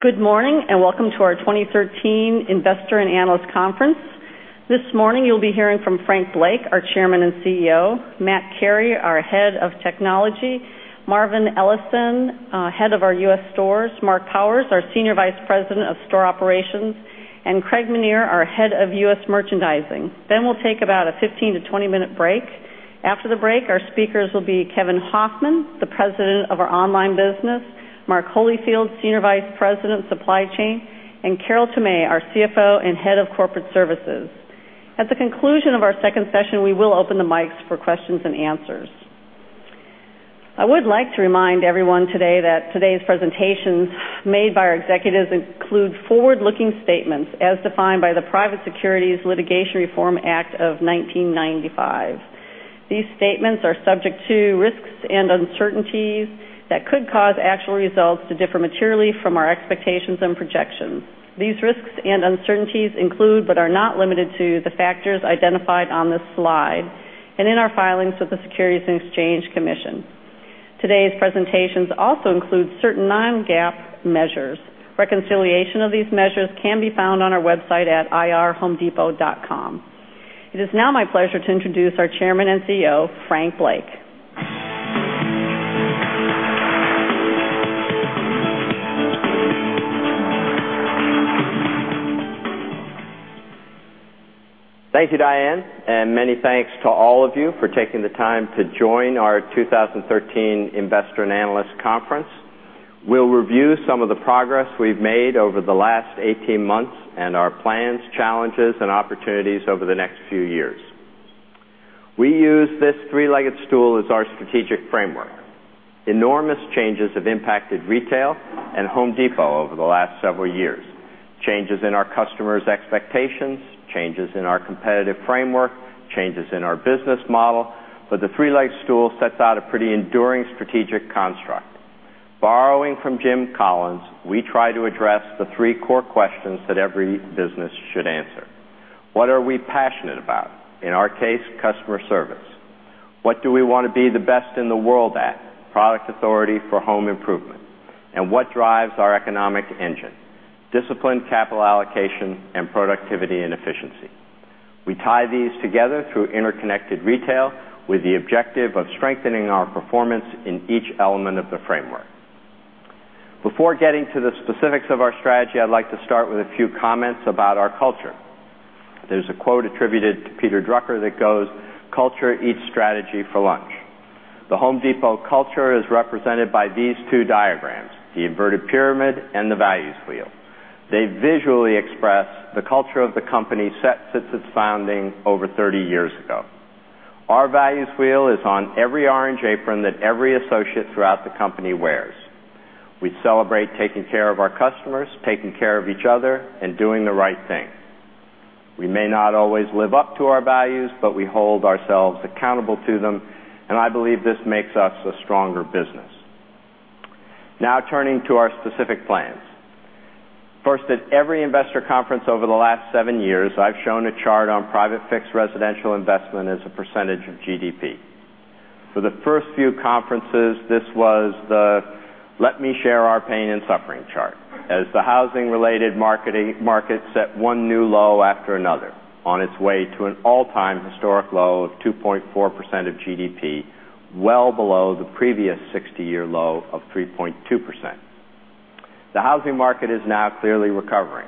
Good morning, and welcome to our 2013 Investor and Analyst Conference. This morning, you'll be hearing from Frank Blake, our Chairman and CEO, Matt Carey, our Head of Technology, Marvin Ellison, Head of our U.S. Stores, Marc Powers, our Senior Vice President of Store Operations, and Craig Menear, our Head of U.S. Merchandising. We'll take about a 15-20 minute break. After the break, our speakers will be Kevin Hofmann, the President of our online business, Mark Holifield, Senior Vice President, Supply Chain, and Carol Tomé, our CFO and Head of Corporate Services. At the conclusion of our second session, we will open the mics for questions and answers. I would like to remind everyone today that today's presentations made by our executives include forward-looking statements as defined by the Private Securities Litigation Reform Act of 1995. These statements are subject to risks and uncertainties that could cause actual results to differ materially from our expectations and projections. These risks and uncertainties include, but are not limited to, the factors identified on this slide and in our filings with the Securities and Exchange Commission. Today's presentations also include certain non-GAAP measures. Reconciliation of these measures can be found on our website at irhomedepot.com. It is now my pleasure to introduce our Chairman and CEO, Frank Blake. Thank you, Diane, many thanks to all of you for taking the time to join our 2013 Investor and Analyst Conference. We'll review some of the progress we've made over the last 18 months and our plans, challenges, and opportunities over the next few years. We use this three-legged stool as our strategic framework. Enormous changes have impacted retail and The Home Depot over the last several years. Changes in our customers' expectations, changes in our competitive framework, changes in our business model, the three-legged stool sets out a pretty enduring strategic construct. Borrowing from Jim Collins, we try to address the three core questions that every business should answer. What are we passionate about? In our case, customer service. What do we want to be the best in the world at? Product authority for home improvement. What drives our economic engine? Disciplined capital allocation and productivity and efficiency. We tie these together through interconnected retail with the objective of strengthening our performance in each element of the framework. Before getting to the specifics of our strategy, I'd like to start with a few comments about our culture. There's a quote attributed to Peter Drucker that goes, "Culture eats strategy for lunch." The Home Depot culture is represented by these two diagrams, the inverted pyramid and the values wheel. They visually express the culture of the company set since its founding over 30 years ago. Our values wheel is on every orange apron that every associate throughout the company wears. We celebrate taking care of our customers, taking care of each other, and doing the right thing. We may not always live up to our values, we hold ourselves accountable to them, I believe this makes us a stronger business. Now turning to our specific plans. First, at every investor conference over the last seven years, I've shown a chart on private fixed residential investment as a percentage of GDP. For the first few conferences, this was the let me share our pain and suffering chart as the housing related market set one new low after another on its way to an all-time historic low of 2.4% of GDP, well below the previous 60-year low of 3.2%. The housing market is now clearly recovering,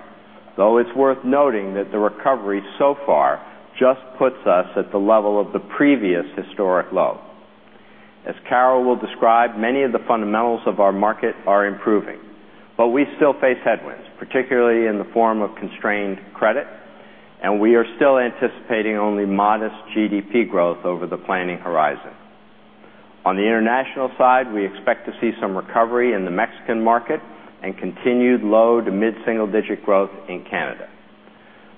though it's worth noting that the recovery so far just puts us at the level of the previous historic low. As Carol will describe, many of the fundamentals of our market are improving. We still face headwinds, particularly in the form of constrained credit, and we are still anticipating only modest GDP growth over the planning horizon. On the international side, we expect to see some recovery in the Mexican market and continued low to mid-single digit growth in Canada.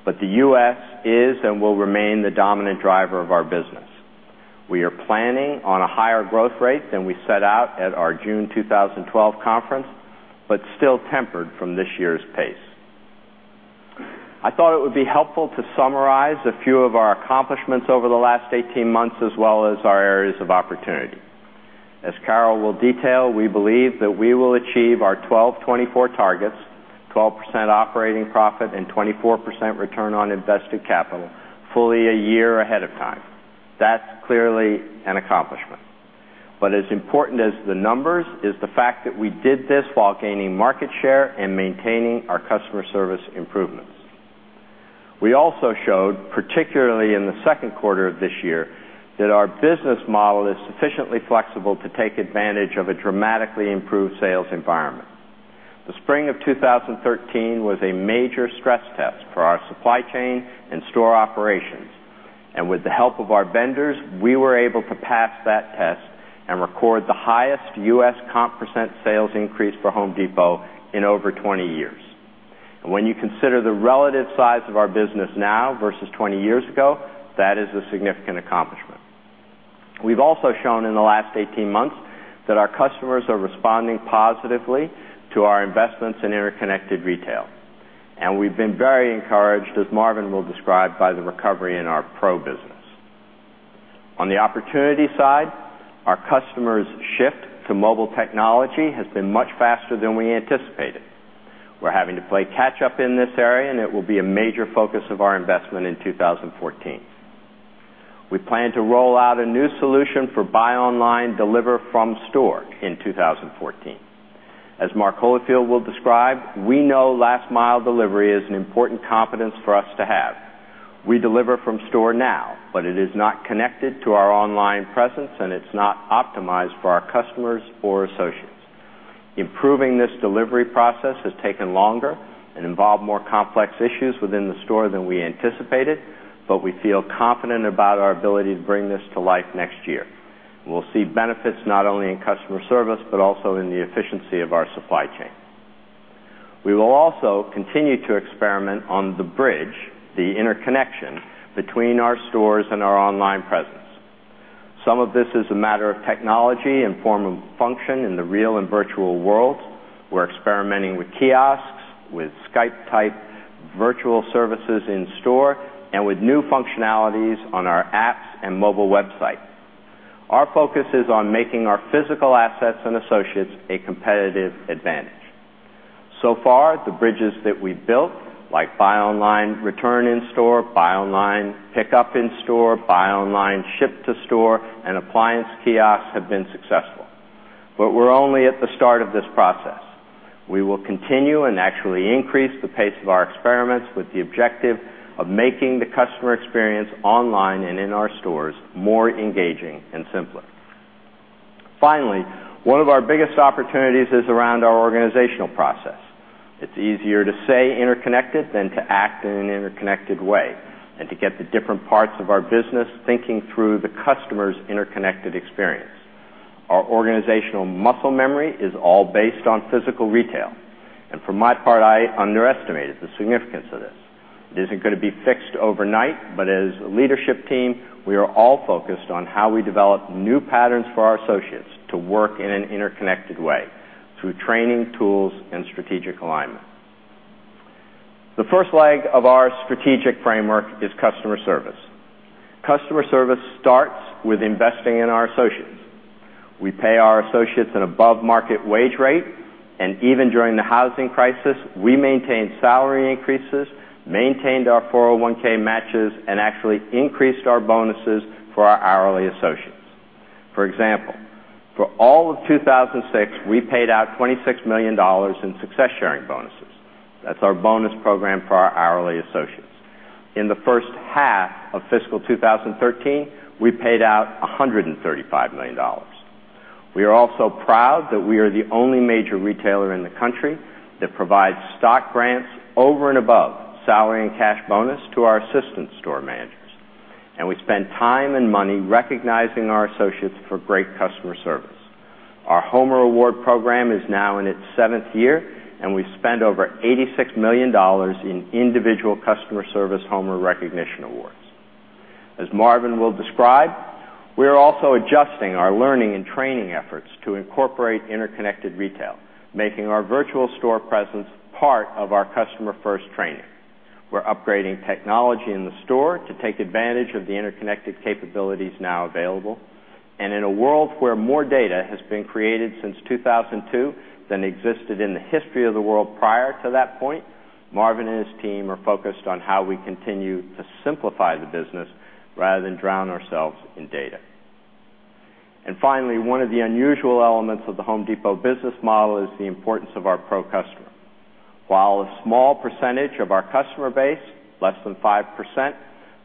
The U.S. is and will remain the dominant driver of our business. We are planning on a higher growth rate than we set out at our June 2012 conference, but still tempered from this year's pace. I thought it would be helpful to summarize a few of our accomplishments over the last 18 months, as well as our areas of opportunity. As Carol will detail, we believe that we will achieve our 12/24 targets, 12% operating profit and 24% return on invested capital, fully a year ahead of time. That's clearly an accomplishment. As important as the numbers is the fact that we did this while gaining market share and maintaining our customer service improvements. We also showed, particularly in the second quarter of this year, that our business model is sufficiently flexible to take advantage of a dramatically improved sales environment. The spring of 2013 was a major stress test for our supply chain and store operations, and with the help of our vendors, we were able to pass that test and record the highest U.S. comp percent sales increase for The Home Depot in over 20 years. When you consider the relative size of our business now versus 20 years ago, that is a significant accomplishment. We've also shown in the last 18 months that our customers are responding positively to our investments in interconnected retail, and we've been very encouraged, as Marvin will describe, by the recovery in our pro business. On the opportunity side, our customers' shift to mobile technology has been much faster than we anticipated. We're having to play catch up in this area, and it will be a major focus of our investment in 2014. We plan to roll out a new solution for buy online, deliver from store in 2014. As Mark Holifield will describe, we know last mile delivery is an important competence for us to have. We deliver from store now, but it is not connected to our online presence, and it's not optimized for our customers or associates. Improving this delivery process has taken longer and involved more complex issues within the store than we anticipated, but we feel confident about our ability to bring this to life next year. We'll see benefits not only in customer service, but also in the efficiency of our supply chain. We will also continue to experiment on the bridge, the interconnection between our stores and our online presence. Some of this is a matter of technology and form of function in the real and virtual world. We're experimenting with kiosks, with Skype-type virtual services in store, and with new functionalities on our apps and mobile website. Our focus is on making our physical assets and associates a competitive advantage. So far, the bridges that we've built, like buy online, return in store, buy online, pick up in store, buy online, ship to store, and appliance kiosks have been successful. We're only at the start of this process. We will continue and actually increase the pace of our experiments with the objective of making the customer experience online and in our stores more engaging and simpler. Finally, one of our biggest opportunities is around our organizational process. It's easier to say interconnected than to act in an interconnected way and to get the different parts of our business thinking through the customer's interconnected experience. Our organizational muscle memory is all based on physical retail. For my part, I underestimated the significance of this. It isn't going to be fixed overnight, as a leadership team, we are all focused on how we develop new patterns for our associates to work in an interconnected way through training, tools, and strategic alignment. The first leg of our strategic framework is customer service. Customer service starts with investing in our associates. We pay our associates an above-market wage rate, and even during the housing crisis, we maintained salary increases, maintained our 401 matches, and actually increased our bonuses for our hourly associates. For example, for all of 2006, we paid out $26 million in success sharing bonuses. That's our bonus program for our hourly associates. In the first half of fiscal 2013, we paid out $135 million. We are also proud that we are the only major retailer in the country that provides stock grants over and above salary and cash bonus to our assistant store managers. We spend time and money recognizing our associates for great customer service. Our Homer award program is now in its seventh year, and we've spent over $86 million in individual customer service Homer recognition awards. As Marvin will describe, we are also adjusting our learning and training efforts to incorporate interconnected retail, making our virtual store presence part of our Customer First training. We're upgrading technology in the store to take advantage of the interconnected capabilities now available. In a world where more data has been created since 2002 than existed in the history of the world prior to that point, Marvin and his team are focused on how we continue to simplify the business rather than drown ourselves in data. Finally, one of the unusual elements of The Home Depot business model is the importance of our pro customer. While a small percentage of our customer base, less than 5%,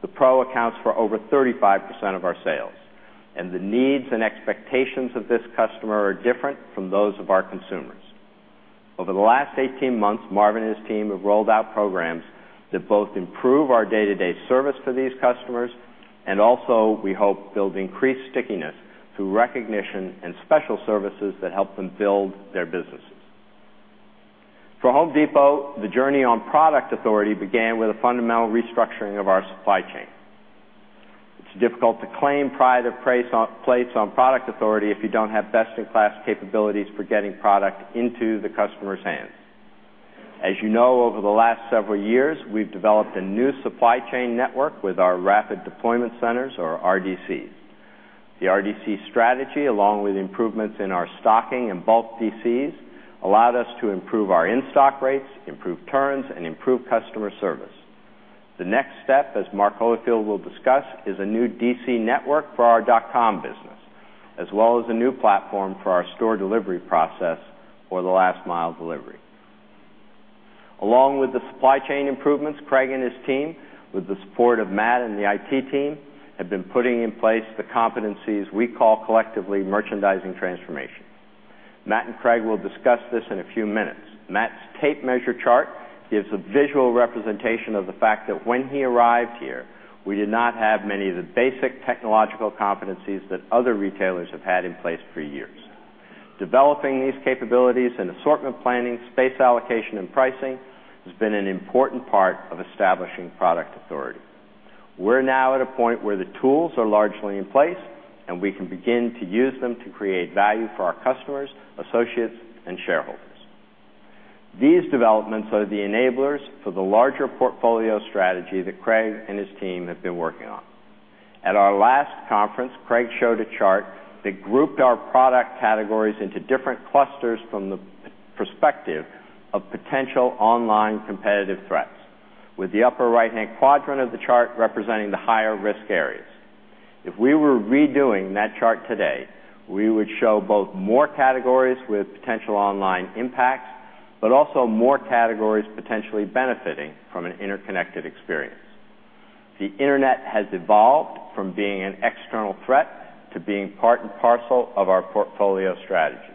the pro accounts for over 35% of our sales, and the needs and expectations of this customer are different from those of our consumers. Over the last 18 months, Marvin and his team have rolled out programs that both improve our day-to-day service for these customers and also, we hope, build increased stickiness through recognition and special services that help them build their businesses. For The Home Depot, the journey on product authority began with a fundamental restructuring of our supply chain. It's difficult to claim pride of place on product authority if you don't have best-in-class capabilities for getting product into the customer's hands. As you know, over the last several years, we've developed a new supply chain network with our rapid deployment centers or RDCs. The RDC strategy, along with improvements in our stocking and bulk DCs, allowed us to improve our in-stock rates, improve turns, and improve customer service. The next step, as Mark Holifield will discuss, is a new DC network for our dot com business, as well as a new platform for our store delivery process for the last mile delivery. Along with the supply chain improvements, Craig and his team, with the support of Matt and the IT team, have been putting in place the competencies we call collectively merchandising transformation. Matt and Craig will discuss this in a few minutes. Matt's tape measure chart gives a visual representation of the fact that when he arrived here, we did not have many of the basic technological competencies that other retailers have had in place for years. Developing these capabilities in assortment planning, space allocation, and pricing has been an important part of establishing product authority. We're now at a point where the tools are largely in place, and we can begin to use them to create value for our customers, associates, and shareholders. These developments are the enablers for the larger portfolio strategy that Craig and his team have been working on. At our last conference, Craig showed a chart that grouped our product categories into different clusters from the perspective of potential online competitive threats, with the upper right-hand quadrant of the chart representing the higher risk areas. If we were redoing that chart today, we would show both more categories with potential online impact, also more categories potentially benefiting from an interconnected experience. The internet has evolved from being an external threat to being part and parcel of our portfolio strategy.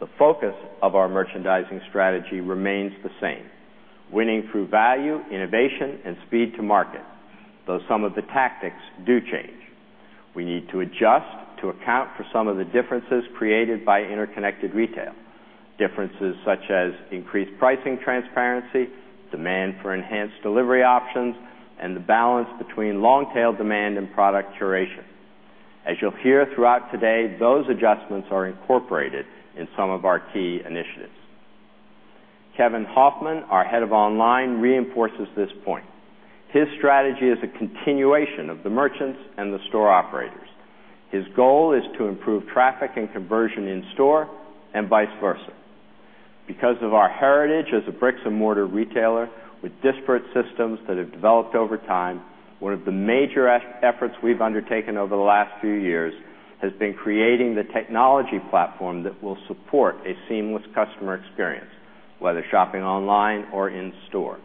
The focus of our merchandising strategy remains the same, winning through value, innovation, and speed to market, though some of the tactics do change. We need to adjust to account for some of the differences created by interconnected retail, differences such as increased pricing transparency, demand for enhanced delivery options, and the balance between long-tail demand and product curation. As you'll hear throughout today, those adjustments are incorporated in some of our key initiatives. Kevin Hofmann, our head of online, reinforces this point. His strategy is a continuation of the merchants and the store operators. His goal is to improve traffic and conversion in store and vice versa. Because of our heritage as a bricks-and-mortar retailer with disparate systems that have developed over time, one of the major efforts we've undertaken over the last few years has been creating the technology platform that will support a seamless customer experience, whether shopping online or in store.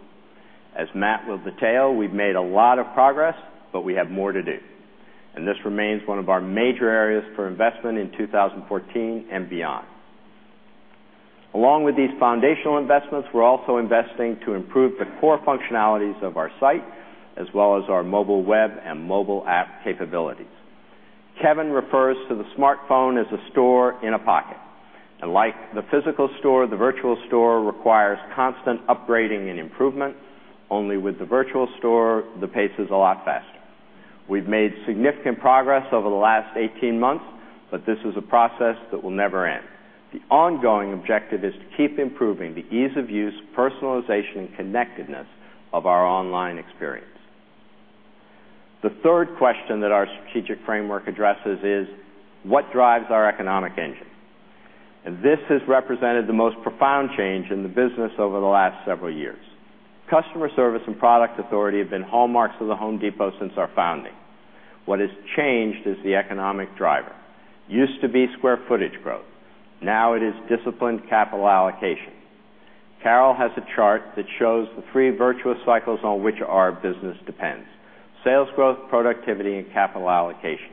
As Matt will detail, we've made a lot of progress, we have more to do, and this remains one of our major areas for investment in 2014 and beyond. Along with these foundational investments, we're also investing to improve the core functionalities of our site as well as our mobile web and mobile app capabilities. Aram refers to the smartphone as a store in a pocket, and like the physical store, the virtual store requires constant upgrading and improvement. Only with the virtual store, the pace is a lot faster. We've made significant progress over the last 18 months, but this is a process that will never end. The ongoing objective is to keep improving the ease of use, personalization, and connectedness of our online experience. The third question that our strategic framework addresses is: What drives our economic engine? This has represented the most profound change in the business over the last several years. Customer service and product authority have been hallmarks of The Home Depot since our founding. What has changed is the economic driver. Used to be square footage growth. Now it is disciplined capital allocation. Carol has a chart that shows the three virtuous cycles on which our business depends: sales growth, productivity, and capital allocation.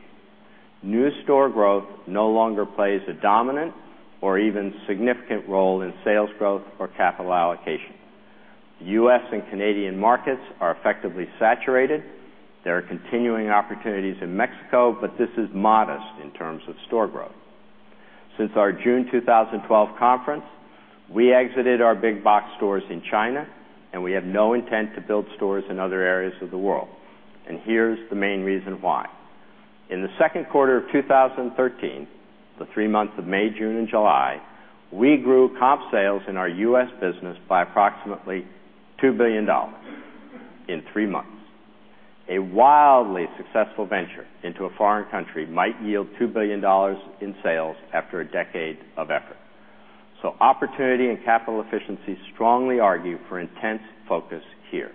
New store growth no longer plays a dominant or even significant role in sales growth or capital allocation. U.S. and Canadian markets are effectively saturated. There are continuing opportunities in Mexico, but this is modest in terms of store growth. Since our June 2012 conference, we exited our big box stores in China, and we have no intent to build stores in other areas of the world. Here's the main reason why. In the second quarter of 2013, the three months of May, June, and July, we grew comp sales in our U.S. business by approximately $2 billion in three months. A wildly successful venture into a foreign country might yield $2 billion in sales after a decade of effort. So opportunity and capital efficiency strongly argue for intense focus here.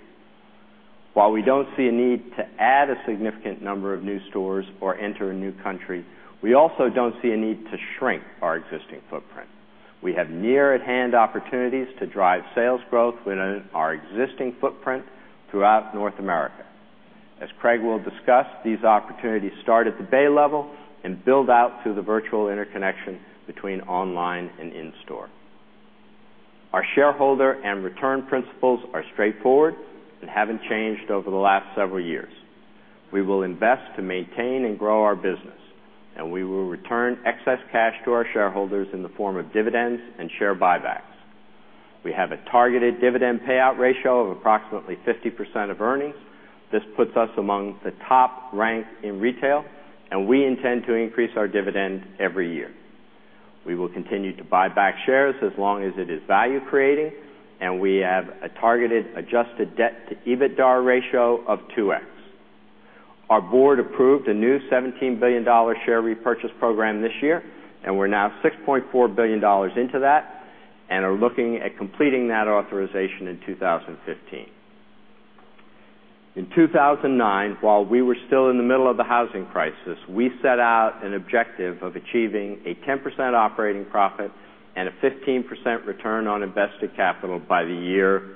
While we don't see a need to add a significant number of new stores or enter a new country, we also don't see a need to shrink our existing footprint. We have near-at-hand opportunities to drive sales growth within our existing footprint throughout North America. As Craig will discuss, these opportunities start at the bay level and build out through the virtual interconnection between online and in store. Our shareholder and return principles are straightforward and haven't changed over the last several years. We will invest to maintain and grow our business, and we will return excess cash to our shareholders in the form of dividends and share buybacks. We have a targeted dividend payout ratio of approximately 50% of earnings. This puts us among the top rank in retail, and we intend to increase our dividend every year. We will continue to buy back shares as long as it is value creating, and we have a targeted adjusted debt to EBITDA ratio of 2x. Our board approved a new $17 billion share repurchase program this year, and we're now $6.4 billion into that, and are looking at completing that authorization in 2015. In 2009, while we were still in the middle of the housing crisis, we set out an objective of achieving a 10% operating profit and a 15% return on invested capital by the year.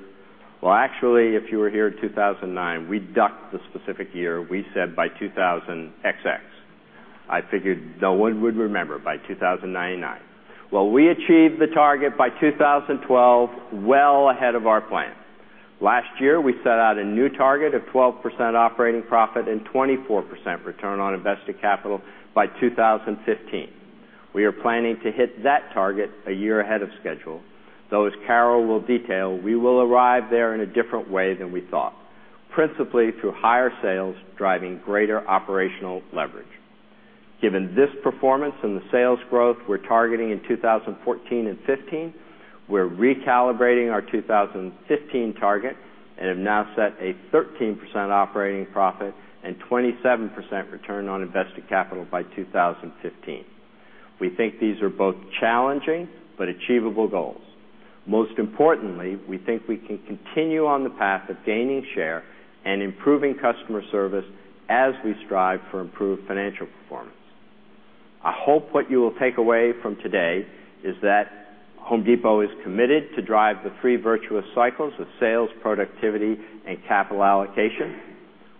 Well, actually, if you were here in 2009, we ducked the specific year. We said by 2000 XX. I figured no one would remember by 2099. Well, we achieved the target by 2012, well ahead of our plan. Last year, we set out a new target of 12% operating profit and 24% return on invested capital by 2015. We are planning to hit that target a year ahead of schedule, though as Carol will detail, we will arrive there in a different way than we thought, principally through higher sales driving greater operational leverage. Given this performance and the sales growth we are targeting in 2014 and 2015, we are recalibrating our 2015 target and have now set a 13% operating profit and 27% return on invested capital by 2015. We think these are both challenging but achievable goals. Most importantly, we think we can continue on the path of gaining share and improving customer service as we strive for improved financial performance. I hope what you will take away from today is that The Home Depot is committed to drive the three virtuous cycles of sales, productivity, and capital allocation.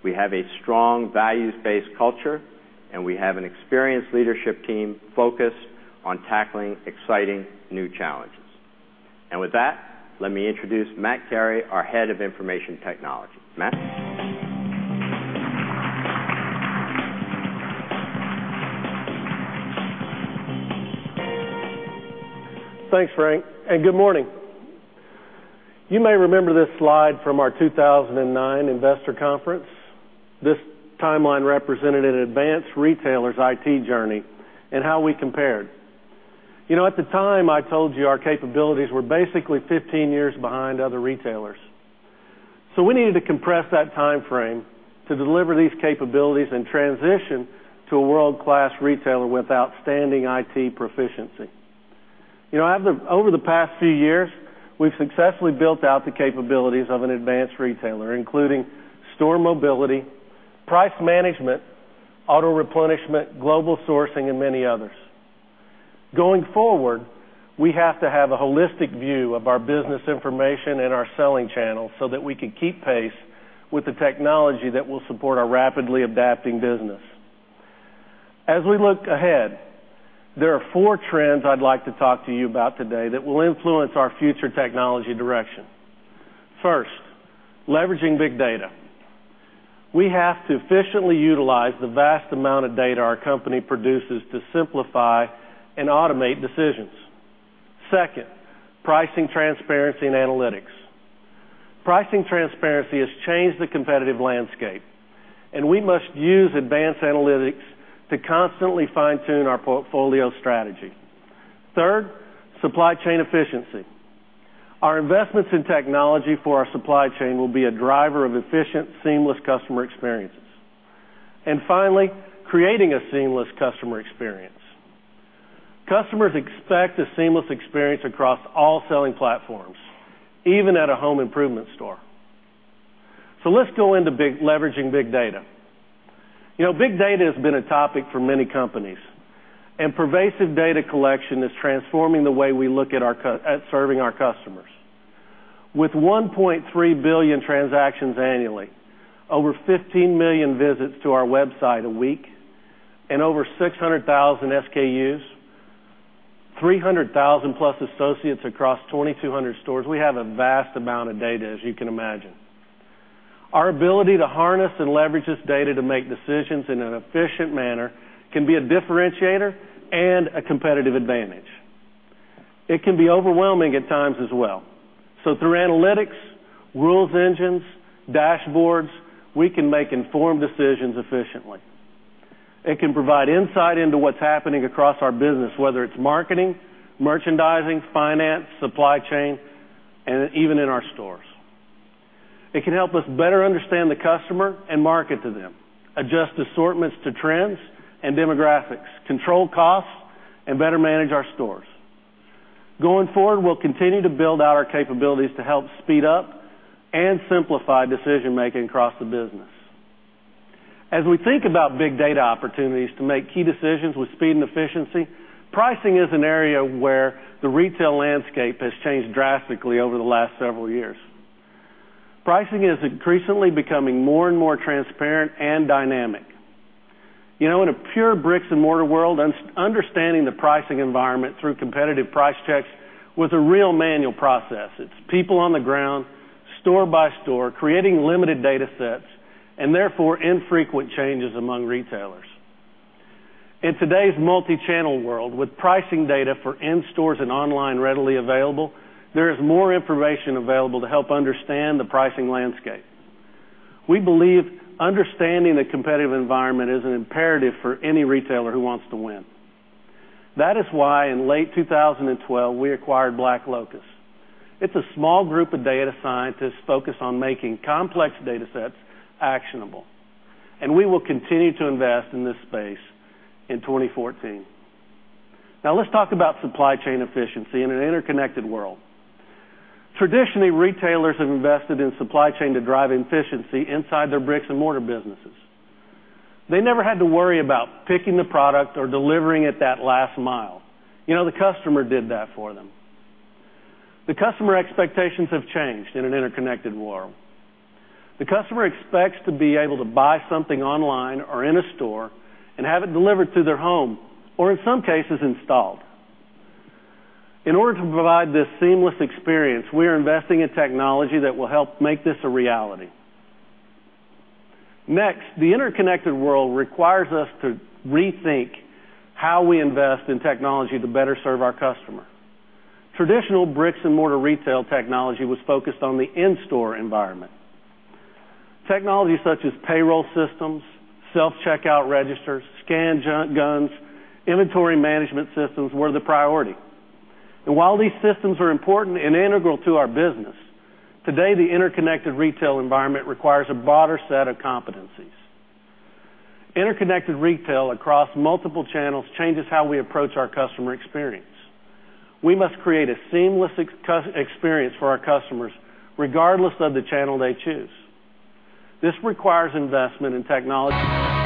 We have a strong values-based culture, and we have an experienced leadership team focused on tackling exciting new challenges. With that, let me introduce Matt Carey, our Head of Information Technology. Matt? Thanks, Frank, and good morning. You may remember this slide from our 2009 investor conference. This timeline represented an advanced retailer's IT journey and how we compared. At the time, I told you our capabilities were basically 15 years behind other retailers. We needed to compress that timeframe to deliver these capabilities and transition to a world-class retailer with outstanding IT proficiency. Over the past few years, we have successfully built out the capabilities of an advanced retailer, including store mobility, price management, auto-replenishment, global sourcing, and many others. Going forward, we have to have a holistic view of our business information and our selling channels so that we can keep pace with the technology that will support our rapidly adapting business. As we look ahead, there are four trends I would like to talk to you about today that will influence our future technology direction. First, leveraging big data. We have to efficiently utilize the vast amount of data our company produces to simplify and automate decisions. Second, pricing transparency and analytics. Pricing transparency has changed the competitive landscape, and we must use advanced analytics to constantly fine-tune our portfolio strategy. Third, supply chain efficiency. Our investments in technology for our supply chain will be a driver of efficient, seamless customer experiences. Finally, creating a seamless customer experience. Customers expect a seamless experience across all selling platforms, even at a home improvement store. Let's go into leveraging big data. Big data has been a topic for many companies, and pervasive data collection is transforming the way we look at serving our customers. With 1.3 billion transactions annually, over 15 million visits to our website a week, and over 600,000 SKUs, 300,000-plus associates across 2,200 stores, we have a vast amount of data, as you can imagine. Our ability to harness and leverage this data to make decisions in an efficient manner can be a differentiator and a competitive advantage. It can be overwhelming at times as well. Through analytics, rules engines, dashboards, we can make informed decisions efficiently. It can provide insight into what's happening across our business, whether it's marketing, merchandising, finance, supply chain, and even in our stores. It can help us better understand the customer and market to them, adjust assortments to trends and demographics, control costs, and better manage our stores. Going forward, we'll continue to build out our capabilities to help speed up and simplify decision-making across the business. As we think about big data opportunities to make key decisions with speed and efficiency, pricing is an area where the retail landscape has changed drastically over the last several years. Pricing is increasingly becoming more and more transparent and dynamic. In a pure bricks-and-mortar world, understanding the pricing environment through competitive price checks was a real manual process. It's people on the ground, store by store, creating limited data sets, and therefore infrequent changes among retailers. In today's multi-channel world with pricing data for in-stores and online readily available, there is more information available to help understand the pricing landscape. We believe understanding the competitive environment is an imperative for any retailer who wants to win. That is why in late 2012, we acquired BlackLocus. It's a small group of data scientists focused on making complex data sets actionable, and we will continue to invest in this space in 2014. Let's talk about supply chain efficiency in an interconnected world. Traditionally, retailers have invested in supply chain to drive efficiency inside their bricks-and-mortar businesses. They never had to worry about picking the product or delivering it that last mile. The customer did that for them. The customer expectations have changed in an interconnected world. The customer expects to be able to buy something online or in a store and have it delivered to their home, or in some cases, installed. In order to provide this seamless experience, we are investing in technology that will help make this a reality. The interconnected world requires us to rethink how we invest in technology to better serve our customer. Traditional bricks-and-mortar retail technology was focused on the in-store environment. Technologies such as payroll systems, self-checkout registers, scan guns, inventory management systems were the priority. While these systems are important and integral to our business, today, the interconnected retail environment requires a broader set of competencies. Interconnected retail across multiple channels changes how we approach our customer experience. We must create a seamless experience for our customers, regardless of the channel they choose. This requires investment in technology.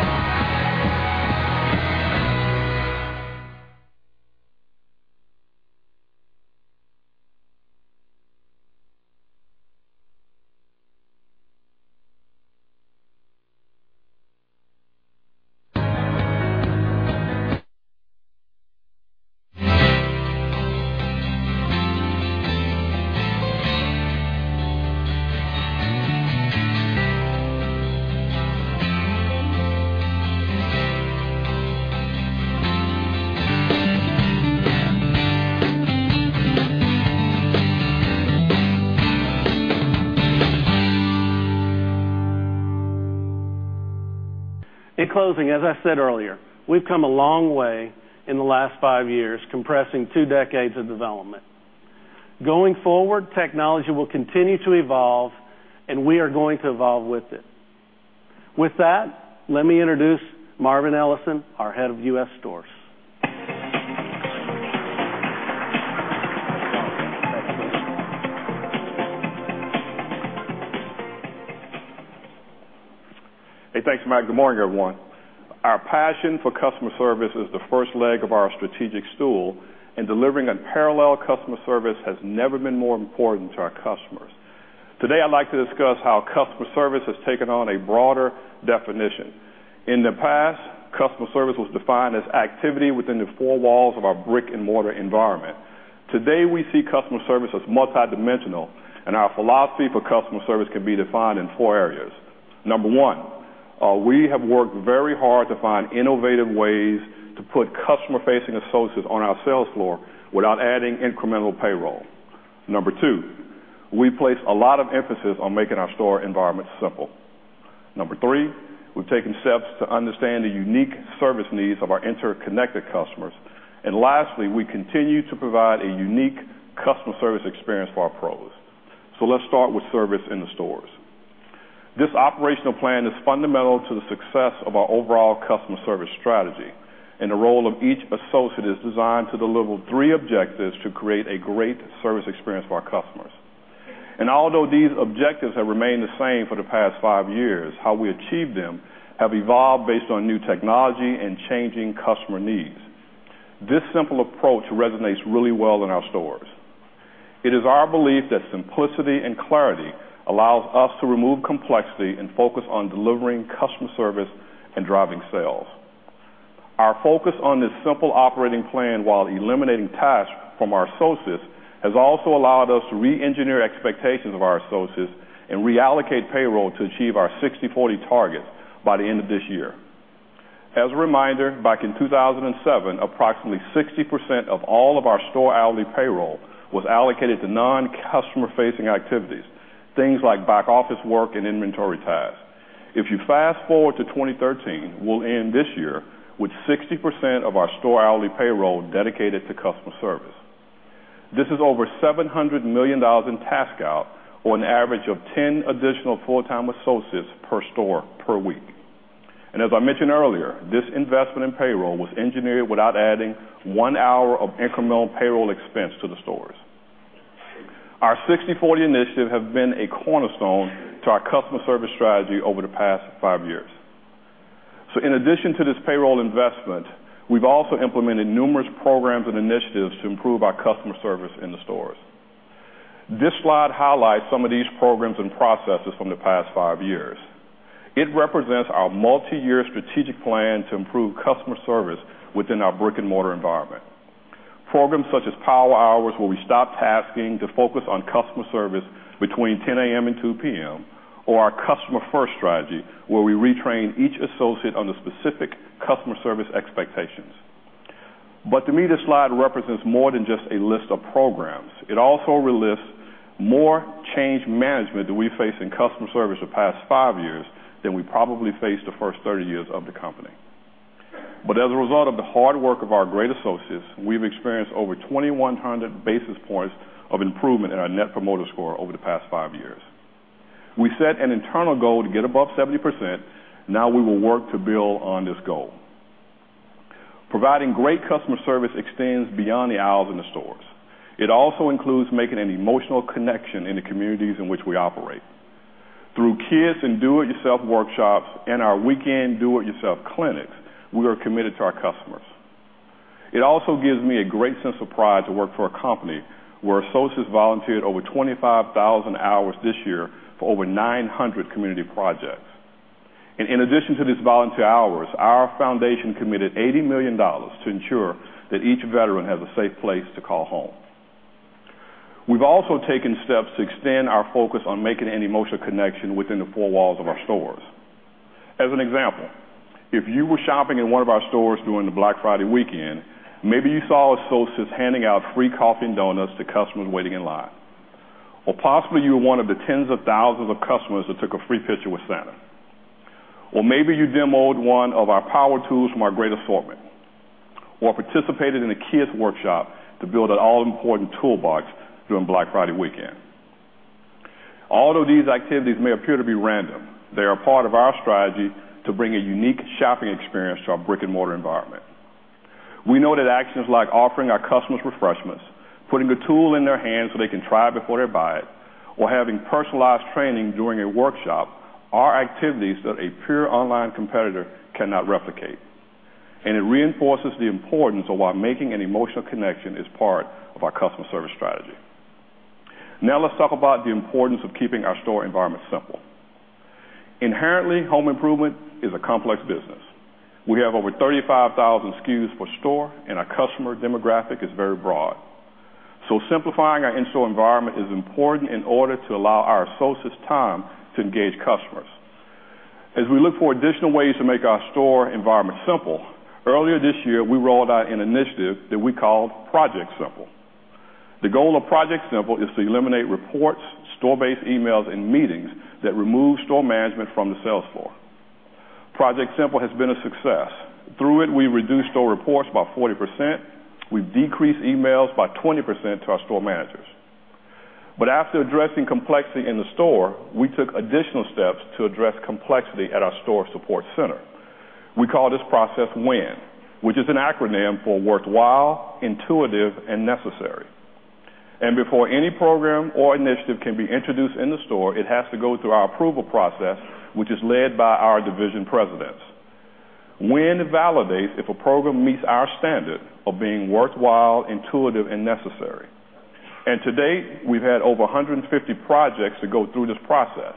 As I said earlier, we've come a long way in the last five years compressing two decades of development. Going forward, technology will continue to evolve, and we are going to evolve with it. With that, let me introduce Marvin Ellison, our head of U.S. stores. Thanks, Matt. Good morning, everyone. Our passion for customer service is the first leg of our strategic stool. Delivering unparalleled customer service has never been more important to our customers. Today, I'd like to discuss how customer service has taken on a broader definition. In the past, customer service was defined as activity within the four walls of our brick-and-mortar environment. Today, we see customer service as multidimensional. Our philosophy for customer service can be defined in four areas. Number one, we have worked very hard to find innovative ways to put customer-facing associates on our sales floor without adding incremental payroll. Number two, we place a lot of emphasis on making our store environment simple. Number three, we've taken steps to understand the unique service needs of our interconnected customers. Lastly, we continue to provide a unique customer service experience for our pros. Let's start with service in the stores. This operational plan is fundamental to the success of our overall customer service strategy. The role of each associate is designed to deliver three objectives to create a great service experience for our customers. Although these objectives have remained the same for the past five years, how we achieve them have evolved based on new technology and changing customer needs. This simple approach resonates really well in our stores. It is our belief that simplicity and clarity allows us to remove complexity and focus on delivering customer service and driving sales. Our focus on this simple operating plan while eliminating tasks from our associates has also allowed us to re-engineer expectations of our associates and reallocate payroll to achieve our 60/40 target by the end of this year. As a reminder, back in 2007, approximately 60% of all of our store hourly payroll was allocated to non-customer-facing activities, things like back-office work and inventory tasks. If you fast-forward to 2013, we'll end this year with 60% of our store hourly payroll dedicated to customer service. This is over $700 million in task out or an average of 10 additional full-time associates per store per week. As I mentioned earlier, this investment in payroll was engineered without adding one hour of incremental payroll expense to the stores. Our 60/40 initiative has been a cornerstone to our customer service strategy over the past five years. In addition to this payroll investment, we've also implemented numerous programs and initiatives to improve our customer service in the stores. This slide highlights some of these programs and processes from the past five years. It represents our multi-year strategic plan to improve customer service within our brick-and-mortar environment. Programs such as Power Hours, where we stop tasking to focus on customer service between 10 A.M. and 2 P.M., or our Customer First strategy, where we retrain each associate on the specific customer service expectations. To me, this slide represents more than just a list of programs. It also lists more change management that we face in customer service the past five years than we probably faced the first 30 years of the company. As a result of the hard work of our great associates, we've experienced over 2,100 basis points of improvement in our Net Promoter Score over the past five years. We set an internal goal to get above 70%. We will work to build on this goal. Providing great customer service extends beyond the aisles in the stores. It also includes making an emotional connection in the communities in which we operate. Through kids and do-it-yourself workshops and our weekend do-it-yourself clinics, we are committed to our customers. It also gives me a great sense of pride to work for a company where associates volunteered over 25,000 hours this year for over 900 community projects. In addition to these volunteer hours, our foundation committed $80 million to ensure that each veteran has a safe place to call home. We've also taken steps to extend our focus on making an emotional connection within the four walls of our stores. As an example, if you were shopping in one of our stores during the Black Friday weekend, maybe you saw associates handing out free coffee and donuts to customers waiting in line. Possibly you were one of the tens of thousands of customers that took a free picture with Santa. Maybe you demoed one of our power tools from our great assortment, or participated in a kids workshop to build an all-important toolbox during Black Friday weekend. Although these activities may appear to be random, they are part of our strategy to bring a unique shopping experience to our brick-and-mortar environment. We know that actions like offering our customers refreshments, putting the tool in their hands so they can try before they buy it, or having personalized training during a workshop are activities that a pure online competitor cannot replicate. It reinforces the importance of why making an emotional connection is part of our customer service strategy. Now let's talk about the importance of keeping our store environment simple. Inherently, home improvement is a complex business. We have over 35,000 SKUs per store, and our customer demographic is very broad. Simplifying our in-store environment is important in order to allow our associates time to engage customers. As we look for additional ways to make our store environment simple, earlier this year, we rolled out an initiative that we called Project Simple. The goal of Project Simple is to eliminate reports, store-based emails, and meetings that remove store management from the sales floor. Project Simple has been a success. Through it, we reduced store reports by 40%. We've decreased emails by 20% to our store managers. After addressing complexity in the store, we took additional steps to address complexity at our store support center. We call this process WIN, which is an acronym for worthwhile, intuitive, and necessary. Before any program or initiative can be introduced in the store, it has to go through our approval process, which is led by our division presidents. WIN validates if a program meets our standard of being worthwhile, intuitive, and necessary. To date, we've had over 150 projects that go through this process,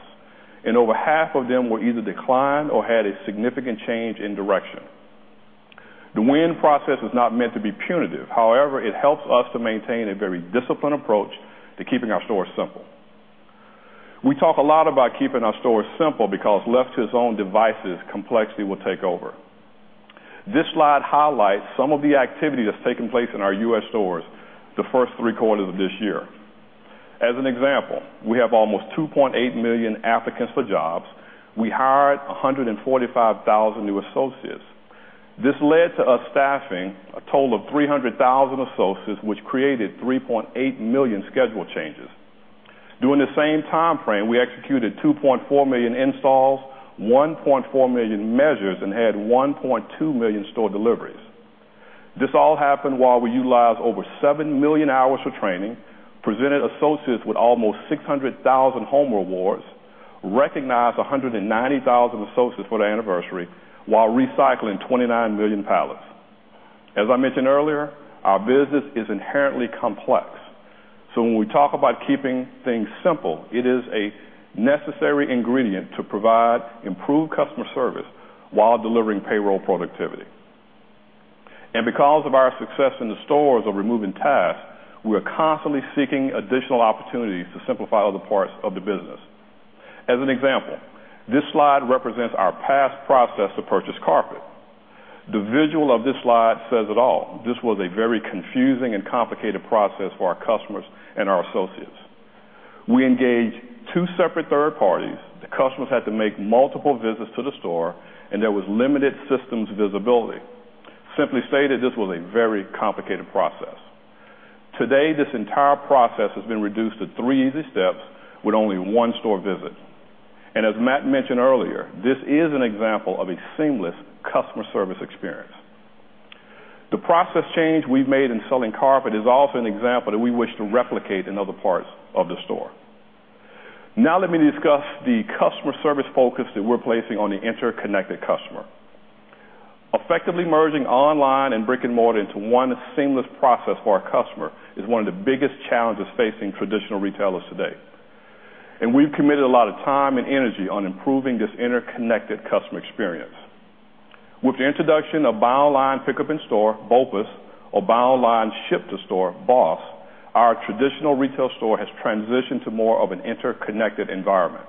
and over half of them were either declined or had a significant change in direction. The WIN process is not meant to be punitive. However, it helps us to maintain a very disciplined approach to keeping our stores simple. We talk a lot about keeping our stores simple because left to its own devices, complexity will take over. This slide highlights some of the activity that's taken place in our U.S. stores the first three quarters of this year. As an example, we have almost 2.8 million applicants for jobs. We hired 145,000 new associates. This led to us staffing a total of 300,000 associates, which created 3.8 million schedule changes. During the same time frame, we executed 2.4 million installs, 1.4 million measures, and had 1.2 million store deliveries. This all happened while we utilized over 7 million hours for training, presented associates with almost 600,000 Homer Awards, recognized 190,000 associates for their anniversary while recycling 29 million pallets. As I mentioned earlier, our business is inherently complex. When we talk about keeping things simple, it is a necessary ingredient to provide improved customer service while delivering payroll productivity. Because of our success in the stores of removing tasks, we are constantly seeking additional opportunities to simplify other parts of the business. As an example, this slide represents our past process to purchase carpet. The visual of this slide says it all. This was a very confusing and complicated process for our customers and our associates. We engaged two separate third parties. The customers had to make multiple visits to the store, and there was limited systems visibility. Simply stated, this was a very complicated process. Today, this entire process has been reduced to three easy steps with only one store visit. As Matt mentioned earlier, this is an example of a seamless customer service experience. The process change we've made in selling carpet is also an example that we wish to replicate in other parts of the store. Let me discuss the customer service focus that we're placing on the interconnected customer. Effectively merging online and brick-and-mortar into one seamless process for our customer is one of the biggest challenges facing traditional retailers today. We've committed a lot of time and energy on improving this interconnected customer experience. With the introduction of Buy Online, Pickup in Store, BOPIS, or Buy Online, Ship to Store, BOSS, our traditional retail store has transitioned to more of an interconnected environment.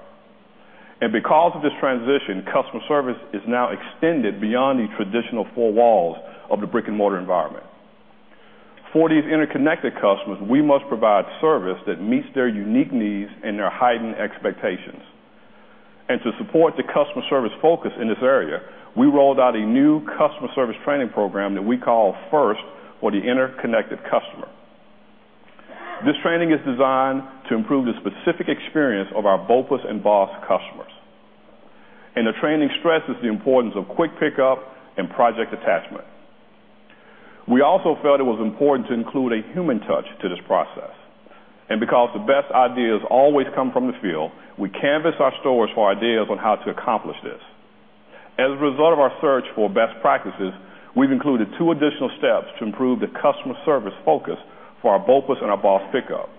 Because of this transition, customer service is now extended beyond the traditional four walls of the brick-and-mortar environment. For these interconnected customers, we must provide service that meets their unique needs and their heightened expectations. To support the customer service focus in this area, we rolled out a new customer service training program that we call FIRST for the Interconnected Customer. This training is designed to improve the specific experience of our BOPIS and BOSS customers, and the training stresses the importance of quick pickup and project attachment. We also felt it was important to include a human touch to this process. Because the best ideas always come from the field, we canvassed our stores for ideas on how to accomplish this. As a result of our search for best practices, we've included two additional steps to improve the customer service focus for our BOPIS and our BOSS pickup.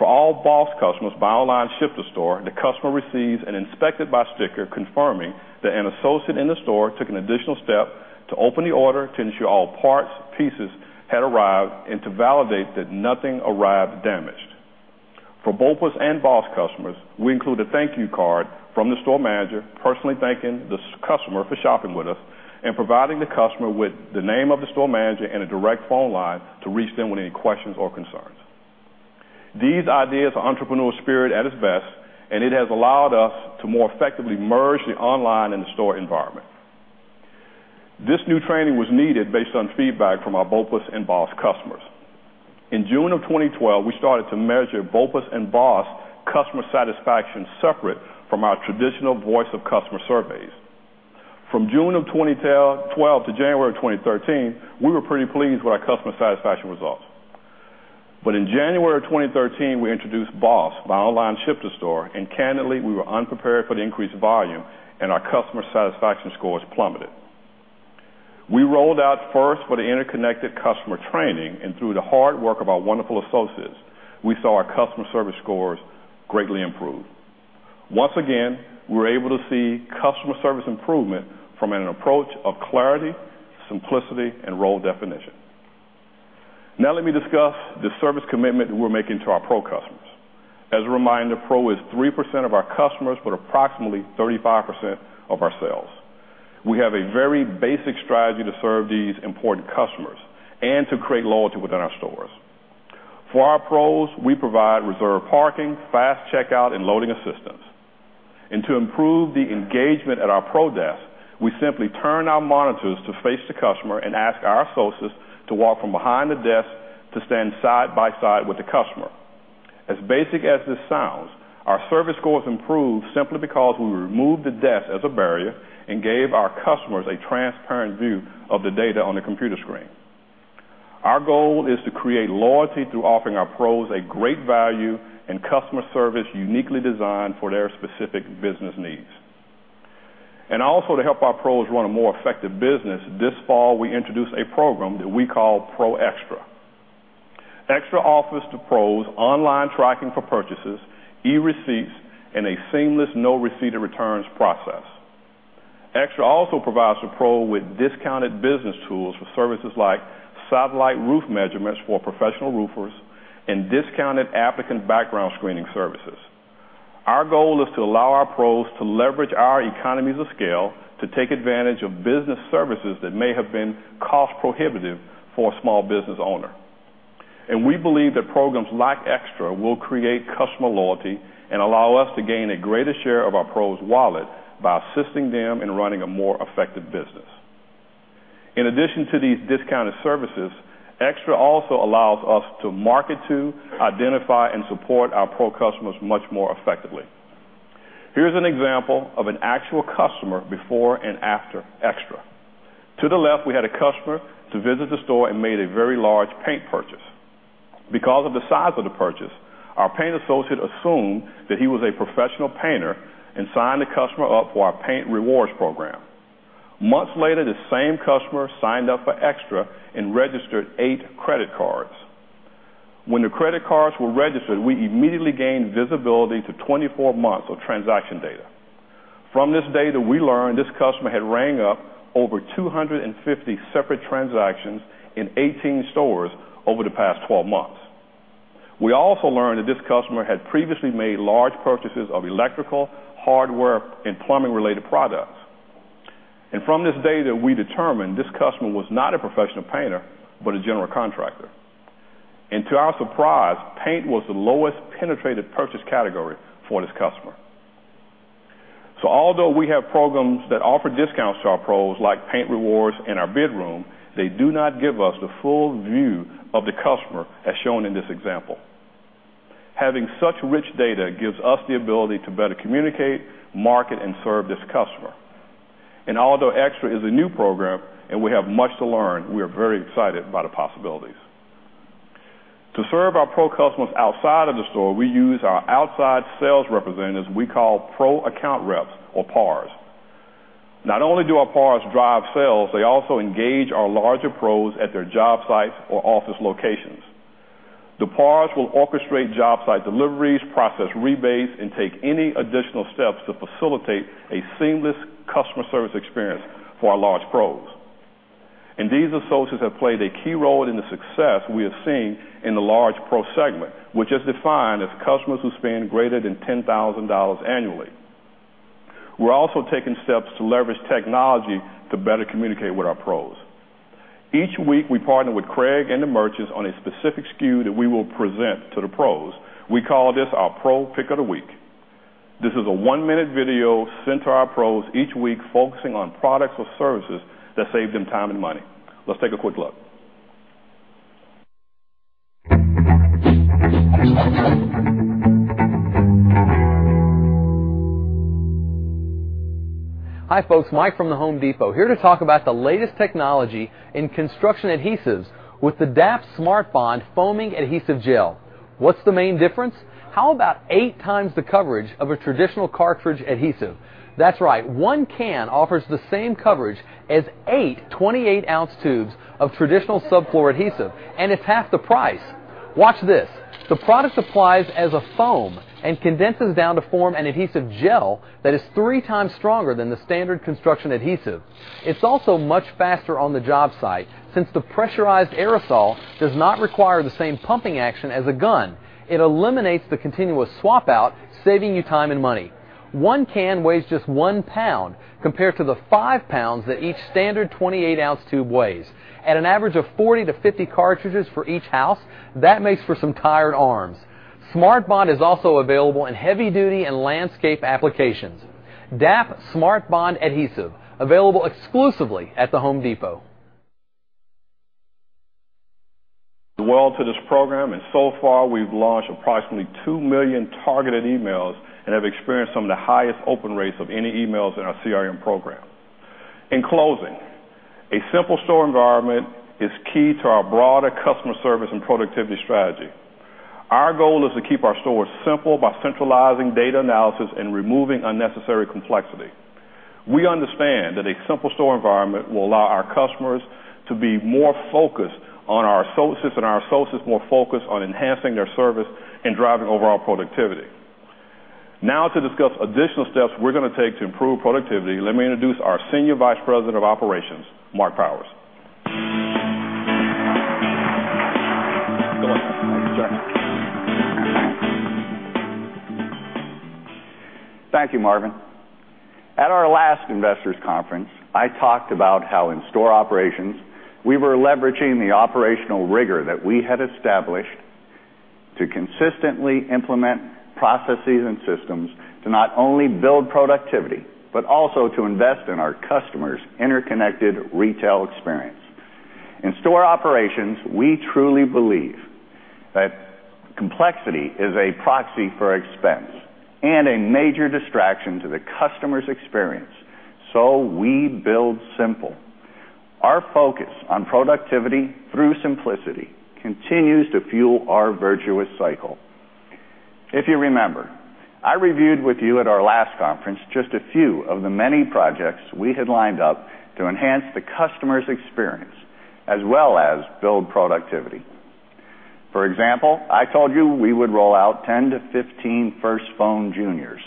For all BOSS customers, Buy Online, Ship to Store, the customer receives an Inspected by sticker confirming that an associate in the store took an additional step to open the order to ensure all parts, pieces had arrived, and to validate that nothing arrived damaged. For BOPIS and BOSS customers, we include a thank you card from the store manager personally thanking the customer for shopping with us and providing the customer with the name of the store manager and a direct phone line to reach them with any questions or concerns. These ideas are entrepreneurial spirit at its best, and it has allowed us to more effectively merge the online and the store environment. This new training was needed based on feedback from our BOPUS and BOSS customers. In June of 2012, we started to measure BOPUS and BOSS customer satisfaction separate from our traditional voice of customer surveys. From June of 2012 to January of 2013, we were pretty pleased with our customer satisfaction results. In January of 2013, we introduced BOSS, Buy Online Ship to Store, and candidly, we were unprepared for the increased volume and our customer satisfaction scores plummeted. We rolled out FIRST with the Interconnected Customer training, and through the hard work of our wonderful associates, we saw our customer service scores greatly improve. Once again, we were able to see customer service improvement from an approach of clarity, simplicity, and role definition. Now let me discuss the service commitment that we're making to our Pro customers. As a reminder, Pro is 3% of our customers but approximately 35% of our sales. We have a very basic strategy to serve these important customers and to create loyalty within our stores. For our Pros, we provide reserved parking, fast checkout, and loading assistance. To improve the engagement at our Pro desk, we simply turn our monitors to face the customer and ask our associates to walk from behind the desk to stand side by side with the customer. As basic as this sounds, our service scores improved simply because we removed the desk as a barrier and gave our customers a transparent view of the data on the computer screen. Our goal is to create loyalty through offering our Pros a great value and customer service uniquely designed for their specific business needs. Also to help our Pros run a more effective business, this fall, we introduced a program that we call Pro Xtra. Xtra offers the Pros online tracking for purchases, e-receipts, and a seamless no receipt or returns process. Xtra also provides the Pro with discounted business tools for services like satellite roof measurements for professional roofers and discounted applicant background screening services. Our goal is to allow our Pros to leverage our economies of scale to take advantage of business services that may have been cost-prohibitive for a small business owner. We believe that programs like Xtra will create customer loyalty and allow us to gain a greater share of our Pro's wallet by assisting them in running a more effective business. In addition to these discounted services, Xtra also allows us to market to, identify, and support our Pro customers much more effectively. Here's an example of an actual customer before and after Xtra. To the left, we had a customer to visit the store and made a very large paint purchase. Because of the size of the purchase, our paint associate assumed that he was a professional painter and signed the customer up for our paint rewards program. Months later, the same customer signed up for Xtra and registered eight credit cards. When the credit cards were registered, we immediately gained visibility to 24 months of transaction data. From this data, we learned this customer had rang up over 250 separate transactions in 18 stores over the past 12 months. We also learned that this customer had previously made large purchases of electrical, hardware, and plumbing-related products. From this data, we determined this customer was not a professional painter, but a general contractor. To our surprise, paint was the lowest penetrated purchase category for this customer. Although we have programs that offer discounts to our Pros like paint rewards and our bid room, they do not give us the full view of the customer as shown in this example. Having such rich data gives us the ability to better communicate, market, and serve this customer. Although Pro Xtra is a new program and we have much to learn, we are very excited about the possibilities. To serve our Pro customers outside of the store, we use our outside sales representatives we call Pro account reps or PARs. Not only do our PARs drive sales, they also engage our larger Pros at their job sites or office locations. The PARs will orchestrate job site deliveries, process rebates, and take any additional steps to facilitate a seamless customer service experience for our large Pros. These associates have played a key role in the success we have seen in the large Pro segment, which is defined as customers who spend greater than $10,000 annually. We are also taking steps to leverage technology to better communicate with our Pros. Each week, we partner with Craig and the merchants on a specific SKU that we will present to the Pros. We call this our Pro Pick of the Week. This is a one-minute video sent to our Pros each week focusing on products or services that save them time and money. Let's take a quick look. Hi, folks. Mike from The Home Depot here to talk about the latest technology in construction adhesives with the DAP SMARTBOND foaming adhesive gel. What is the main difference? How about eight times the coverage of a traditional cartridge adhesive? That is right. One can offers the same coverage as eight 28-ounce tubes of traditional subfloor adhesive, and it is half the price. Watch this. The product applies as a foam and condenses down to form an adhesive gel that is three times stronger than the standard construction adhesive. It is also much faster on the job site since the pressurized aerosol does not require the same pumping action as a gun. It eliminates the continuous swap out, saving you time and money. One can weighs just one pound compared to the five pounds that each standard 28-ounce tube weighs. At an average of 40-50 cartridges for each house, that makes for some tired arms. SMARTBOND is also available in heavy duty and landscape applications. DAP SMARTBOND Adhesive, available exclusively at The Home Depot. To this program, so far, we've launched approximately 2 million targeted emails and have experienced some of the highest open rates of any emails in our CRM program. In closing, a simple store environment is key to our broader customer service and productivity strategy. Our goal is to keep our stores simple by centralizing data analysis and removing unnecessary complexity. We understand that a simple store environment will allow our customers to be more focused on our associates and our associates more focused on enhancing their service and driving overall productivity. To discuss additional steps we're going to take to improve productivity, let me introduce our Senior Vice President of Operations, Marc Powers. Thank you, sir. Thank you, Marvin. At our last investors conference, I talked about how in store operations, we were leveraging the operational rigor that we had established to consistently implement processes and systems to not only build productivity but also to invest in our customers' interconnected retail experience. In store operations, we truly believe that complexity is a proxy for expense and a major distraction to the customer's experience, so we build simple. Our focus on productivity through simplicity continues to fuel our virtuous cycle. If you remember, I reviewed with you at our last conference just a few of the many projects we had lined up to enhance the customer's experience as well as build productivity. For example, I told you we would roll out 10 to 15 First Phone Junior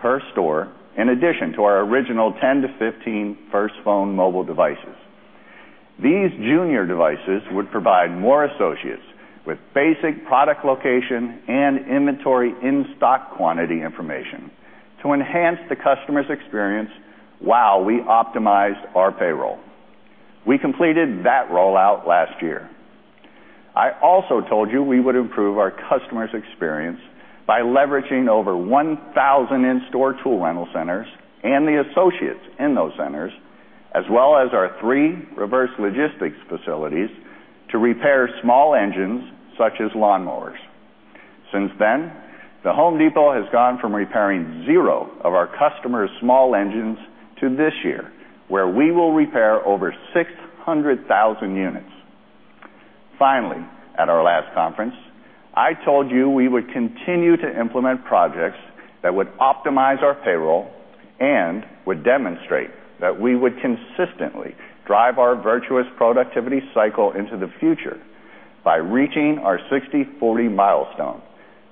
per store in addition to our original 10 to 15 First Phone mobile devices. These junior devices would provide more associates with basic product location and inventory in store quantity information to enhance the customer's experience while we optimized our payroll. We completed that rollout last year. I also told you we would improve our customer's experience by leveraging over 1,000 in store tool rental centers and the associates in those centers, as well as our three reverse logistics facilities to repair small engines, such as lawnmowers. Since then, The Home Depot has gone from repairing 0 of our customers' small engines to this year, where we will repair over 600,000 units. Finally, at our last conference, I told you we would continue to implement projects that would optimize our payroll and would demonstrate that we would consistently drive our virtuous productivity cycle into the future by reaching our 60/40 milestone,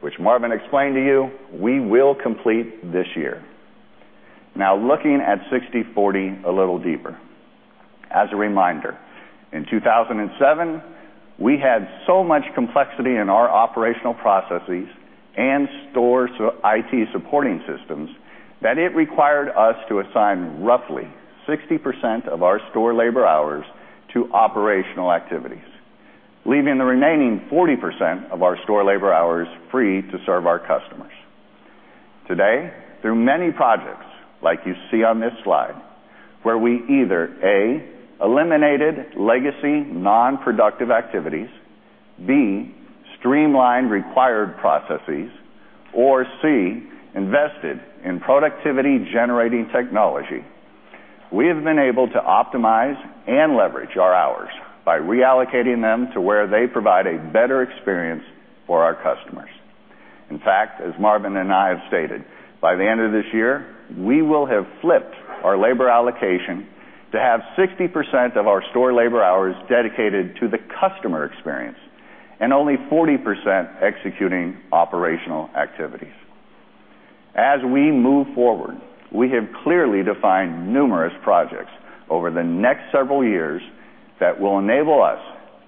which Marvin explained to you we will complete this year. Looking at 60/40 a little deeper. As a reminder, in 2007, we had so much complexity in our operational processes and store IT supporting systems that it required us to assign roughly 60% of our store labor hours to operational activities, leaving the remaining 40% of our store labor hours free to serve our customers. Today, through many projects, like you see on this slide, where we either, A, eliminated legacy non-productive activities, B, streamlined required processes, or C, invested in productivity-generating technology. We have been able to optimize and leverage our hours by reallocating them to where they provide a better experience for our customers. In fact, as Marvin and I have stated, by the end of this year, we will have flipped our labor allocation to have 60% of our store labor hours dedicated to the customer experience and only 40% executing operational activities. As we move forward, we have clearly defined numerous projects over the next several years that will enable us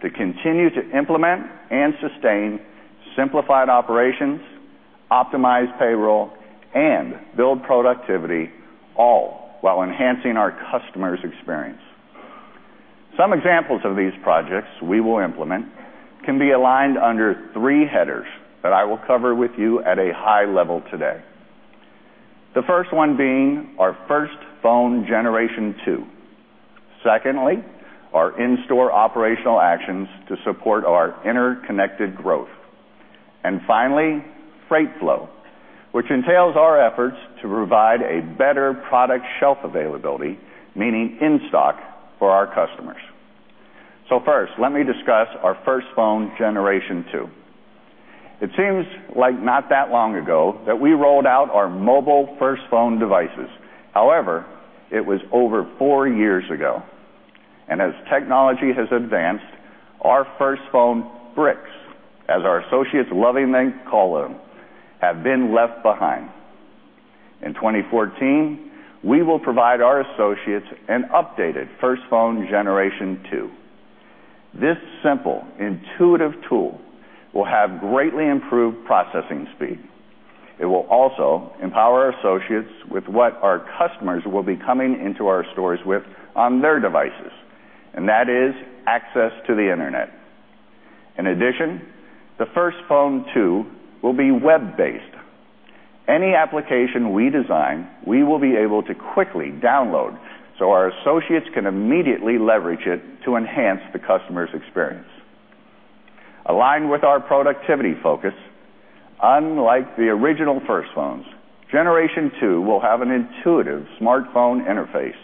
to continue to implement and sustain simplified operations, optimize payroll, and build productivity, all while enhancing our customer's experience. Some examples of these projects we will implement can be aligned under three headers that I will cover with you at a high level today. The first one being our First Phone Generation 2. Secondly, our in-store operational actions to support our interconnected growth. Finally, freight flow, which entails our efforts to provide a better product shelf availability, meaning in-stock for our customers. First, let me discuss our First Phone Generation 2. It seems like not that long ago that we rolled out our mobile First Phone devices. However, it was over four years ago. As technology has advanced, our First Phone bricks, as our associates lovingly call them, have been left behind. In 2014, we will provide our associates an updated First Phone Generation 2. This simple, intuitive tool will have greatly improved processing speed. It will also empower associates with what our customers will be coming into our stores with on their devices, and that is access to the internet. In addition, the First Phone 2 will be web-based. Any application we design, we will be able to quickly download so our associates can immediately leverage it to enhance the customer's experience. Aligned with our productivity focus, unlike the original First Phones, Generation 2 will have an intuitive smartphone interface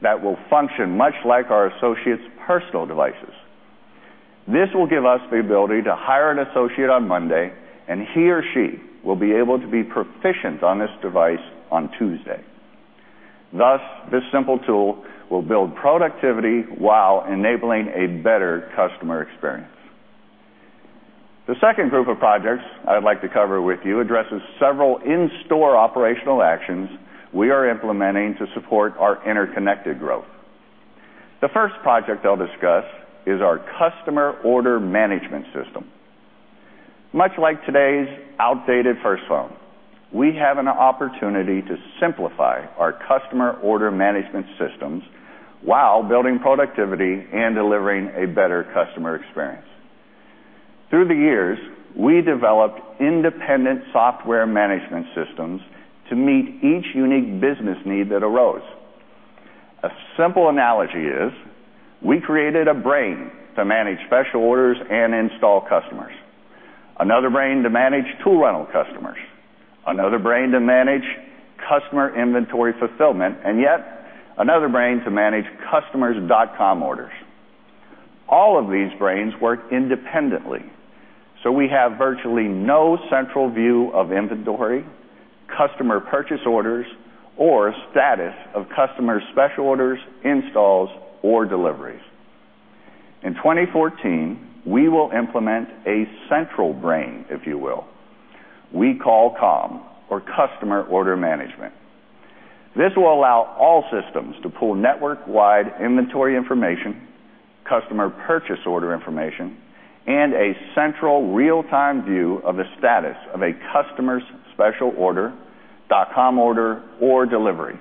that will function much like our associates' personal devices. This will give us the ability to hire an associate on Monday, and he or she will be able to be proficient on this device on Tuesday. Thus, this simple tool will build productivity while enabling a better customer experience. The second group of projects I'd like to cover with you addresses several in-store operational actions we are implementing to support our interconnected growth. The first project I'll discuss is our customer order management system. Much like today's outdated First Phone, we have an opportunity to simplify our customer order management systems while building productivity and delivering a better customer experience. Through the years, we developed independent software management systems to meet each unique business need that arose. A simple analogy is we created a brain to manage special orders and install customers, another brain to manage tool rental customers, another brain to manage customer inventory fulfillment, and yet another brain to manage customers' dot-com orders. All of these brains work independently, so we have virtually no central view of inventory, customer purchase orders, or status of customer special orders, installs, or deliveries. In 2014, we will implement a central brain, if you will. We call COM, or Customer Order Management. This will allow all systems to pool network-wide inventory information, customer purchase order information, and a central real-time view of the status of a customer's special order, dot-com order, or delivery.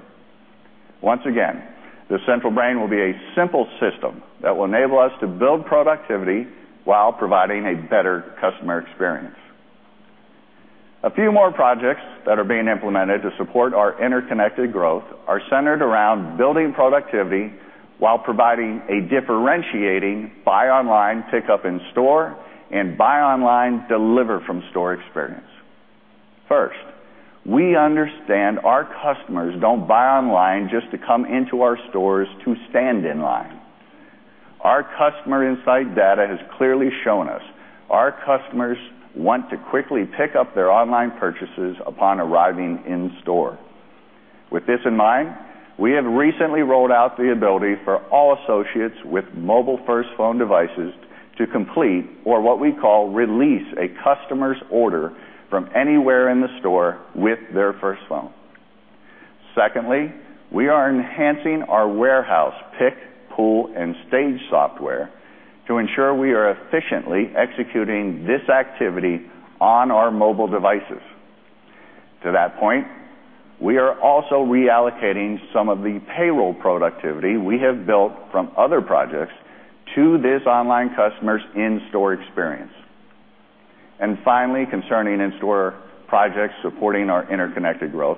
Once again, the central brain will be a simple system that will enable us to build productivity while providing a better customer experience. A few more projects that are being implemented to support our interconnected growth are centered around building productivity while providing a differentiating buy online, pick up in store, and buy online, deliver from store experience. First, we understand our customers don't buy online just to come into our stores to stand in line. Our customer insight data has clearly shown us our customers want to quickly pick up their online purchases upon arriving in store. With this in mind, we have recently rolled out the ability for all associates with mobile First Phone devices to complete, or what we call release, a customer's order from anywhere in the store with their First Phone. We are enhancing our warehouse pick, pull, and stage software to ensure we are efficiently executing this activity on our mobile devices. To that point, we are also reallocating some of the payroll productivity we have built from other projects to this online customer's in-store experience. Finally, concerning in-store projects supporting our interconnected growth,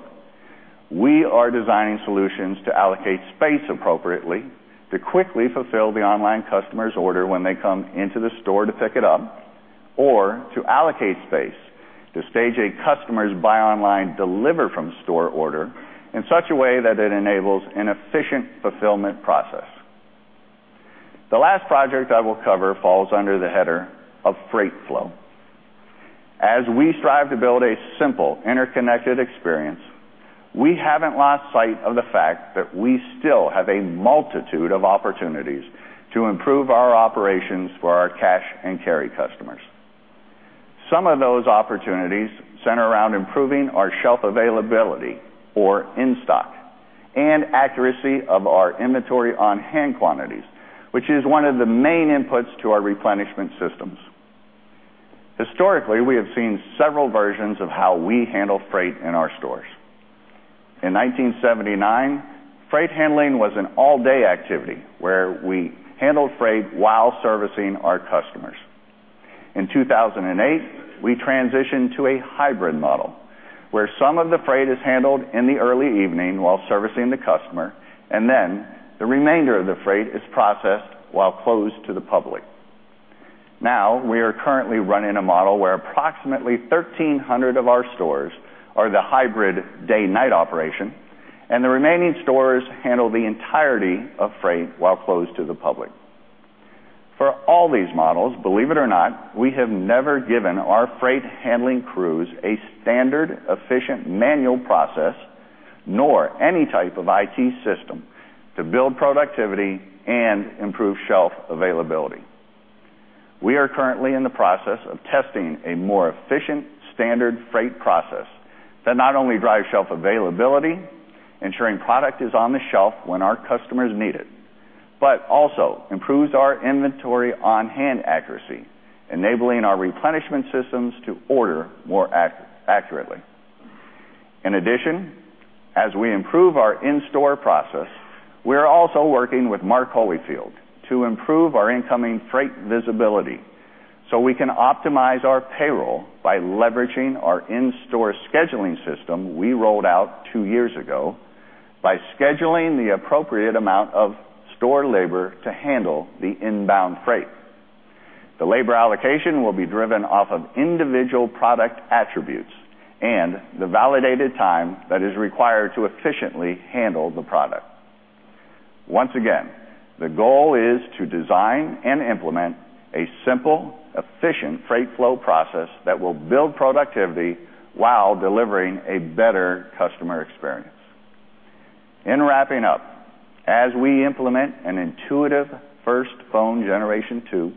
we are designing solutions to allocate space appropriately to quickly fulfill the online customer's order when they come into the store to pick it up, or to allocate space to stage a customer's buy online, deliver from store order in such a way that it enables an efficient fulfillment process. The last project I will cover falls under the header of freight flow. As we strive to build a simple, interconnected experience, we haven't lost sight of the fact that we still have a multitude of opportunities to improve our operations for our cash-and-carry customers. Some of those opportunities center around improving our shelf availability, or in-stock, and accuracy of our inventory on hand quantities, which is one of the main inputs to our replenishment systems. Historically, we have seen several versions of how we handle freight in our stores. In 1979, freight handling was an all-day activity where we handled freight while servicing our customers. In 2008, we transitioned to a hybrid model where some of the freight is handled in the early evening while servicing the customer, and the remainder of the freight is processed while closed to the public. We are currently running a model where approximately 1,300 of our stores are the hybrid day/night operation, and the remaining stores handle the entirety of freight while closed to the public. For all these models, believe it or not, we have never given our freight handling crews a standard efficient manual process, nor any type of IT system to build productivity and improve shelf availability. We are currently in the process of testing a more efficient standard freight process that not only drives shelf availability, ensuring product is on the shelf when our customers need it, but also improves our inventory on hand accuracy, enabling our replenishment systems to order more accurately. As we improve our in-store process, we are also working with Mark Holifield to improve our incoming freight visibility so we can optimize our payroll by leveraging our in-store scheduling system we rolled out two years ago by scheduling the appropriate amount of store labor to handle the inbound freight. The labor allocation will be driven off of individual product attributes and the validated time that is required to efficiently handle the product. Once again, the goal is to design and implement a simple, efficient freight flow process that will build productivity while delivering a better customer experience. In wrapping up, as we implement an intuitive First Phone Generation 2,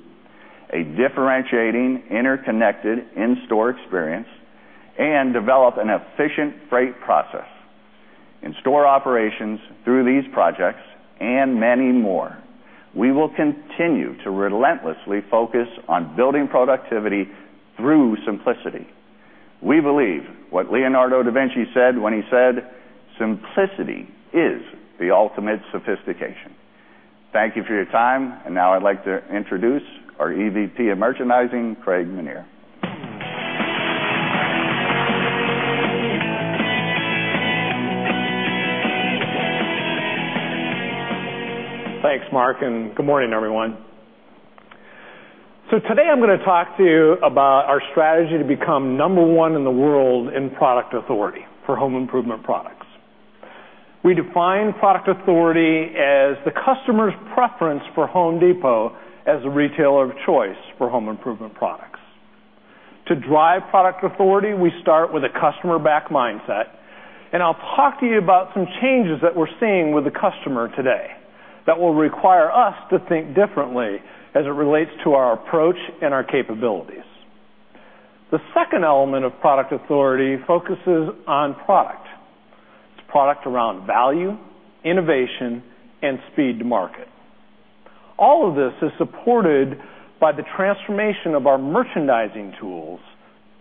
a differentiating interconnected in-store experience, and develop an efficient freight process in store operations through these projects and many more, we will continue to relentlessly focus on building productivity through simplicity. We believe what Leonardo da Vinci said when he said, "Simplicity is the ultimate sophistication." Thank you for your time, and now I'd like to introduce our EVP of Merchandising, Craig Menear. Thanks, Mark, and good morning, everyone. Today I'm going to talk to you about our strategy to become number one in the world in product authority for home improvement products. We define product authority as the customer's preference for The Home Depot as a retailer of choice for home improvement products. To drive product authority, we start with a customer back mindset, I'll talk to you about some changes that we're seeing with the customer today that will require us to think differently as it relates to our approach and our capabilities. The second element of product authority focuses on product. It's product around value, innovation, and speed to market. All of this is supported by the transformation of our merchandising tools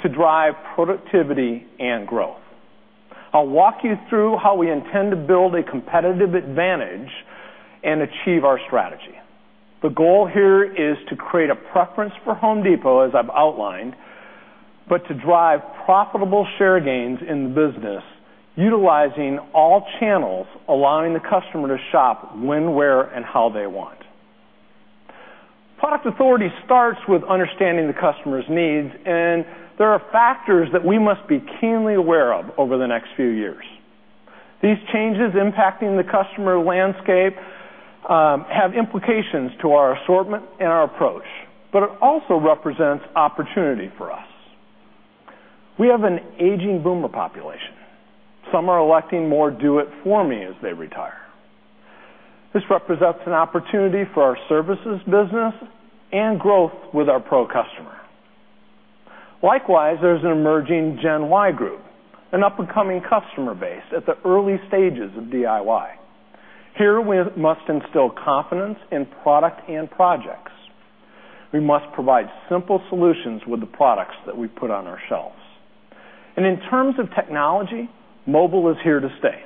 to drive productivity and growth. I'll walk you through how we intend to build a competitive advantage and achieve our strategy. The goal here is to create a preference for The Home Depot, as I've outlined, to drive profitable share gains in the business, utilizing all channels, allowing the customer to shop when, where, and how they want. Product authority starts with understanding the customer's needs, there are factors that we must be keenly aware of over the next few years. These changes impacting the customer landscape have implications to our assortment and our approach, it also represents opportunity for us. We have an aging boomer population. Some are electing more do it for me as they retire. This represents an opportunity for our services business and growth with our pro customer. Likewise, there's an emerging Gen Y group, an up-and-coming customer base at the early stages of DIY. Here, we must instill confidence in product and projects. We must provide simple solutions with the products that we put on our shelves. In terms of technology, mobile is here to stay.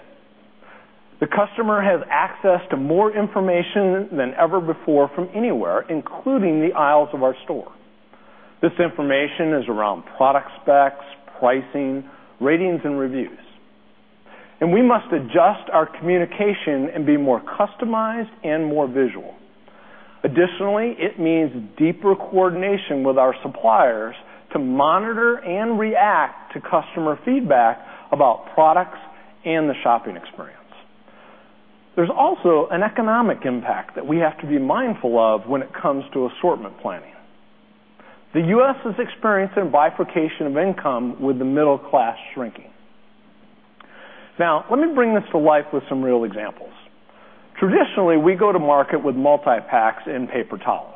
The customer has access to more information than ever before from anywhere, including the aisles of our store. This information is around product specs, pricing, ratings, and reviews. We must adjust our communication and be more customized and more visual. Additionally, it means deeper coordination with our suppliers to monitor and react to customer feedback about products and the shopping experience. There's also an economic impact that we have to be mindful of when it comes to assortment planning. The U.S. is experiencing bifurcation of income with the middle class shrinking. Let me bring this to life with some real examples. Traditionally, we go to market with multi-packs in paper towels.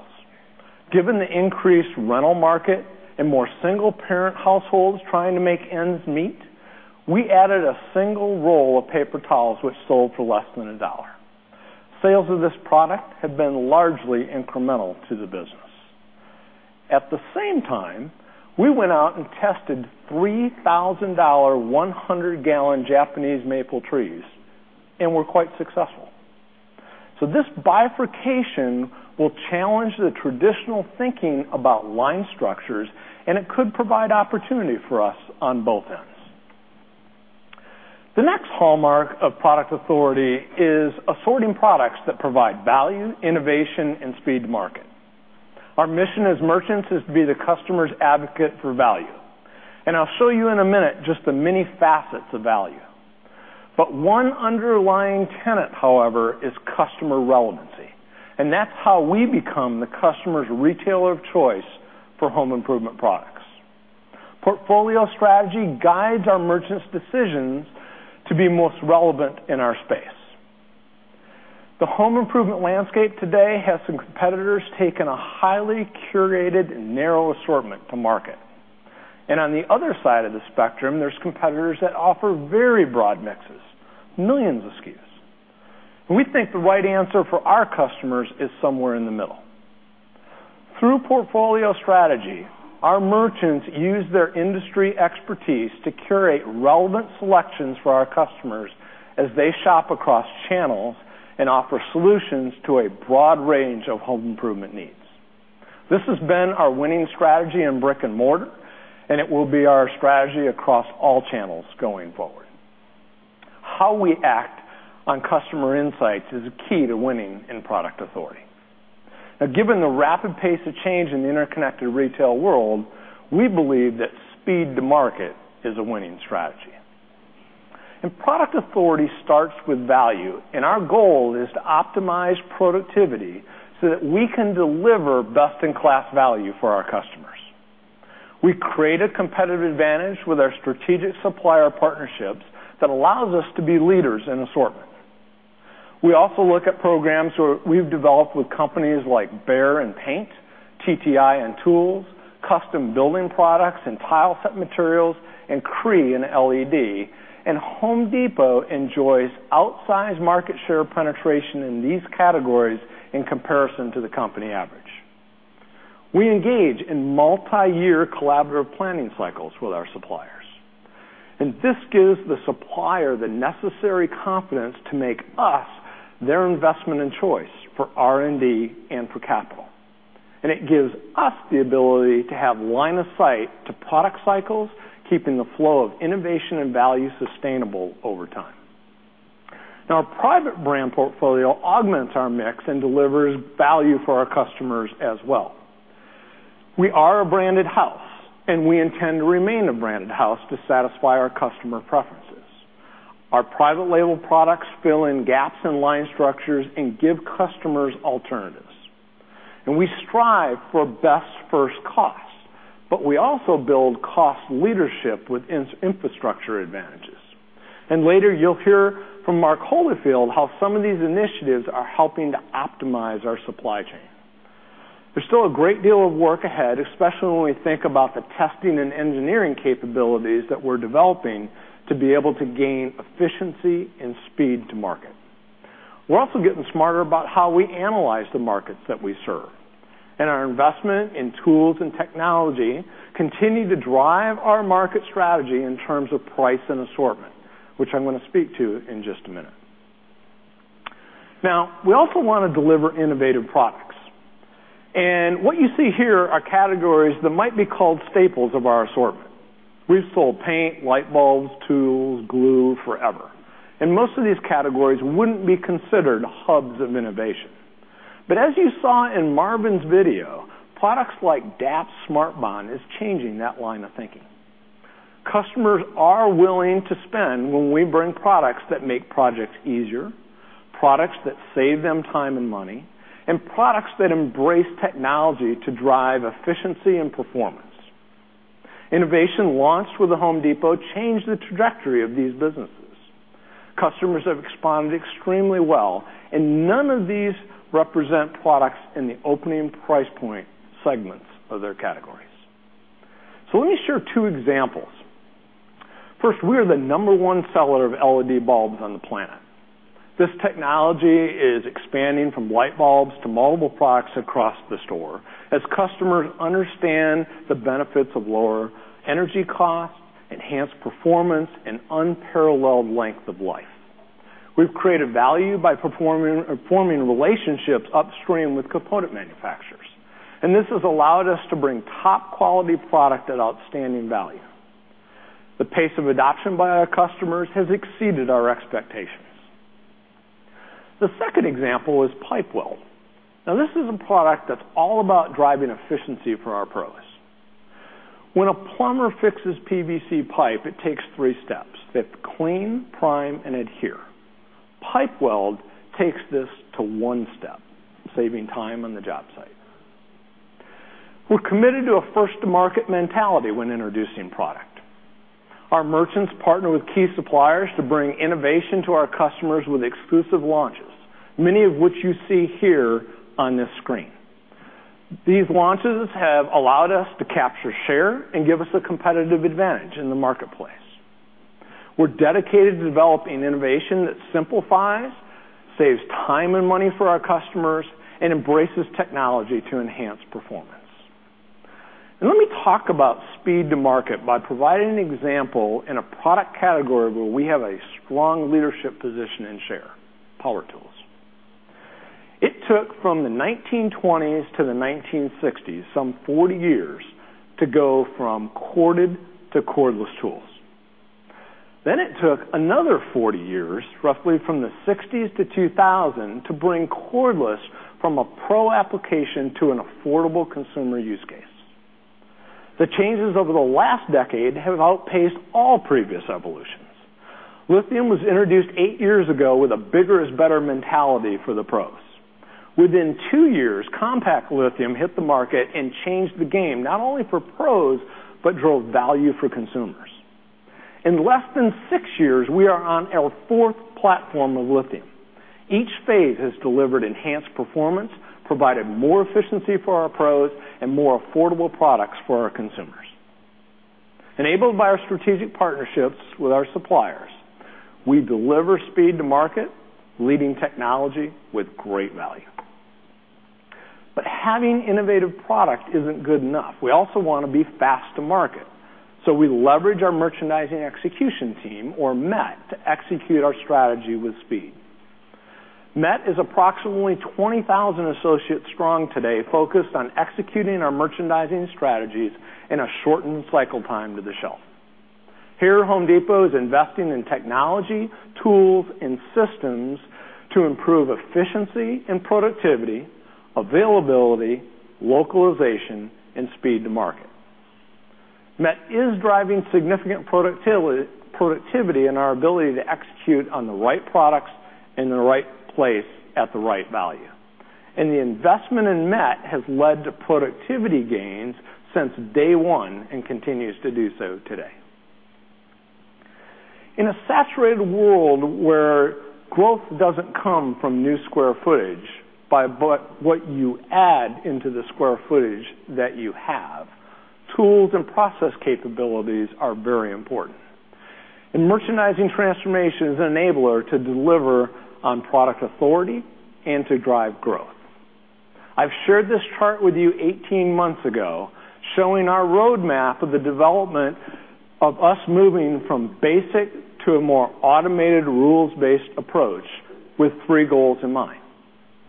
Given the increased rental market and more single-parent households trying to make ends meet, we added a single roll of paper towels, which sold for less than $1. Sales of this product have been largely incremental to the business. At the same time, we went out and tested $3,000, 100 gallon Japanese maple trees and were quite successful. This bifurcation will challenge the traditional thinking about line structures, and it could provide opportunity for us on both ends. The next hallmark of product authority is assorting products that provide value, innovation, and speed to market. Our mission as merchants is to be the customer's advocate for value. I'll show you in a minute just the many facets of value. One underlying tenet, however, is customer relevancy, and that's how we become the customer's retailer of choice for home improvement products. Portfolio strategy guides our merchants' decisions to be most relevant in our space. The home improvement landscape today has some competitors taking a highly curated and narrow assortment to market. On the other side of the spectrum, there's competitors that offer very broad mixes, millions of SKUs. We think the right answer for our customers is somewhere in the middle. Through portfolio strategy, our merchants use their industry expertise to curate relevant selections for our customers as they shop across channels and offer solutions to a broad range of home improvement needs. This has been our winning strategy in brick and mortar, and it will be our strategy across all channels going forward. How we act on customer insights is key to winning in product authority. Now, given the rapid pace of change in the interconnected retail world, we believe that speed to market is a winning strategy. Product authority starts with value, and our goal is to optimize productivity so that we can deliver best-in-class value for our customers. We create a competitive advantage with our strategic supplier partnerships that allows us to be leaders in assortment. We also look at programs where we've developed with companies like Behr in paint, TTI in tools, Custom Building Products and tile set materials, and Cree in LED, and The Home Depot enjoys outsized market share penetration in these categories in comparison to the company average. We engage in multi-year collaborative planning cycles with our suppliers, and this gives the supplier the necessary confidence to make us their investment in choice for R&D and for capital. It gives us the ability to have line of sight to product cycles, keeping the flow of innovation and value sustainable over time. Now, our private brand portfolio augments our mix and delivers value for our customers as well. We are a branded house, and we intend to remain a branded house to satisfy our customer preferences. Our private label products fill in gaps in line structures and give customers alternatives. We strive for best first costs, but we also build cost leadership with infrastructure advantages. Later you'll hear from Mark Holifield how some of these initiatives are helping to optimize our supply chain. There's still a great deal of work ahead, especially when we think about the testing and engineering capabilities that we're developing to be able to gain efficiency and speed to market. We're also getting smarter about how we analyze the markets that we serve, our investment in tools and technology continue to drive our market strategy in terms of price and assortment, which I'm going to speak to in just a minute. We also want to deliver innovative products. What you see here are categories that might be called staples of our assortment. We've sold paint, light bulbs, tools, glue forever. Most of these categories wouldn't be considered hubs of innovation. As you saw in Marvin's video, products like DAP SMARTBOND is changing that line of thinking. Customers are willing to spend when we bring products that make projects easier, products that save them time and money, and products that embrace technology to drive efficiency and performance. Innovation launched with The Home Depot changed the trajectory of these businesses. Customers have responded extremely well, none of these represent products in the opening price point segments of their categories. Let me share two examples. First, we are the number one seller of LED bulbs on the planet. This technology is expanding from light bulbs to multiple products across the store as customers understand the benefits of lower energy costs, enhanced performance, and unparalleled length of life. We've created value by forming relationships upstream with component manufacturers, this has allowed us to bring top quality product at outstanding value. The pace of adoption by our customers has exceeded our expectations. The second example is PipeWeld. This is a product that's all about driving efficiency for our pros. When a plumber fixes PVC pipe, it takes three steps. They have to clean, prime, and adhere. PipeWeld takes this to one step, saving time on the job site. We're committed to a first-to-market mentality when introducing product. Our merchants partner with key suppliers to bring innovation to our customers with exclusive launches, many of which you see here on this screen. These launches have allowed us to capture share and give us a competitive advantage in the marketplace. We're dedicated to developing innovation that simplifies, saves time and money for our customers, and embraces technology to enhance performance. Let me talk about speed to market by providing an example in a product category where we have a strong leadership position and share, power tools. It took from the 1920s to the 1960s, some 40 years, to go from corded to cordless tools. It took another 40 years, roughly from the 1960s to 2000, to bring cordless from a pro application to an affordable consumer use case. The changes over the last decade have outpaced all previous evolutions. Lithium was introduced eight years ago with a bigger-is-better mentality for the pros. Within two years, compact lithium hit the market and changed the game not only for pros, but drove value for consumers. In less than six years, we are on our fourth platform of lithium. Each phase has delivered enhanced performance, provided more efficiency for our pros, and more affordable products for our consumers. Enabled by our strategic partnerships with our suppliers, we deliver speed to market, leading technology with great value. Having innovative product isn't good enough. We also want to be fast to market, we leverage our merchandising execution team, or MET, to execute our strategy with speed. MET is approximately 20,000 associates strong today, focused on executing our merchandising strategies in a shortened cycle time to the shelf. Here, The Home Depot is investing in technology, tools, and systems to improve efficiency and productivity, availability, localization, and speed to market. MET is driving significant productivity in our ability to execute on the right products in the right place at the right value. The investment in MET has led to productivity gains since day 1 and continues to do so today. In a saturated world where growth doesn't come from new square footage, by what you add into the square footage that you have, tools and process capabilities are very important. Merchandising transformation is an enabler to deliver on product authority and to drive growth. I've shared this chart with you 18 months ago, showing our roadmap of the development of us moving from basic to a more automated rules-based approach with three goals in mind.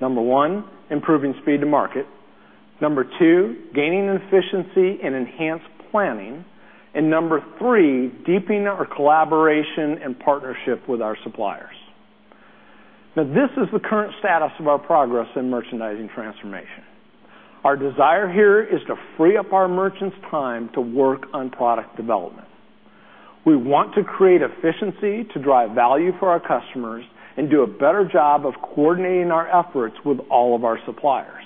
Number 1, improving speed to market. Number 2, gaining efficiency and enhanced planning. Number 3, deepening our collaboration and partnership with our suppliers. This is the current status of our progress in merchandising transformation. Our desire here is to free up our merchants' time to work on product development. We want to create efficiency to drive value for our customers and do a better job of coordinating our efforts with all of our suppliers.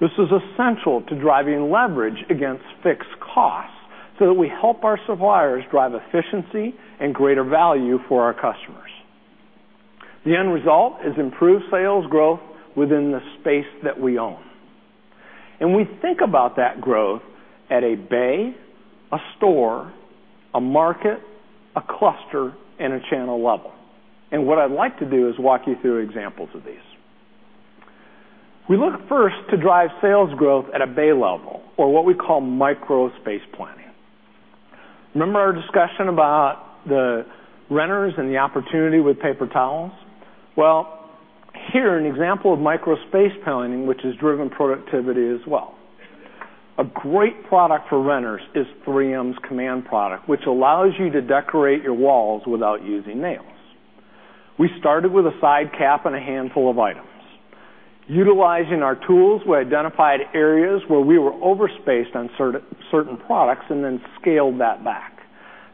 This is essential to driving leverage against fixed costs so that we help our suppliers drive efficiency and greater value for our customers. The end result is improved sales growth within the space that we own. We think about that growth at a bay, a store, a market, a cluster, and a channel level. What I'd like to do is walk you through examples of these. We look first to drive sales growth at a bay level, or what we call micro space planning. Remember our discussion about the renters and the opportunity with paper towels? Well, here, an example of micro space planning, which has driven productivity as well. A great product for renters is 3M's Command product, which allows you to decorate your walls without using nails. We started with a side cap and a handful of items. Utilizing our tools, we identified areas where we were over spaced on certain products and then scaled that back.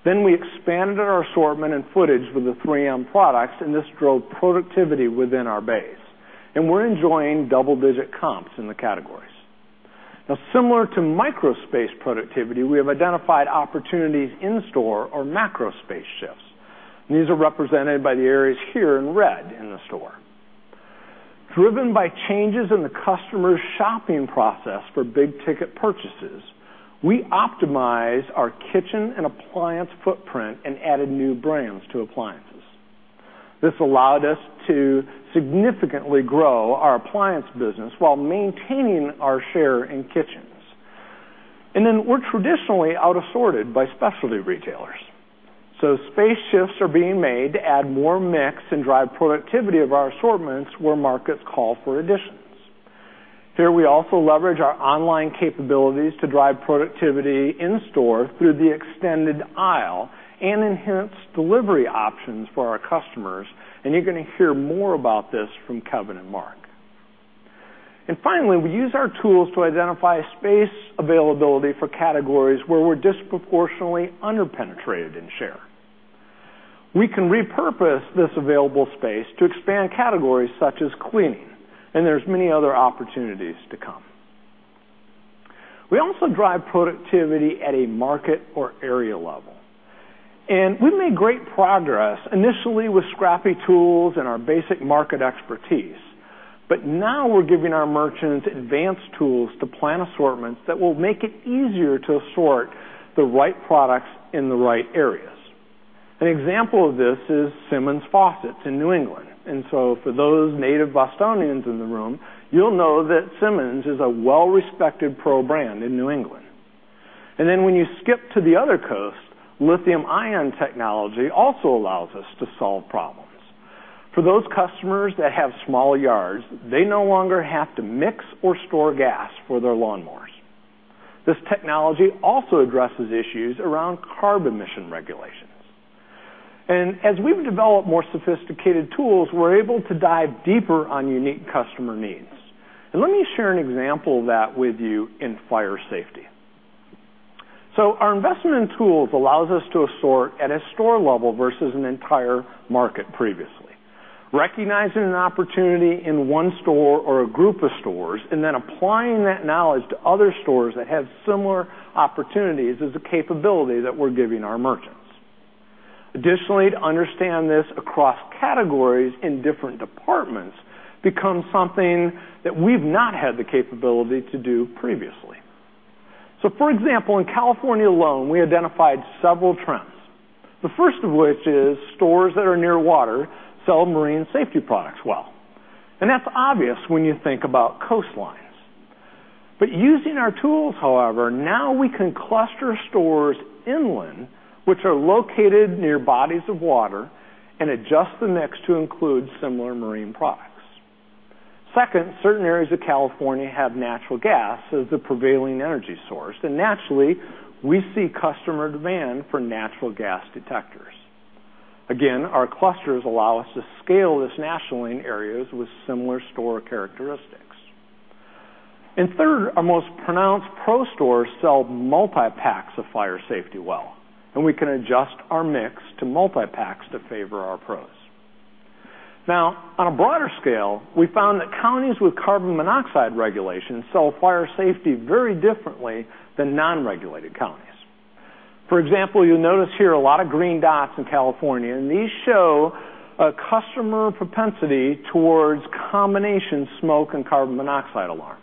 We expanded our assortment and footage with the 3M products, and this drove productivity within our base. We're enjoying double-digit comps in the categories. Similar to micro space productivity, we have identified opportunities in store or macro space shifts. These are represented by the areas here in red in the store. Driven by changes in the customer's shopping process for big-ticket purchases, we optimized our kitchen and appliance footprint and added new brands to appliances. This allowed us to significantly grow our appliance business while maintaining our share in kitchens. Then we're traditionally out of sorted by specialty retailers. Space shifts are being made to add more mix and drive productivity of our assortments where markets call for additions. Here, we also leverage our online capabilities to drive productivity in store through the extended aisle and enhanced delivery options for our customers, and you're going to hear more about this from Kevin and Marc. Finally, we use our tools to identify space availability for categories where we're disproportionately under-penetrated in share. We can repurpose this available space to expand categories such as cleaning, and there's many other opportunities to come. We also drive productivity at a market or area level. We made great progress initially with scrappy tools and our basic market expertise. Now we're giving our merchants advanced tools to plan assortments that will make it easier to assort the right products in the right areas. An example of this is Symmons Faucets in New England. For those native Bostonians in the room, you'll know that Symmons is a well-respected pro brand in New England. When you skip to the other coast, lithium-ion technology also allows us to solve problems. For those customers that have small yards, they no longer have to mix or store gas for their lawnmowers. This technology also addresses issues around carbon emission regulations. As we've developed more sophisticated tools, we're able to dive deeper on unique customer needs. Let me share an example of that with you in fire safety. Our investment in tools allows us to assort at a store level versus an entire market previously. Recognizing an opportunity in one store or a group of stores and then applying that knowledge to other stores that have similar opportunities is a capability that we're giving our merchants. Additionally, to understand this across categories in different departments becomes something that we've not had the capability to do previously. For example, in California alone, we identified several trends. The first of which is stores that are near water sell marine safety products well, and that's obvious when you think about coastlines. Using our tools, however, now we can cluster stores inland, which are located near bodies of water, and adjust the mix to include similar marine products. Second, certain areas of California have natural gas as the prevailing energy source, and naturally, we see customer demand for natural gas detectors. Again, our clusters allow us to scale this nationally in areas with similar store characteristics. Third, our most pronounced pro stores sell multi-packs of fire safety well, and we can adjust our mix to multi-packs to favor our pros. Now, on a broader scale, we found that counties with carbon monoxide regulations sell fire safety very differently than non-regulated counties. For example, you'll notice here a lot of green dots in California, and these show a customer propensity towards combination smoke and carbon monoxide alarms.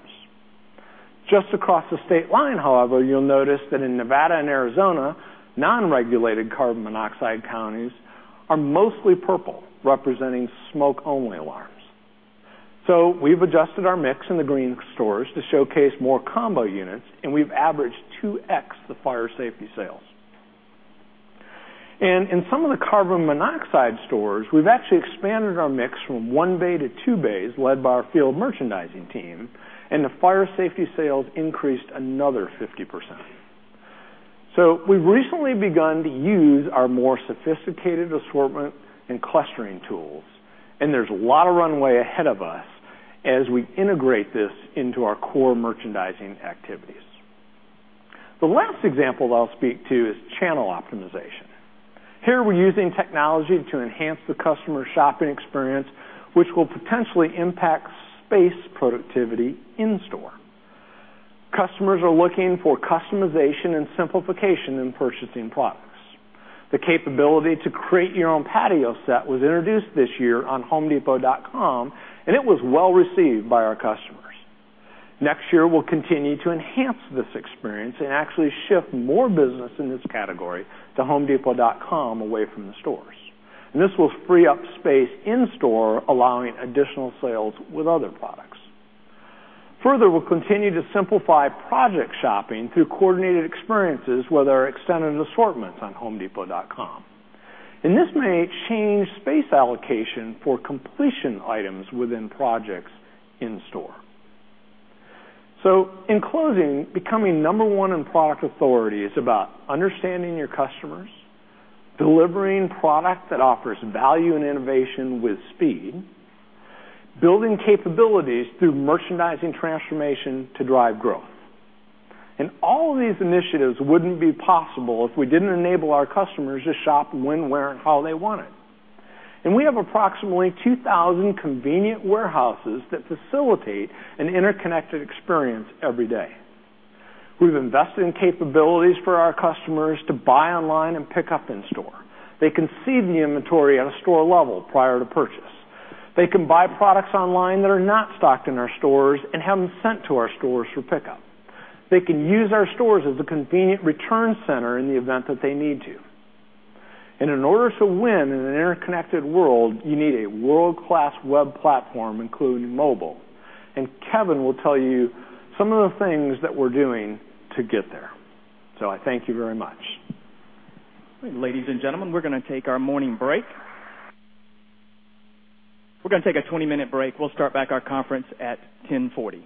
Just across the state line, however, you'll notice that in Nevada and Arizona, non-regulated carbon monoxide counties are mostly purple, representing smoke-only alarms. We've adjusted our mix in the green stores to showcase more combo units, and we've averaged 2X the fire safety sales. In some of the carbon monoxide stores, we've actually expanded our mix from one bay to two bays led by our field merchandising team, and the fire safety sales increased another 50%. We've recently begun to use our more sophisticated assortment and clustering tools, and there's a lot of runway ahead of us as we integrate this into our core merchandising activities. The last example that I'll speak to is channel optimization. Here, we're using technology to enhance the customer shopping experience, which will potentially impact space productivity in store. Customers are looking for customization and simplification in purchasing products. The capability to create your own patio set was introduced this year on homedepot.com, and it was well-received by our customers. Next year, we'll continue to enhance this experience and actually shift more business in this category to homedepot.com away from the stores. This will free up space in store, allowing additional sales with other products. Further, we'll continue to simplify project shopping through coordinated experiences with our extended assortments on homedepot.com. This may change space allocation for completion items within projects in store. In closing, becoming number one in product authority is about understanding your customers, delivering product that offers value and innovation with speed, building capabilities through merchandising transformation to drive growth. All of these initiatives wouldn't be possible if we didn't enable our customers to shop when, where, and how they wanted. We have approximately 2,000 convenient warehouses that facilitate an interconnected experience every day. We've invested in capabilities for our customers to buy online and pick up in store. They can see the inventory at a store level prior to purchase. They can buy products online that are not stocked in our stores and have them sent to our stores for pickup. They can use our stores as a convenient return center in the event that they need to. In order to win in an interconnected world, you need a world-class web platform, including mobile. Kevin will tell you some of the things that we're doing to get there. I thank you very much. Ladies and gentlemen, we're going to take our morning break. We're going to take a 20-minute break. We'll start back our conference at 10:40.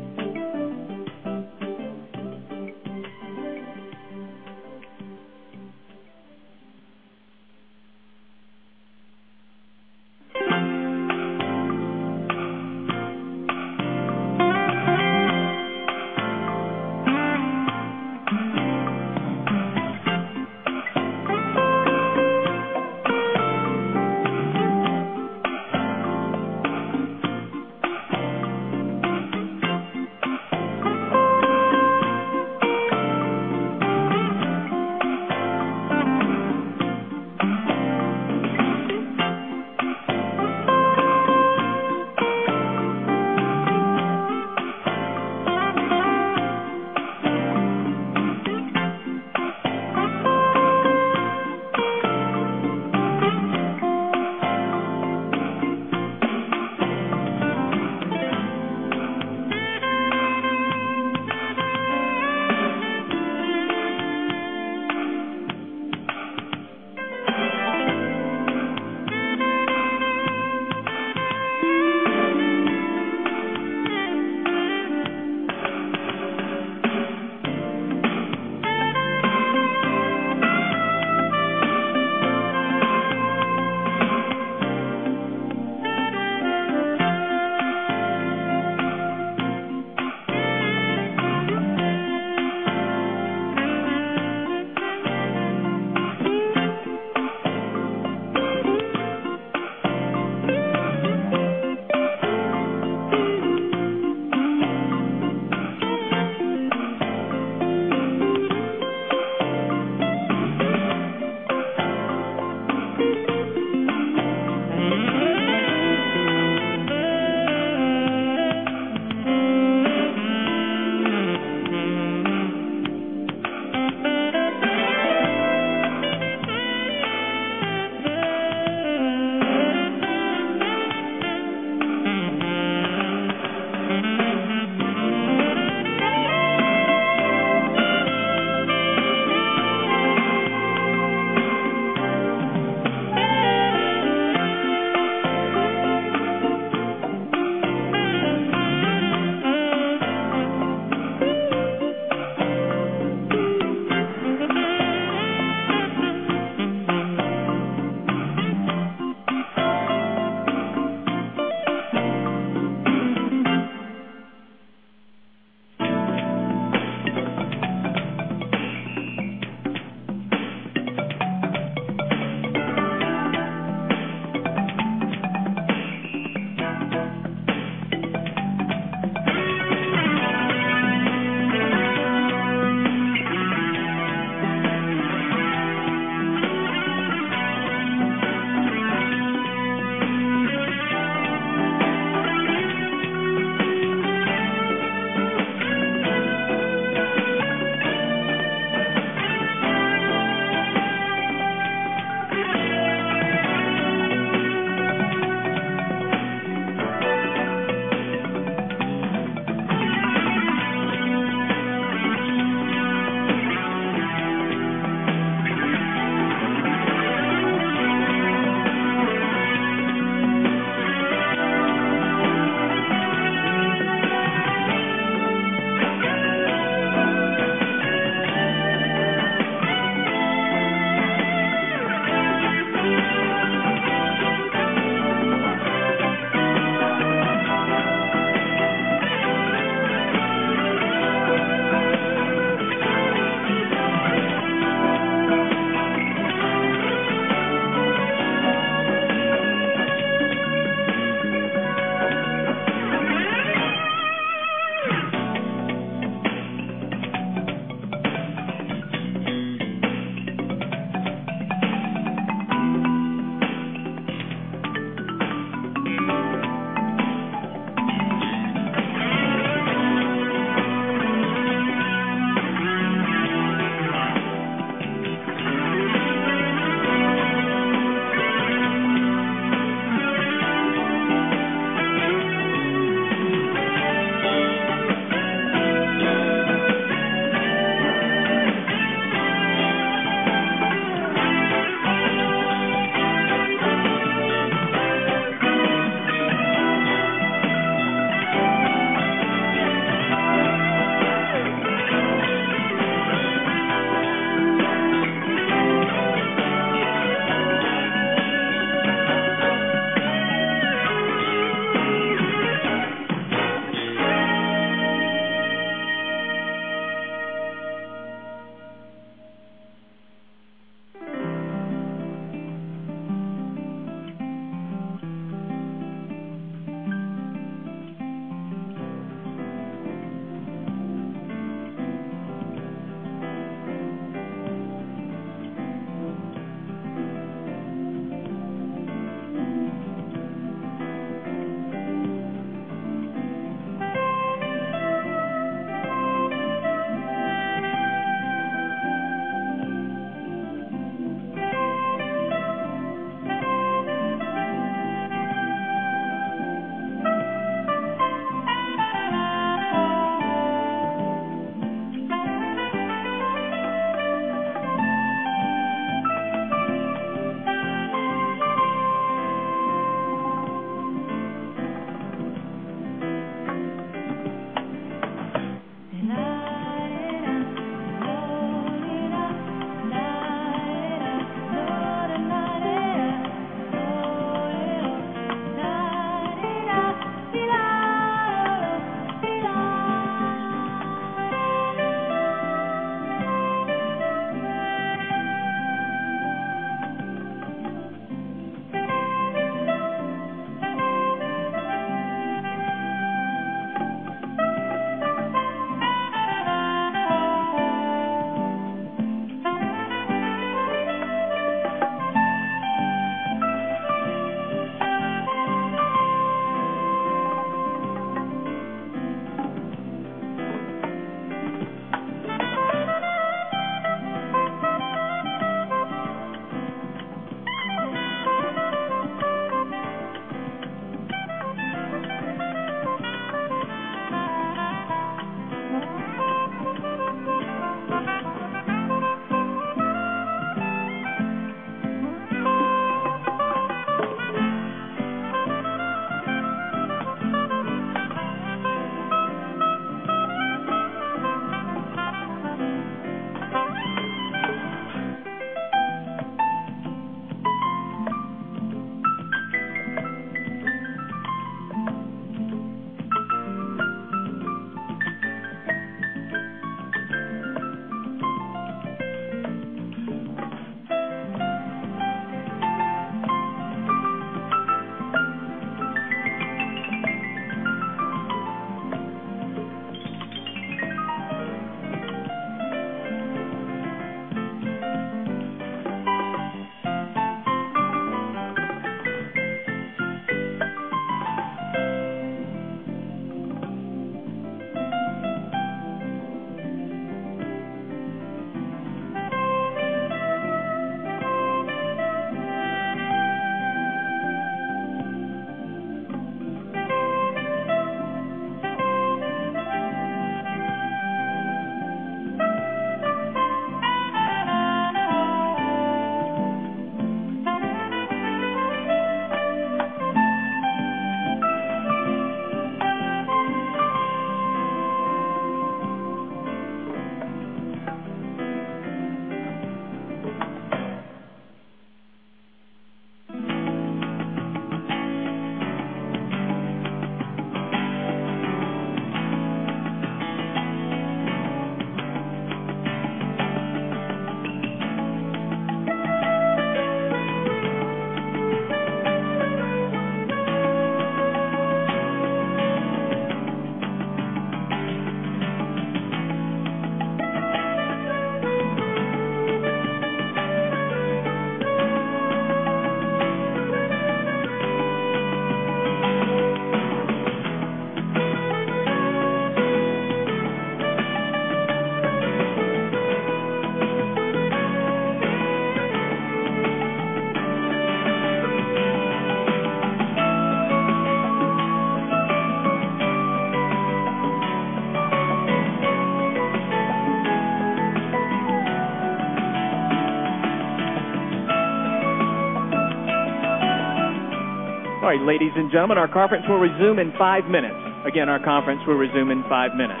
All right, ladies and gentlemen, our conference will resume in five minutes. Again, our conference will resume in five minutes.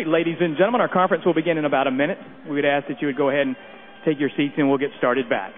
All right, ladies and gentlemen, our conference will begin in about a minute. We would ask that you would go ahead and take your seats and we'll get started back.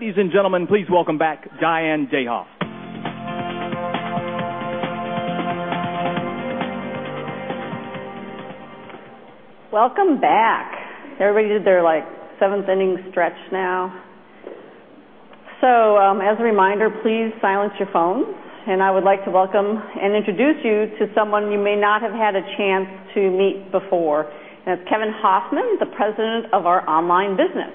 Ladies and gentlemen, please welcome back Diane Dedolph. Welcome back. Everybody did their seventh-inning stretch now. As a reminder, please silence your phones. I would like to welcome and introduce you to someone you may not have had a chance to meet before. It's Kevin Hofmann, the President of our online business.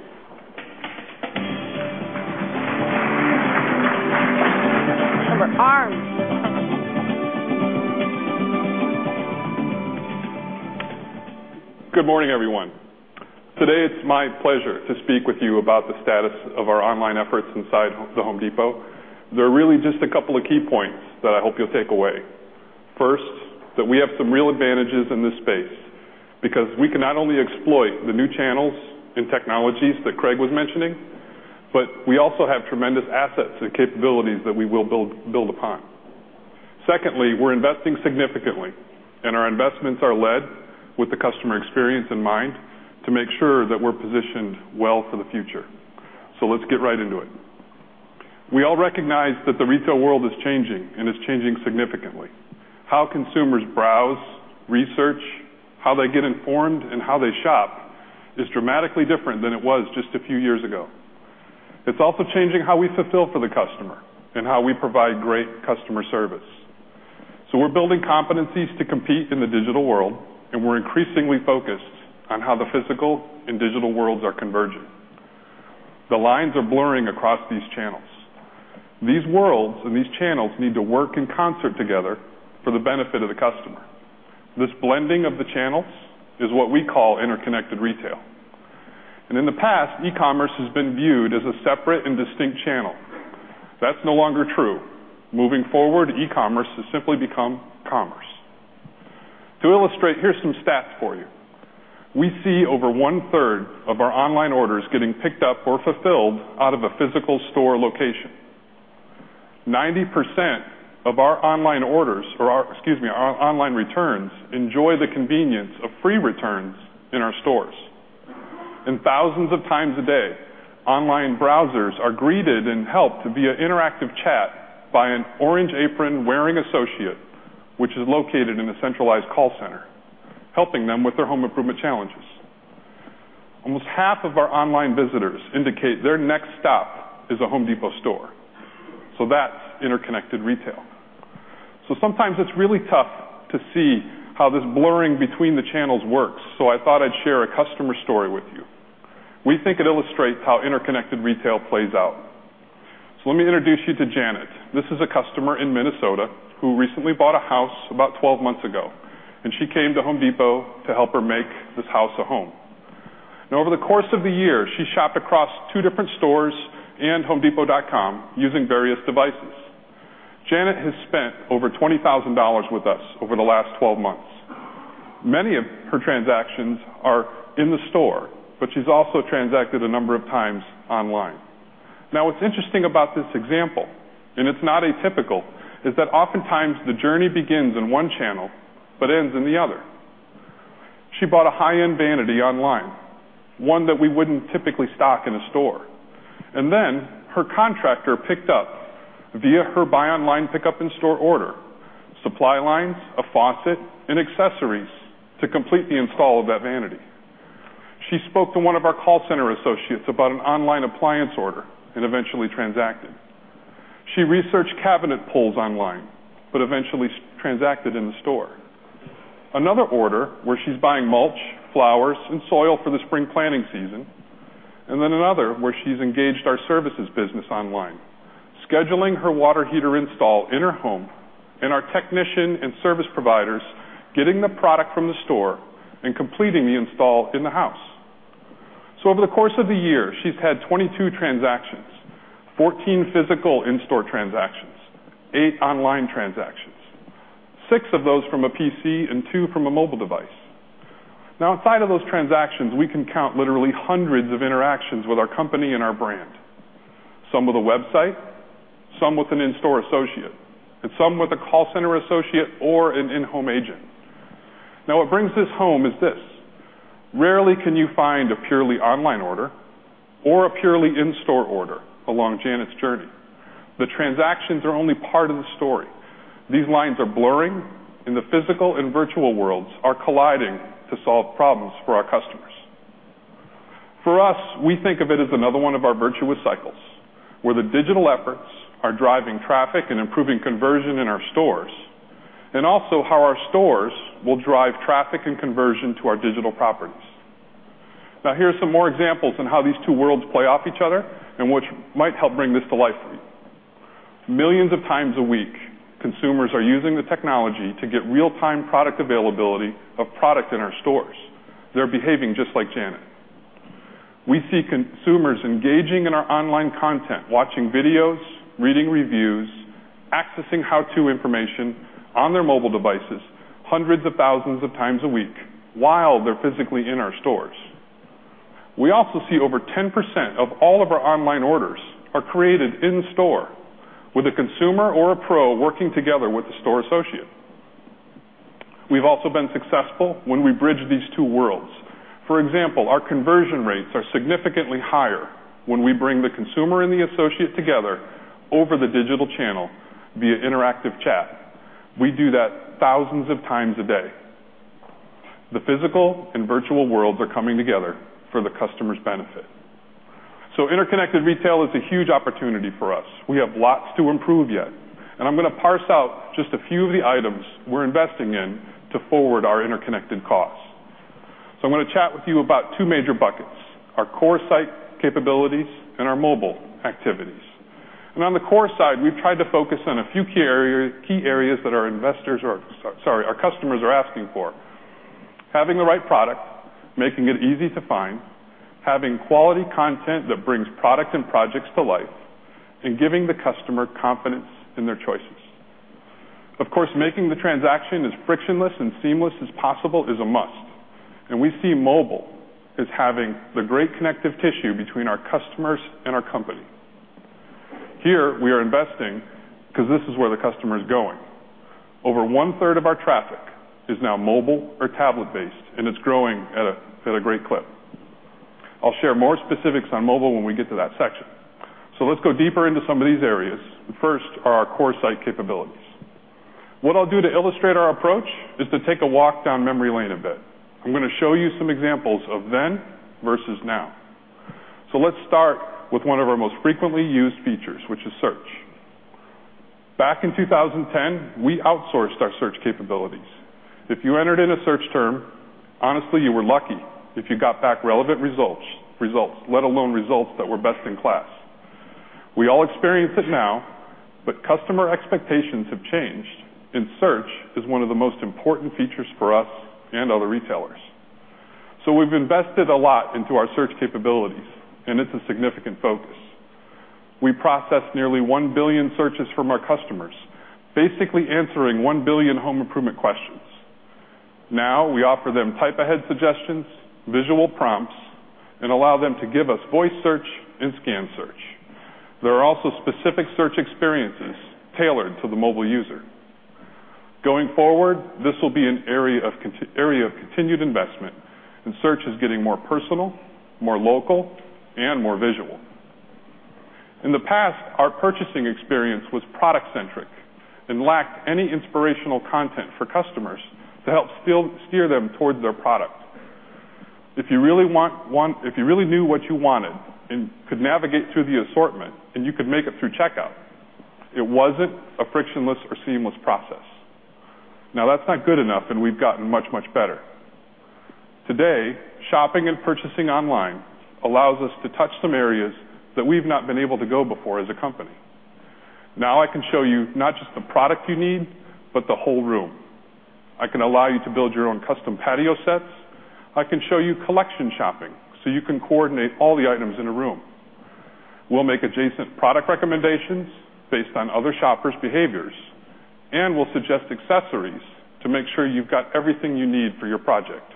Remember arms. Good morning, everyone. Today, it's my pleasure to speak with you about the status of our online efforts inside The Home Depot. There are really just a couple of key points that I hope you'll take away. First, that we have some real advantages in this space because we can not only exploit the new channels and technologies that Craig was mentioning, but we also have tremendous assets and capabilities that we will build upon. Secondly, we're investing significantly, and our investments are led with the customer experience in mind to make sure that we're positioned well for the future. We all recognize that the retail world is changing, and it's changing significantly. How consumers browse, research, how they get informed, and how they shop is dramatically different than it was just a few years ago. It's also changing how we fulfill for the customer and how we provide great customer service. We're building competencies to compete in the digital world, and we're increasingly focused on how the physical and digital worlds are converging. The lines are blurring across these channels. These worlds and these channels need to work in concert together for the benefit of the customer. This blending of the channels is what we call interconnected retail. In the past, e-commerce has been viewed as a separate and distinct channel. That's no longer true. Moving forward, e-commerce has simply become commerce. To illustrate, here's some stats for you. We see over one-third of our online orders getting picked up or fulfilled out of a physical store location. 90% of our online returns enjoy the convenience of free returns in our stores. Thousands of times a day, online browsers are greeted and helped via interactive chat by an orange apron-wearing associate, which is located in a centralized call center, helping them with their home improvement challenges. Almost half of our online visitors indicate their next stop is a Home Depot store. That's interconnected retail. Sometimes it's really tough to see how this blurring between the channels works. I thought I'd share a customer story with you. We think it illustrates how interconnected retail plays out. Let me introduce you to Janet. This is a customer in Minnesota who recently bought a house about 12 months ago, and she came to Home Depot to help her make this house a home. Over the course of the year, she shopped across two different stores and homedepot.com using various devices. Janet has spent over $20,000 with us over the last 12 months. Many of her transactions are in the store, but she's also transacted a number of times online. What's interesting about this example, and it's not atypical, is that oftentimes the journey begins in one channel but ends in the other. She bought a high-end vanity online, one that we wouldn't typically stock in a store. Her contractor picked up via her buy online pickup in-store order, supply lines, a faucet, and accessories to complete the install of that vanity. She spoke to one of our call center associates about an online appliance order and eventually transacted. She researched cabinet pulls online. Eventually transacted in the store. Another order where she's buying mulch, flowers, and soil for the spring planting season. Another where she's engaged our services business online, scheduling her water heater install in her home, and our technician and service providers getting the product from the store and completing the install in the house. Over the course of the year, she's had 22 transactions: 14 physical in-store transactions, 8 online transactions, 6 of those from a PC, and 2 from a mobile device. Outside of those transactions, we can count literally hundreds of interactions with our company and our brand. Some with a website, some with an in-store associate, and some with a call center associate or an in-home agent. What brings this home is this: rarely can you find a purely online order or a purely in-store order along Janet's journey. The transactions are only part of the story. These lines are blurring. The physical and virtual worlds are colliding to solve problems for our customers. For us, we think of it as another one of our virtuous cycles, where the digital efforts are driving traffic and improving conversion in our stores, and also how our stores will drive traffic and conversion to our digital properties. Here are some more examples on how these two worlds play off each other and which might help bring this to life for you. Millions of times a week, consumers are using the technology to get real-time product availability of product in our stores. They're behaving just like Janet. We see consumers engaging in our online content, watching videos, reading reviews, accessing how-to information on their mobile devices hundreds of thousands of times a week while they're physically in our stores. We also see over 10% of all of our online orders are created in store with a consumer or a pro working together with a store associate. We've also been successful when we bridge these two worlds. For example, our conversion rates are significantly higher when we bring the consumer and the associate together over the digital channel via interactive chat. We do that thousands of times a day. The physical and virtual worlds are coming together for the customer's benefit. Interconnected retail is a huge opportunity for us. We have lots to improve yet, I'm going to parse out just a few of the items we're investing in to forward our interconnected cause. I'm going to chat with you about two major buckets, our core site capabilities and our mobile activities. On the core side, we've tried to focus on a few key areas that our customers are asking for: having the right product, making it easy to find, having quality content that brings product and projects to life, and giving the customer confidence in their choices. Of course, making the transaction as frictionless and seamless as possible is a must, and we see mobile as having the great connective tissue between our customers and our company. Here, we are investing because this is where the customer is going. Over one-third of our traffic is now mobile or tablet-based, and it's growing at a great clip. I'll share more specifics on mobile when we get to that section. Let's go deeper into some of these areas. First are our core site capabilities. What I'll do to illustrate our approach is to take a walk down memory lane a bit. I'm going to show you some examples of then versus now. Let's start with one of our most frequently used features, which is search. Back in 2010, we outsourced our search capabilities. If you entered in a search term, honestly, you were lucky if you got back relevant results, let alone results that were best in class. We all experience it now, but customer expectations have changed, and search is one of the most important features for us and other retailers. We've invested a lot into our search capabilities, and it's a significant focus. We process nearly 1 billion searches from our customers, basically answering 1 billion home improvement questions. Now we offer them type-ahead suggestions, visual prompts, and allow them to give us voice search and scan search. There are also specific search experiences tailored to the mobile user. Going forward, this will be an area of continued investment. Search is getting more personal, more local, and more visual. In the past, our purchasing experience was product-centric and lacked any inspirational content for customers to help steer them towards their product. If you really knew what you wanted and could navigate through the assortment, then you could make it through checkout. It wasn't a frictionless or seamless process. Now, that's not good enough, and we've gotten much, much better. Today, shopping and purchasing online allows us to touch some areas that we've not been able to go before as a company. Now I can show you not just the product you need, but the whole room. I can allow you to build your own custom patio sets. I can show you collection shopping so you can coordinate all the items in a room. We'll make adjacent product recommendations based on other shoppers' behaviors, and we'll suggest accessories to make sure you've got everything you need for your project.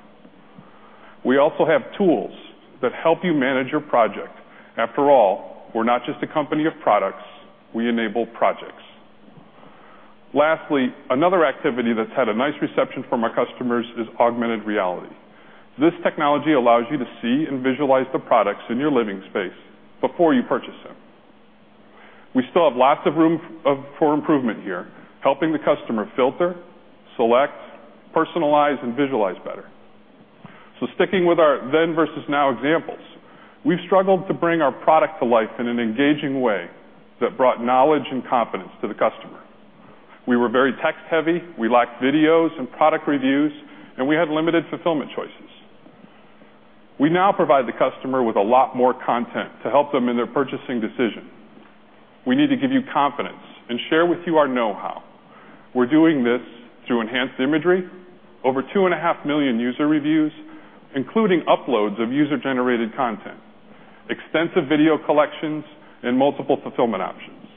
We also have tools that help you manage your project. After all, we're not just a company of products, we enable projects. Lastly, another activity that's had a nice reception from our customers is augmented reality. This technology allows you to see and visualize the products in your living space before you purchase them. We still have lots of room for improvement here, helping the customer filter, select, personalize, and visualize better. Sticking with our then versus now examples, we've struggled to bring our product to life in an engaging way that brought knowledge and confidence to the customer. We were very text-heavy, we lacked videos and product reviews, and we had limited fulfillment choices. We now provide the customer with a lot more content to help them in their purchasing decision. We need to give you confidence and share with you our know-how. We're doing this through enhanced imagery, over 2.5 million user reviews, including uploads of user-generated content, extensive video collections, and multiple fulfillment options.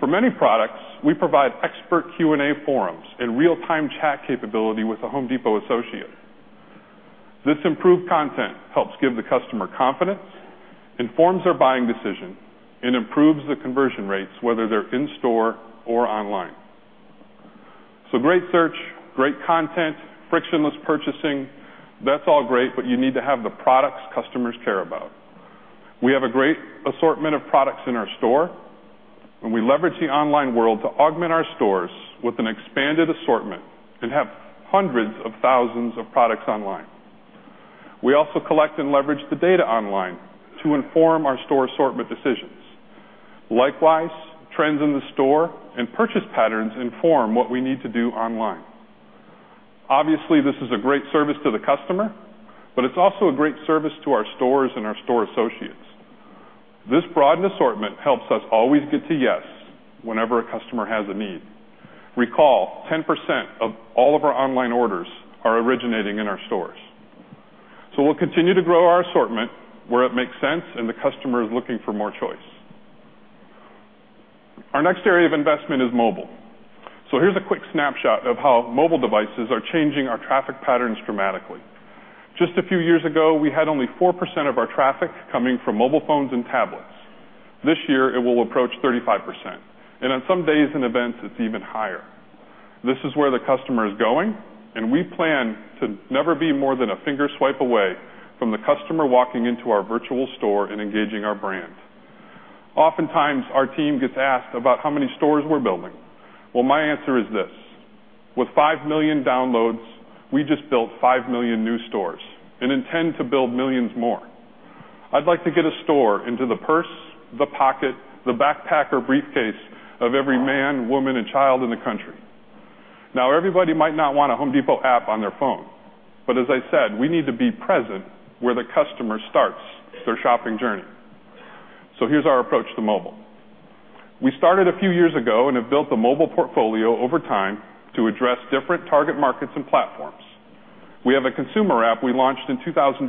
For many products, we provide expert Q&A forums and real-time chat capability with a Home Depot associate. This improved content helps give the customer confidence, informs their buying decision, and improves the conversion rates, whether they're in store or online. Great search, great content, frictionless purchasing. That's all great, but you need to have the products customers care about. We have a great assortment of products in our store, and we leverage the online world to augment our stores with an expanded assortment and have hundreds of thousands of products online. We also collect and leverage the data online to inform our store assortment decisions. Likewise, trends in the store and purchase patterns inform what we need to do online. Obviously, this is a great service to the customer, but it's also a great service to our stores and our store associates. This broadened assortment helps us always get to yes whenever a customer has a need. Recall, 10% of all of our online orders are originating in our stores. We'll continue to grow our assortment where it makes sense and the customer is looking for more choice. Our next area of investment is mobile. Here's a quick snapshot of how mobile devices are changing our traffic patterns dramatically. Just a few years ago, we had only 4% of our traffic coming from mobile phones and tablets. This year, it will approach 35%, and on some days and events, it's even higher. This is where the customer is going, and we plan to never be more than a finger swipe away from the customer walking into our virtual store and engaging our brand. Oftentimes, our team gets asked about how many stores we're building. Well, my answer is this: with 5 million downloads, we just built 5 million new stores and intend to build millions more. I'd like to get a store into the purse, the pocket, the backpack, or briefcase of every man, woman, and child in the country. Everybody might not want a The Home Depot app on their phone, but as I said, we need to be present where the customer starts their shopping journey. Here's our approach to mobile. We started a few years ago and have built a mobile portfolio over time to address different target markets and platforms. We have a consumer app we launched in 2010,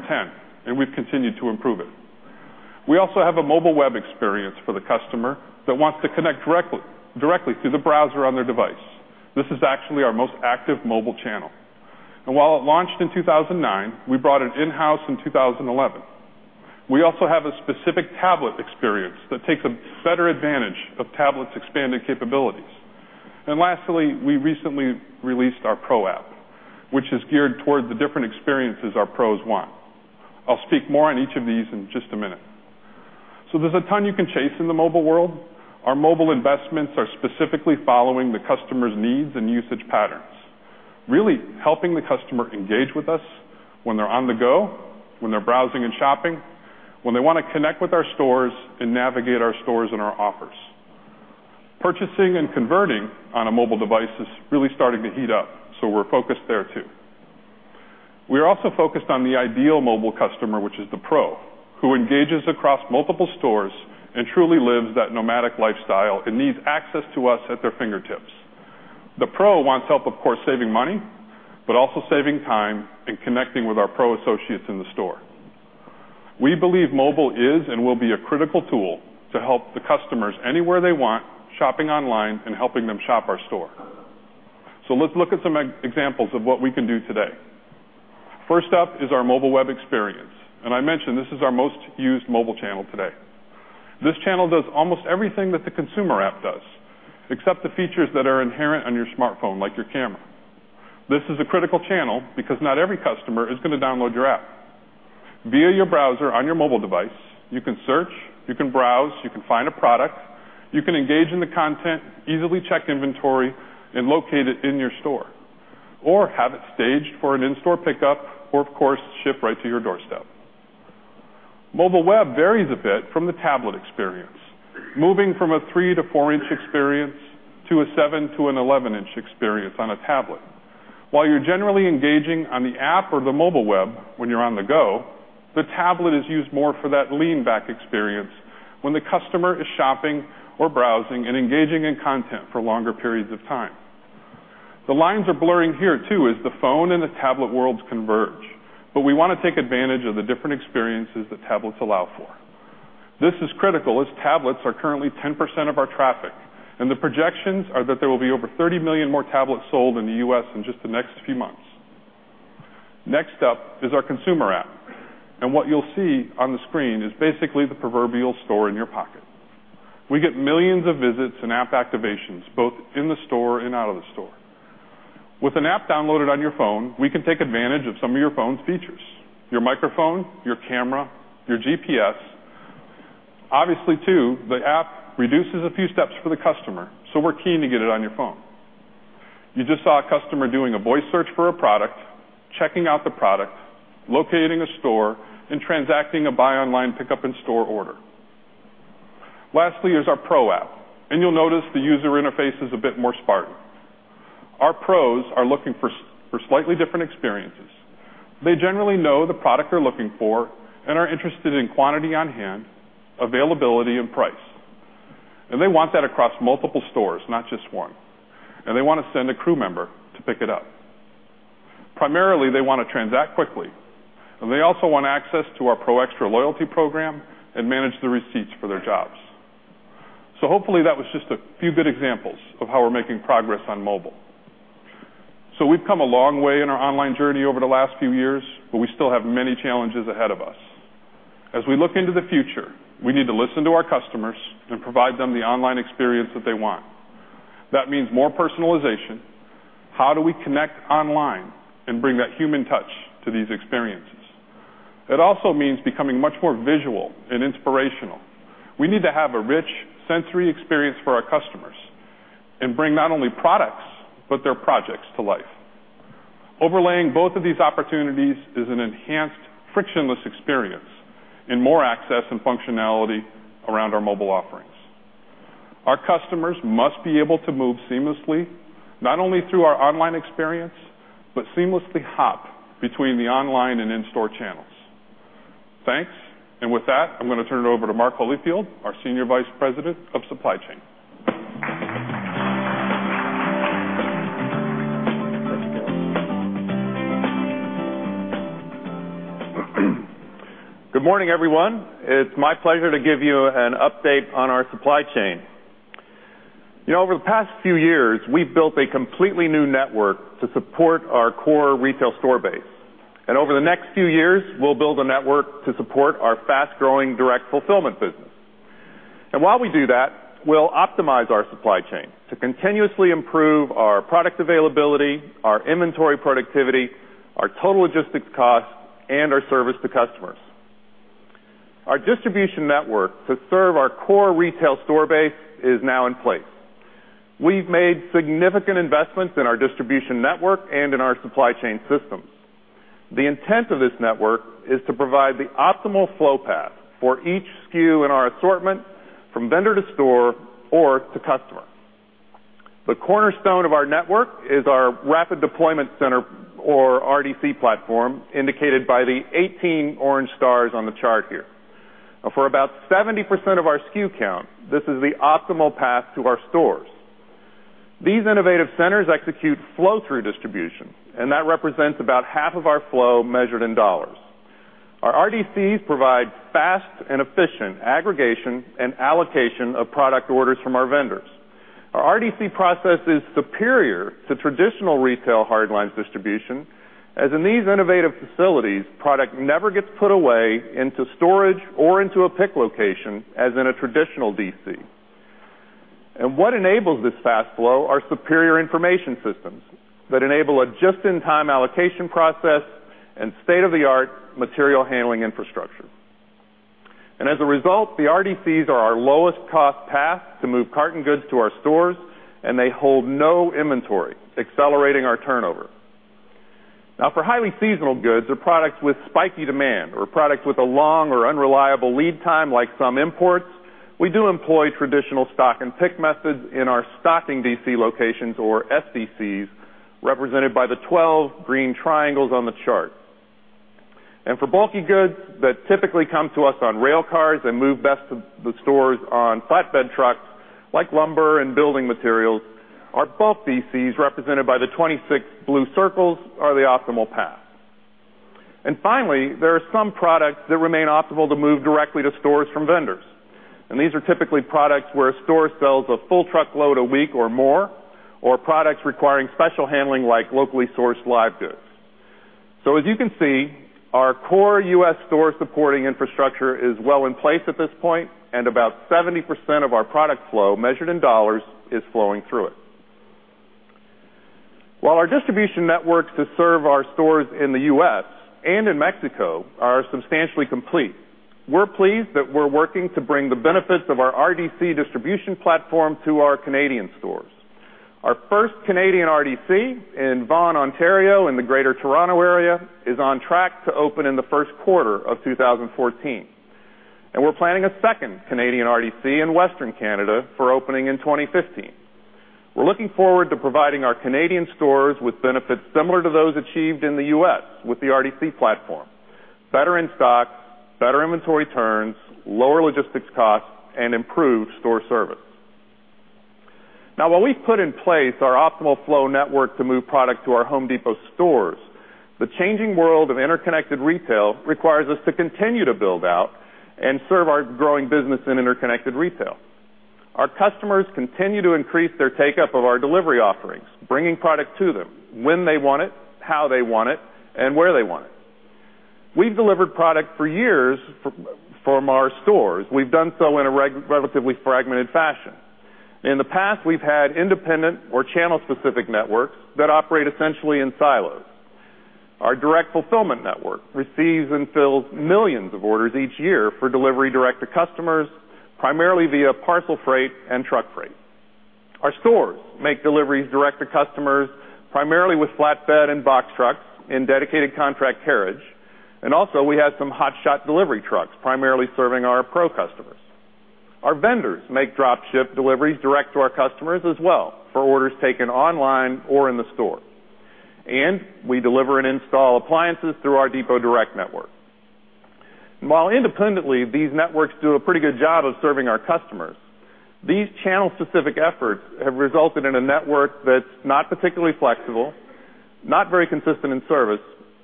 and we've continued to improve it. We also have a mobile web experience for the customer that wants to connect directly through the browser on their device. This is actually our most active mobile channel. While it launched in 2009, we brought it in-house in 2011. We also have a specific tablet experience that takes better advantage of tablets' expanded capabilities. Lastly, we recently released our Pro app, which is geared toward the different experiences our pros want. I'll speak more on each of these in just a minute. There's a ton you can chase in the mobile world. Our mobile investments are specifically following the customer's needs and usage patterns. Really helping the customer engage with us when they're on the go, when they're browsing and shopping, when they want to connect with our stores, and navigate our stores and our offers. Purchasing and converting on a mobile device is really starting to heat up, so we're focused there too. We are also focused on the ideal mobile customer, which is the pro, who engages across multiple stores and truly lives that nomadic lifestyle and needs access to us at their fingertips. The pro wants help, of course, saving money, but also saving time and connecting with our pro associates in the store. We believe mobile is and will be a critical tool to help the customers anywhere they want, shopping online and helping them shop our store. Let's look at some examples of what we can do today. First up is our mobile web experience, and I mentioned this is our most used mobile channel today. This channel does almost everything that the consumer app does, except the features that are inherent on your smartphone, like your camera. This is a critical channel because not every customer is going to download your app. Via your browser on your mobile device, you can search, you can browse, you can find a product, you can engage in the content, easily check inventory, and locate it in your store, or have it staged for an in-store pickup, or, of course, ship right to your doorstep. Mobile web varies a bit from the tablet experience. Moving from a three- to four-inch experience to a seven- to 11-inch experience on a tablet. While you're generally engaging on the app or the mobile web when you're on the go, the tablet is used more for that lean back experience when the customer is shopping or browsing and engaging in content for longer periods of time. The lines are blurring here too as the phone and the tablet worlds converge, but we want to take advantage of the different experiences that tablets allow for. This is critical as tablets are currently 10% of our traffic, and the projections are that there will be over 30 million more tablets sold in the U.S. in just the next few months. Next up is our consumer app, and what you'll see on the screen is basically the proverbial store in your pocket. We get millions of visits and app activations both in the store and out of the store. With an app downloaded on your phone, we can take advantage of some of your phone's features, your microphone, your camera, your GPS. Obviously, too, the app reduces a few steps for the customer, so we're keen to get it on your phone. You just saw a customer doing a voice search for a product, checking out the product, locating a store, and transacting a Buy Online, Pick Up In Store order. Lastly, is our Pro app. You'll notice the user interface is a bit more spartan. Our Pros are looking for slightly different experiences. They generally know the product they're looking for and are interested in quantity on hand, availability, and price. They want that across multiple stores, not just one. They want to send a crew member to pick it up. Primarily, they want to transact quickly, and they also want access to our Pro Xtra loyalty program and manage the receipts for their jobs. Hopefully, that was just a few good examples of how we're making progress on mobile. We've come a long way in our online journey over the last few years, but we still have many challenges ahead of us. As we look into the future, we need to listen to our customers and provide them the online experience that they want. That means more personalization. How do we connect online and bring that human touch to these experiences? It also means becoming much more visual and inspirational. We need to have a rich sensory experience for our customers and bring not only products, but their projects to life. Overlaying both of these opportunities is an enhanced, frictionless experience and more access and functionality around our mobile offerings. Our customers must be able to move seamlessly not only through our online experience but seamlessly hop between the online and in-store channels. Thanks. With that, I'm going to turn it over to Mark Holifield, our Senior Vice President of Supply Chain. Good morning, everyone. It's my pleasure to give you an update on our Supply Chain. Over the past few years, we've built a completely new network to support our core retail store base. Over the next few years, we'll build a network to support our fast-growing direct fulfillment business. While we do that, we'll optimize our Supply Chain to continuously improve our product availability, our inventory productivity, our total logistics costs, and our service to customers. Our distribution network to serve our core retail store base is now in place. We've made significant investments in our distribution network and in our Supply Chain systems. The intent of this network is to provide the optimal flow path for each SKU in our assortment from vendor to store or to customer. The cornerstone of our network is our rapid deployment center or RDC platform, indicated by the 18 orange stars on the chart here. For about 70% of our SKU count, this is the optimal path to our stores. These innovative centers execute flow-through distribution, that represents about half of our flow measured in dollars. Our RDCs provide fast and efficient aggregation and allocation of product orders from our vendors. Our RDC process is superior to traditional retail hardlines distribution, as in these innovative facilities, product never gets put away into storage or into a pick location as in a traditional DC. What enables this fast flow are superior information systems that enable a just-in-time allocation process and state-of-the-art material handling infrastructure. As a result, the RDCs are our lowest cost path to move carton goods to our stores, they hold no inventory, accelerating our turnover. For highly seasonal goods or products with spiky demand or products with a long or unreliable lead time like some imports, we do employ traditional stock and pick methods in our stocking DC locations or SDCs, represented by the 12 green triangles on the chart. For bulky goods that typically come to us on rail cars and move best to the stores on flatbed trucks, like lumber and building materials, our bulk DCs, represented by the 26 blue circles, are the optimal path. Finally, there are some products that remain optimal to move directly to stores from vendors. These are typically products where a store sells a full truckload a week or more, or products requiring special handling like locally sourced live goods. As you can see, our core U.S. store supporting infrastructure is well in place at this point, about 70% of our product flow measured in dollars is flowing through it. While our distribution networks that serve our stores in the U.S. and in Mexico are substantially complete, we're pleased that we're working to bring the benefits of our RDC distribution platform to our Canadian stores. Our first Canadian RDC in Vaughan, Ontario in the Greater Toronto Area is on track to open in the first quarter of 2014. We're planning a second Canadian RDC in Western Canada for opening in 2015. We're looking forward to providing our Canadian stores with benefits similar to those achieved in the U.S. with the RDC platform: better in-stock, better inventory turns, lower logistics costs, and improved store service. While we've put in place our optimal flow network to move product to our The Home Depot stores, the changing world of interconnected retail requires us to continue to build out and serve our growing business in interconnected retail. Our customers continue to increase their take-up of our delivery offerings, bringing product to them when they want it, how they want it, and where they want it. We've delivered product for years from our stores. We've done so in a relatively fragmented fashion. In the past, we've had independent or channel-specific networks that operate essentially in silos. Our direct fulfillment network receives and fills millions of orders each year for delivery direct to customers, primarily via parcel freight and truck freight. Our stores make deliveries direct to customers, primarily with flatbed and box trucks in dedicated contract carriage. Also, we have some hotshot delivery trucks, primarily serving our Pro customers. Our vendors make drop ship deliveries direct to our customers as well for orders taken online or in the store. We deliver and install appliances through our DepotDirect network. While independently, these networks do a pretty good job of serving our customers, these channel-specific efforts have resulted in a network that's not particularly flexible, not very consistent in service,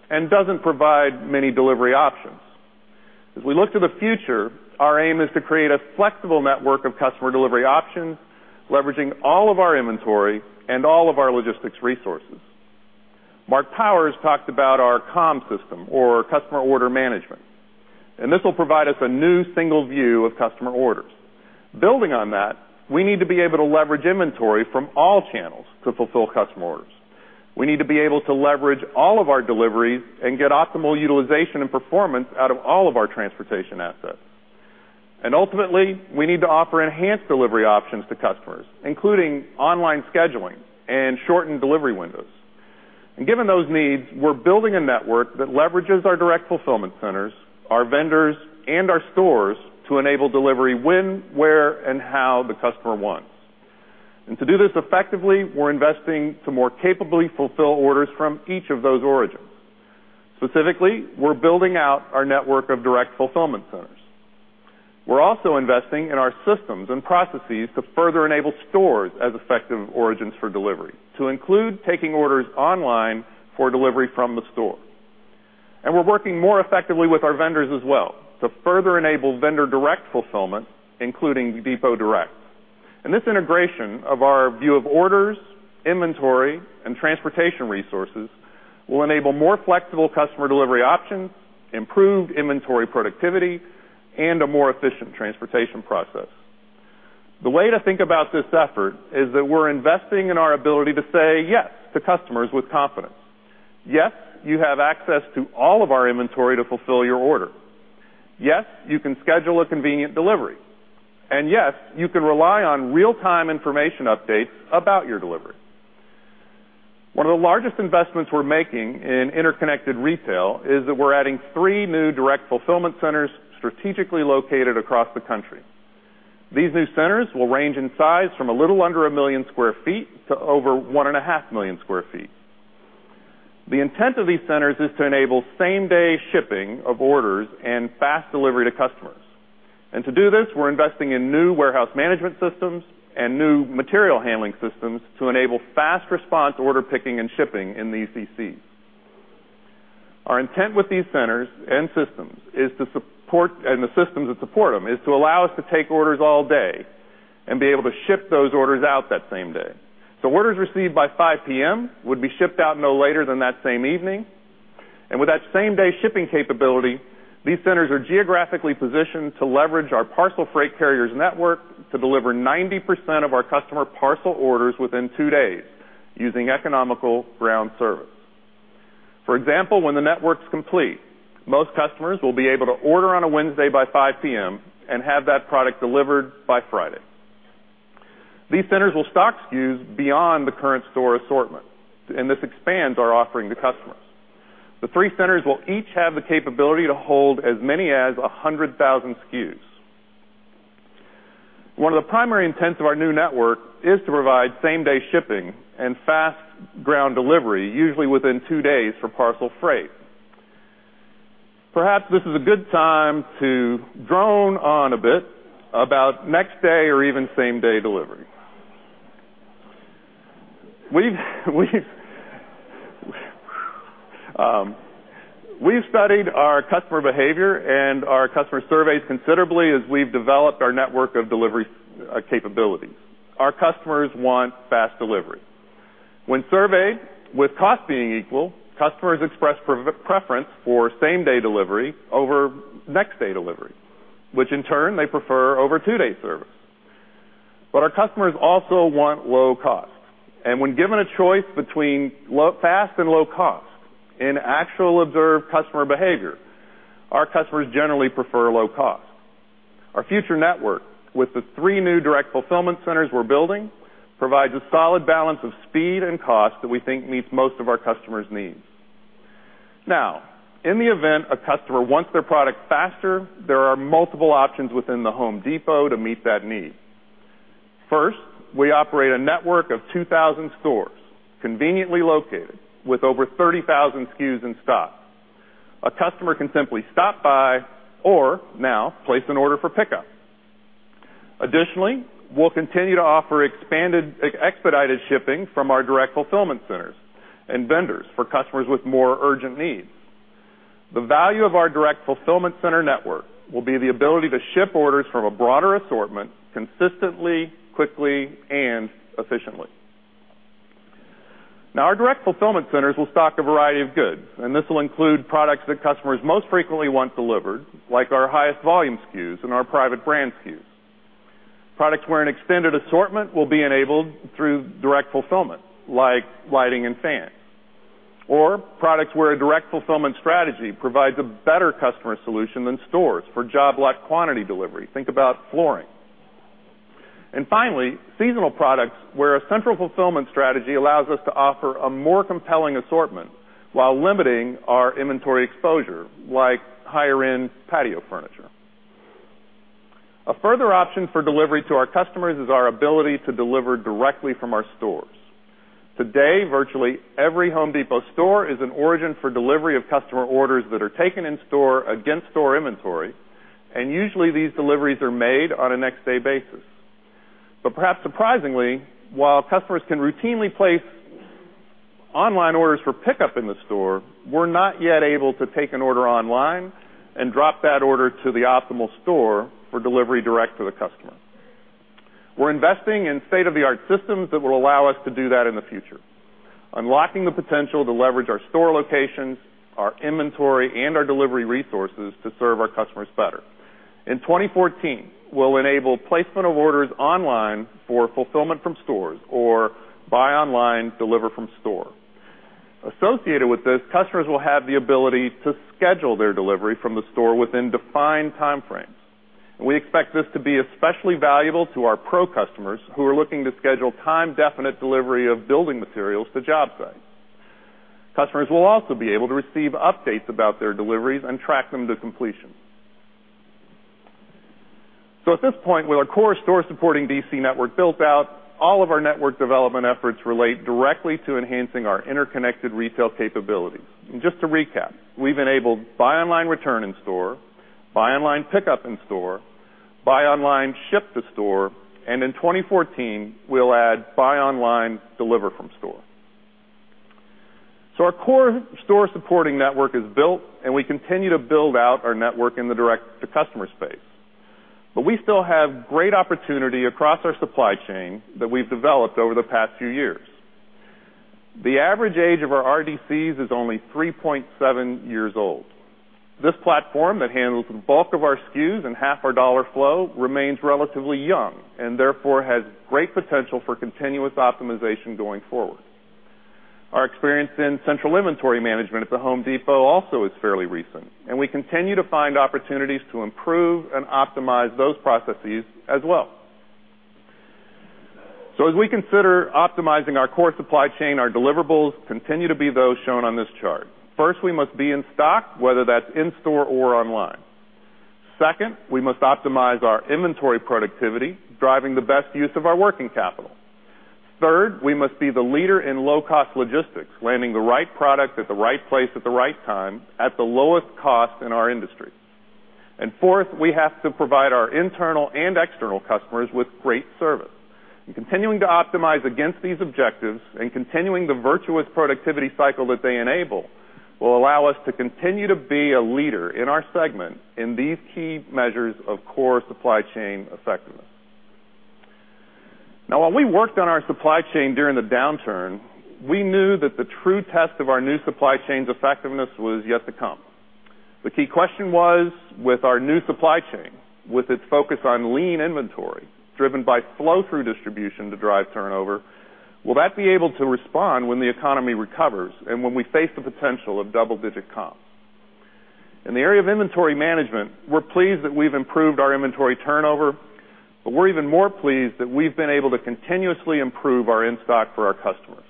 and doesn't provide many delivery options. As we look to the future, our aim is to create a flexible network of customer delivery options, leveraging all of our inventory and all of our logistics resources. Marc Powers talked about our COM system or Customer Order Management. This will provide us a new single view of customer orders. Building on that, we need to be able to leverage inventory from all channels to fulfill customer orders. We need to be able to leverage all of our deliveries and get optimal utilization and performance out of all of our transportation assets. Ultimately, we need to offer enhanced delivery options to customers, including online scheduling and shortened delivery windows. Given those needs, we're building a network that leverages our direct fulfillment centers, our vendors, and our stores to enable delivery when, where, and how the customer wants. To do this effectively, we're investing to more capably fulfill orders from each of those origins. Specifically, we're building out our network of direct fulfillment centers. We're also investing in our systems and processes to further enable stores as effective origins for delivery, to include taking orders online for delivery from the store. We're working more effectively with our vendors as well to further enable vendor direct fulfillment, including DepotDirect. This integration of our view of orders, inventory, and transportation resources will enable more flexible customer delivery options, improved inventory productivity, and a more efficient transportation process. The way to think about this effort is that we're investing in our ability to say "Yes" to customers with confidence. Yes, you have access to all of our inventory to fulfill your order. Yes, you can schedule a convenient delivery, and yes, you can rely on real-time information updates about your delivery. One of the largest investments we're making in interconnected retail is that we're adding three new direct fulfillment centers strategically located across the country. These new centers will range in size from a little under 1 million square feet to over 1.5 million square feet. The intent of these centers is to enable same-day shipping of orders and fast delivery to customers. To do this, we're investing in new warehouse management systems and new material handling systems to enable fast response order picking and shipping in these DCs. Our intent with these centers and systems and the systems that support them is to allow us to take orders all day and be able to ship those orders out that same day. So orders received by 5:00 P.M. would be shipped out no later than that same evening. With that same-day shipping capability, these centers are geographically positioned to leverage our parcel freight carriers network to deliver 90% of our customer parcel orders within two days using economical ground service. For example, when the network's complete, most customers will be able to order on a Wednesday by 5:00 P.M. and have that product delivered by Friday. These centers will stock SKUs beyond the current store assortment. This expands our offering to customers. The three centers will each have the capability to hold as many as 100,000 SKUs. One of the primary intents of our new network is to provide same-day shipping and fast ground delivery, usually within two days for parcel freight. Perhaps this is a good time to drone on a bit about next-day or even same-day delivery. We've studied our customer behavior and our customer surveys considerably as we've developed our network of delivery capabilities. Our customers want fast delivery. When surveyed, with cost being equal, customers expressed preference for same-day delivery over next-day delivery, which in turn they prefer over two-day service. Our customers also want low cost. When given a choice between fast and low cost in actual observed customer behavior, our customers generally prefer low cost. Our future network with the three new direct fulfillment centers we're building provides a solid balance of speed and cost that we think meets most of our customers' needs. In the event a customer wants their product faster, there are multiple options within The Home Depot to meet that need. First, we operate a network of 2,000 stores conveniently located with over 30,000 SKUs in stock. A customer can simply stop by or now place an order for pickup. Additionally, we'll continue to offer expanded expedited shipping from our direct fulfillment centers and vendors for customers with more urgent needs. The value of our direct fulfillment center network will be the ability to ship orders from a broader assortment consistently, quickly, and efficiently. Our direct fulfillment centers will stock a variety of goods. This will include products that customers most frequently want delivered, like our highest volume SKUs and our private brand SKUs. Products where an extended assortment will be enabled through direct fulfillment, like lighting and fans. Products where a direct fulfillment strategy provides a better customer solution than stores for job-lot quantity delivery. Think about flooring. Finally, seasonal products where a central fulfillment strategy allows us to offer a more compelling assortment while limiting our inventory exposure, like higher-end patio furniture. A further option for delivery to our customers is our ability to deliver directly from our stores. Today, virtually every Home Depot store is an origin for delivery of customer orders that are taken in-store against store inventory. Usually these deliveries are made on a next-day basis. Perhaps surprisingly, while customers can routinely place online orders for pickup in the store, we're not yet able to take an order online and drop that order to the optimal store for delivery direct to the customer. We're investing in state-of-the-art systems that will allow us to do that in the future, unlocking the potential to leverage our store locations, our inventory, and our delivery resources to serve our customers better. In 2014, we'll enable placement of orders online for fulfillment from stores or buy online, deliver from store. Associated with this, customers will have the ability to schedule their delivery from the store within defined time frames. We expect this to be especially valuable to our Pro customers who are looking to schedule time-definite delivery of building materials to job sites. Customers will also be able to receive updates about their deliveries and track them to completion. At this point, with our core store supporting DC network built out, all of our network development efforts relate directly to enhancing our interconnected retail capabilities. Just to recap, we've enabled Buy Online, Return In Store, Buy Online, Pick Up In Store, Buy Online, Ship To Store, and in 2014, we'll add Buy Online, Deliver From Store. Our core store supporting network is built, and we continue to build out our network in the direct-to-customer space. We still have great opportunity across our supply chain that we've developed over the past few years. The average age of our RDCs is only 3.7 years old. This platform that handles the bulk of our SKUs and half our dollar flow remains relatively young and therefore has great potential for continuous optimization going forward. Our experience in central inventory management at The Home Depot also is fairly recent, and we continue to find opportunities to improve and optimize those processes as well. As we consider optimizing our core supply chain, our deliverables continue to be those shown on this chart. First, we must be in stock, whether that's in store or online. Second, we must optimize our inventory productivity, driving the best use of our working capital. Third, we must be the leader in low-cost logistics, landing the right product at the right place at the right time at the lowest cost in our industry. Fourth, we have to provide our internal and external customers with great service. Continuing to optimize against these objectives and continuing the virtuous productivity cycle that they enable will allow us to continue to be a leader in our segment in these key measures of core supply chain effectiveness. While we worked on our supply chain during the downturn, we knew that the true test of our new supply chain's effectiveness was yet to come. The key question was, with our new supply chain, with its focus on lean inventory, driven by flow-through distribution to drive turnover, will that be able to respond when the economy recovers and when we face the potential of double-digit comps? In the area of inventory management, we're pleased that we've improved our inventory turnover, but we're even more pleased that we've been able to continuously improve our in-stock for our customers.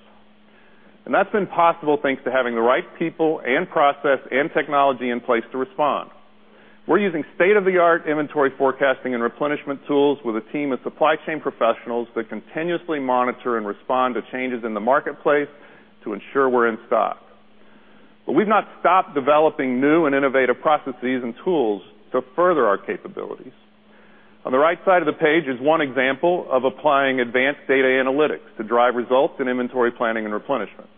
That's been possible thanks to having the right people and process and technology in place to respond. We're using state-of-the-art inventory forecasting and replenishment tools with a team of supply chain professionals that continuously monitor and respond to changes in the marketplace to ensure we're in stock. We've not stopped developing new and innovative processes and tools to further our capabilities. On the right side of the page is one example of applying advanced data analytics to drive results in inventory planning and replenishment.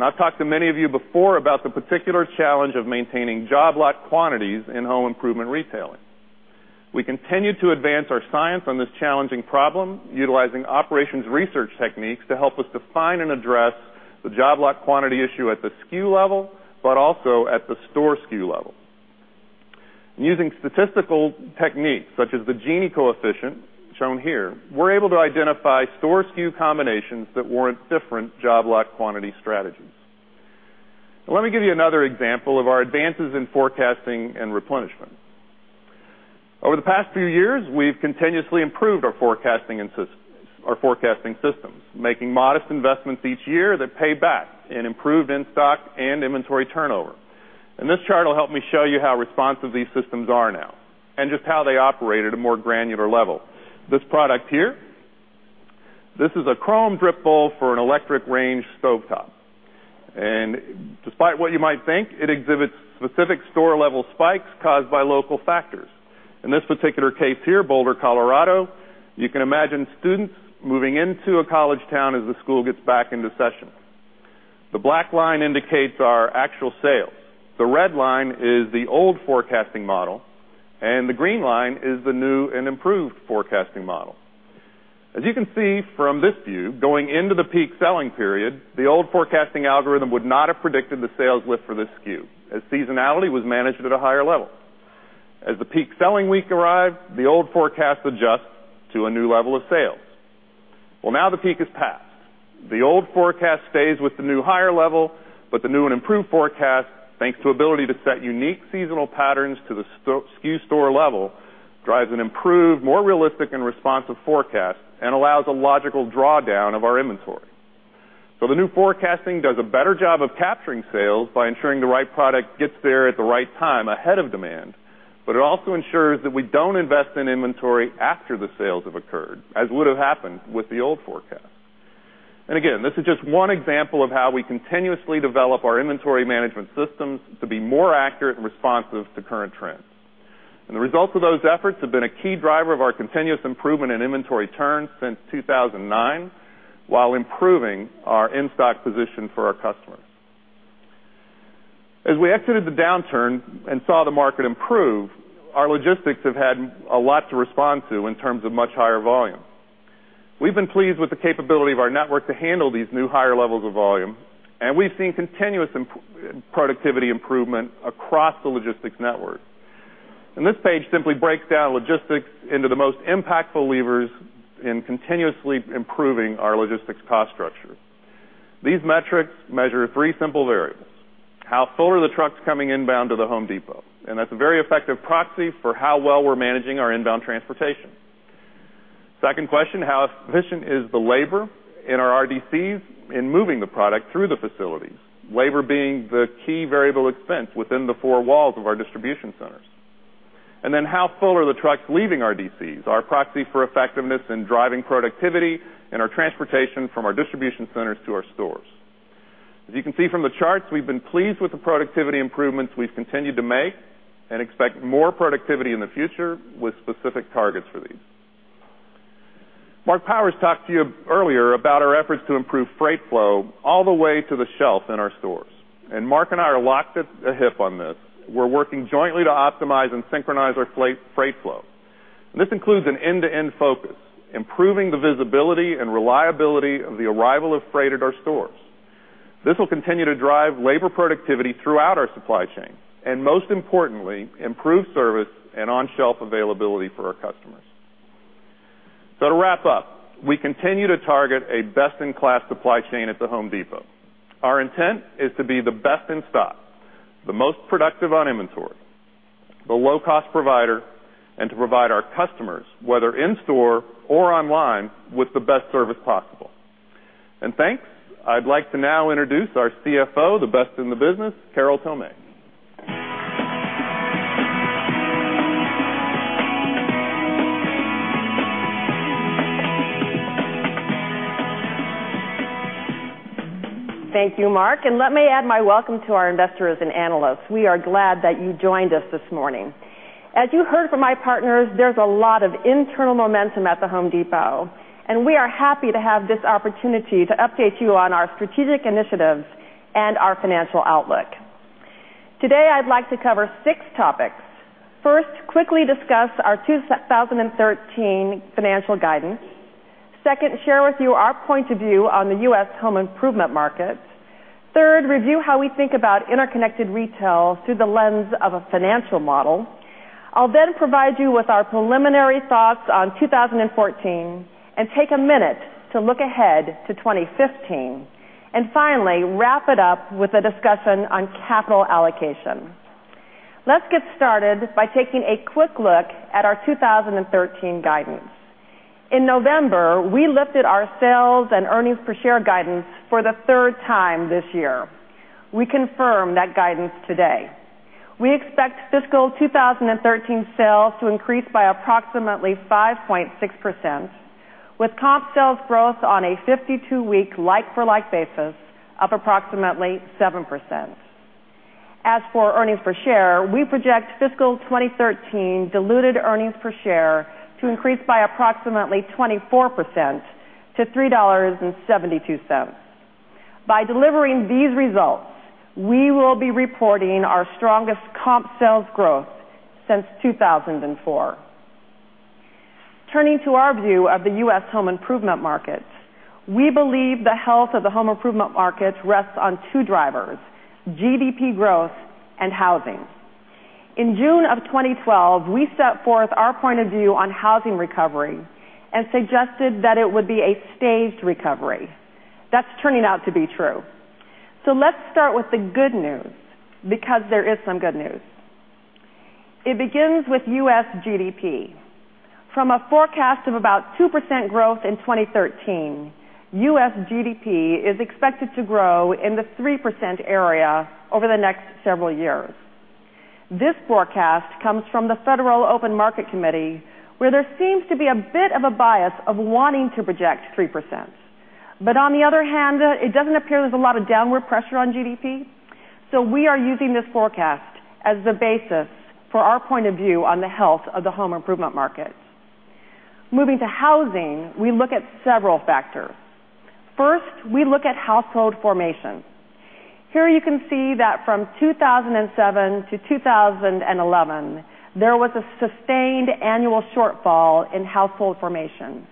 I've talked to many of you before about the particular challenge of maintaining job lot quantities in home improvement retailing. We continue to advance our science on this challenging problem, utilizing operations research techniques to help us define and address the job lot quantity issue at the SKU level, but also at the store SKU level. Using statistical techniques such as the Gini coefficient, shown here, we're able to identify store SKU combinations that warrant different job lot quantity strategies. Let me give you another example of our advances in forecasting and replenishment. Over the past few years, we've continuously improved our forecasting systems, making modest investments each year that pay back in improved in-stock and inventory turnover. This chart will help me show you how responsive these systems are now and just how they operate at a more granular level. This product here, this is a chrome drip bowl for an electric range stove top. Despite what you might think, it exhibits specific store-level spikes caused by local factors. In this particular case here, Boulder, Colorado, you can imagine students moving into a college town as the school gets back into session. The black line indicates our actual sales. The red line is the old forecasting model. The green line is the new and improved forecasting model. As you can see from this view, going into the peak selling period, the old forecasting algorithm would not have predicted the sales lift for this SKU, as seasonality was managed at a higher level. As the peak selling week arrived, the old forecast adjusts to a new level of sales. Well, now the peak has passed. The old forecast stays with the new higher level. The new and improved forecast, thanks to ability to set unique seasonal patterns to the SKU store level, drives an improved, more realistic and responsive forecast and allows a logical drawdown of our inventory. The new forecasting does a better job of capturing sales by ensuring the right product gets there at the right time ahead of demand. It also ensures that we don't invest in inventory after the sales have occurred, as would have happened with the old forecast. Again, this is just one example of how we continuously develop our inventory management systems to be more accurate and responsive to current trends. The results of those efforts have been a key driver of our continuous improvement in inventory turns since 2009 while improving our in-stock position for our customers. As we exited the downturn and saw the market improve, our logistics have had a lot to respond to in terms of much higher volume. We've been pleased with the capability of our network to handle these new higher levels of volume. We've seen continuous productivity improvement across the logistics network. This page simply breaks down logistics into the most impactful levers in continuously improving our logistics cost structure. These metrics measure three simple variables. How full are the trucks coming inbound to The Home Depot? That's a very effective proxy for how well we're managing our inbound transportation. Second question, how efficient is the labor in our RDCs in moving the product through the facilities, labor being the key variable expense within the four walls of our distribution centers? Then how full are the trucks leaving RDCs, our proxy for effectiveness in driving productivity and our transportation from our distribution centers to our stores? As you can see from the charts, we've been pleased with the productivity improvements we've continued to make and expect more productivity in the future with specific targets for these. Marc Powers talked to you earlier about our efforts to improve freight flow all the way to the shelf in our stores. Marc and I are locked at the hip on this. We're working jointly to optimize and synchronize our freight flow. This includes an end-to-end focus, improving the visibility and reliability of the arrival of freight at our stores. This will continue to drive labor productivity throughout our supply chain, and most importantly, improve service and on-shelf availability for our customers. To wrap up, we continue to target a best-in-class supply chain at The Home Depot. Our intent is to be the best in stock, the most productive on inventory, the low-cost provider, and to provide our customers, whether in store or online, with the best service possible. Thanks. I'd like to now introduce our CFO, the best in the business, Carol Tomé. Thank you, Mark, and let me add my welcome to our investors and analysts. We are glad that you joined us this morning. As you heard from my partners, there's a lot of internal momentum at The Home Depot, and we are happy to have this opportunity to update you on our strategic initiatives and our financial outlook. Today, I'd like to cover six topics. First, quickly discuss our 2013 financial guidance. Second, share with you our point of view on the U.S. home improvement market. Third, review how we think about interconnected retail through the lens of a financial model. I'll then provide you with our preliminary thoughts on 2014 and take a minute to look ahead to 2015, and finally, wrap it up with a discussion on capital allocation. Let's get started by taking a quick look at our 2013 guidance. In November, we lifted our sales and earnings per share guidance for the third time this year. We confirm that guidance today. We expect fiscal 2013 sales to increase by approximately 5.6%, with comp sales growth on a 52-week like-for-like basis up approximately 7%. As for earnings per share, we project fiscal 2013 diluted earnings per share to increase by approximately 24% to $3.72. By delivering these results, we will be reporting our strongest comp sales growth since 2004. Turning to our view of the U.S. home improvement market, we believe the health of the home improvement market rests on two drivers, GDP growth and housing. In June of 2012, we set forth our point of view on housing recovery and suggested that it would be a staged recovery. That's turning out to be true. Let's start with the good news, because there is some good news. It begins with U.S. GDP. From a forecast of about 2% growth in 2013, U.S. GDP is expected to grow in the 3% area over the next several years. This forecast comes from the Federal Open Market Committee, where there seems to be a bit of a bias of wanting to project 3%. On the other hand, it doesn't appear there's a lot of downward pressure on GDP. So we are using this forecast as the basis for our point of view on the health of the home improvement market. Moving to housing, we look at several factors. First, we look at household formation. Here you can see that from 2007 to 2011, there was a sustained annual shortfall in household formation,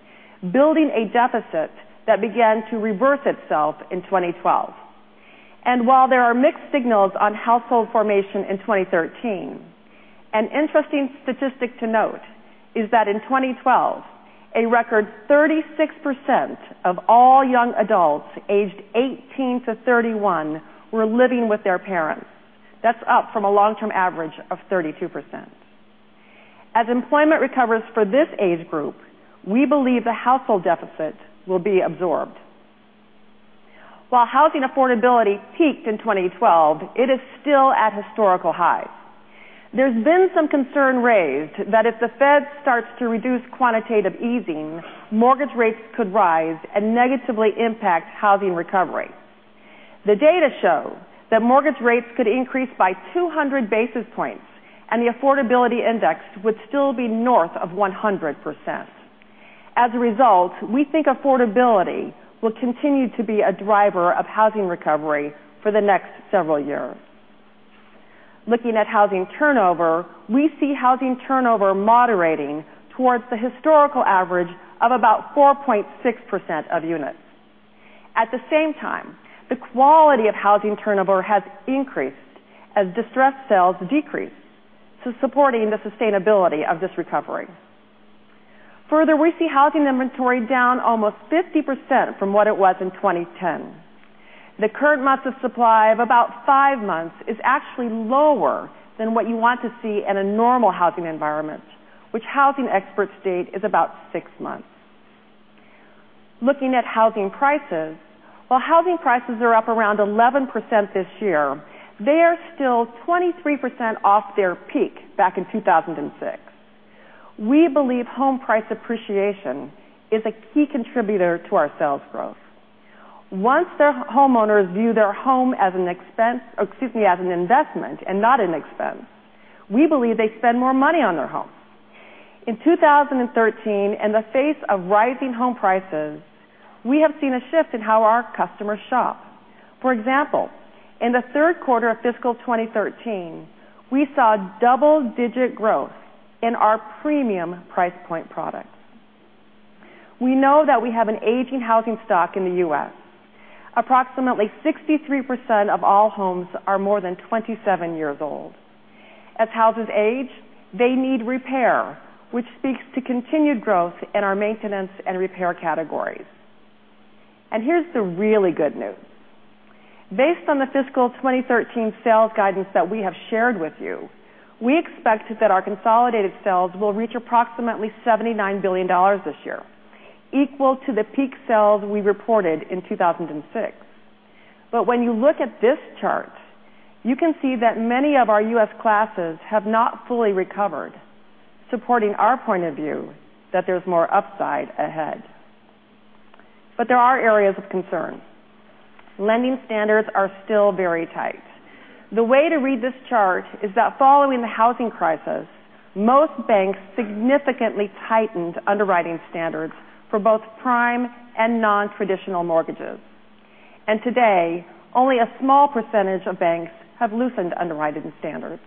building a deficit that began to reverse itself in 2012. While there are mixed signals on household formation in 2013, an interesting statistic to note is that in 2012, a record 36% of all young adults aged 18 to 31 were living with their parents. That's up from a long-term average of 32%. As employment recovers for this age group, we believe the household deficit will be absorbed. While housing affordability peaked in 2012, it is still at historical highs. There's been some concern raised that if the Fed starts to reduce quantitative easing, mortgage rates could rise and negatively impact housing recovery. The data show that mortgage rates could increase by 200 basis points, and the affordability index would still be north of 100%. As a result, we think affordability will continue to be a driver of housing recovery for the next several years. Looking at housing turnover, we see housing turnover moderating towards the historical average of about 4.6% of units. At the same time, the quality of housing turnover has increased as distressed sales decrease to supporting the sustainability of this recovery. Further, we see housing inventory down almost 50% from what it was in 2010. The current months of supply of about five months is actually lower than what you want to see in a normal housing environment, which housing experts state is about six months. Looking at housing prices, while housing prices are up around 11% this year, they are still 23% off their peak back in 2006. We believe home price appreciation is a key contributor to our sales growth. Once the homeowners view their home as an investment and not an expense, we believe they spend more money on their home. In 2013, in the face of rising home prices, we have seen a shift in how our customers shop. For example, in the third quarter of fiscal 2013, we saw double-digit growth in our premium price point products. We know that we have an aging housing stock in the U.S. Approximately 63% of all homes are more than 27 years old. As houses age, they need repair, which speaks to continued growth in our maintenance and repair categories. And here's the really good news. Based on the fiscal 2013 sales guidance that we have shared with you, we expect that our consolidated sales will reach approximately $79 billion this year, equal to the peak sales we reported in 2006. When you look at this chart, you can see that many of our U.S. classes have not fully recovered, supporting our point of view that there's more upside ahead. There are areas of concern. Lending standards are still very tight. The way to read this chart is that following the housing crisis, most banks significantly tightened underwriting standards for both prime and non-traditional mortgages. Today, only a small percentage of banks have loosened underwriting standards.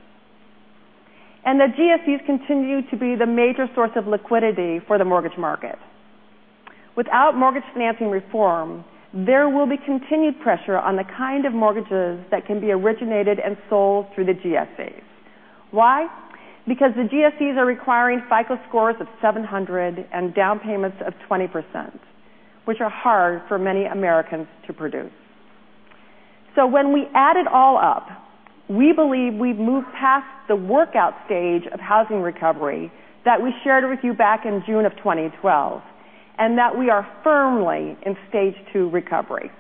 The GSEs continue to be the major source of liquidity for the mortgage market. Without mortgage financing reform, there will be continued pressure on the kind of mortgages that can be originated and sold through the GSEs. Why? Because the GSEs are requiring FICO scores of 700 and down payments of 20%, which are hard for many Americans to produce. When we add it all up, we believe we've moved past the workout stage of housing recovery that we shared with you back in June of 2012, and that we are firmly in stage 2 recovery.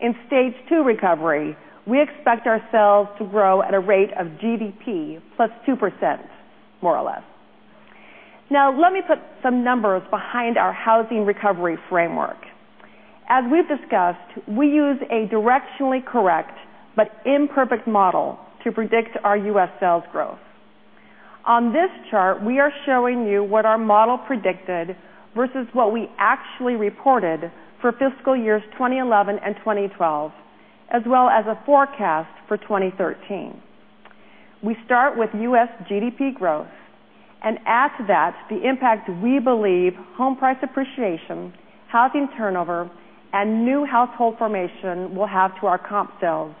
In stage 2 recovery, we expect our sales to grow at a rate of GDP plus 2%, more or less. Now, let me put some numbers behind our housing recovery framework. As we've discussed, we use a directionally correct but imperfect model to predict our U.S. sales growth. On this chart, we are showing you what our model predicted versus what we actually reported for fiscal years 2011 and 2012, as well as a forecast for 2013. We start with U.S. GDP growth and add to that the impact we believe home price appreciation, housing turnover, and new household formation will have to our comp sales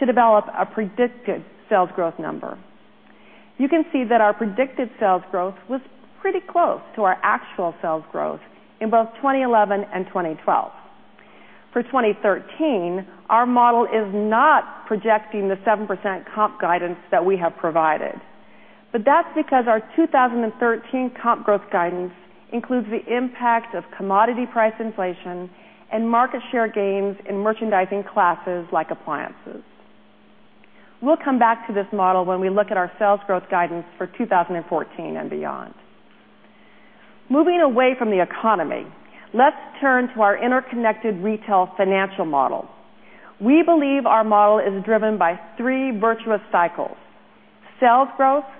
to develop a predicted sales growth number. You can see that our predicted sales growth was pretty close to our actual sales growth in both 2011 and 2012. For 2013, our model is not projecting the 7% comp guidance that we have provided, but that's because our 2013 comp growth guidance includes the impact of commodity price inflation and market share gains in merchandising classes like appliances. We'll come back to this model when we look at our sales growth guidance for 2014 and beyond. Moving away from the economy, let's turn to our interconnected retail financial model. We believe our model is driven by three virtuous cycles: sales growth,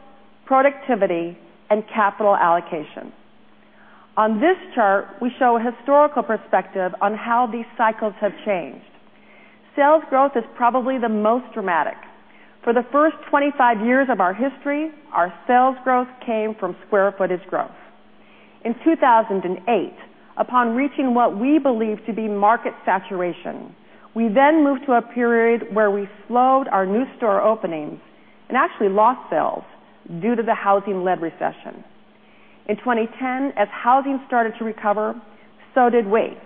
productivity, and capital allocation. On this chart, we show a historical perspective on how these cycles have changed. Sales growth is probably the most dramatic. For the first 25 years of our history, our sales growth came from square footage growth. In 2008, upon reaching what we believe to be market saturation, we then moved to a period where we slowed our new store openings and actually lost sales due to the housing-led recession. In 2010, as housing started to recover, so did we.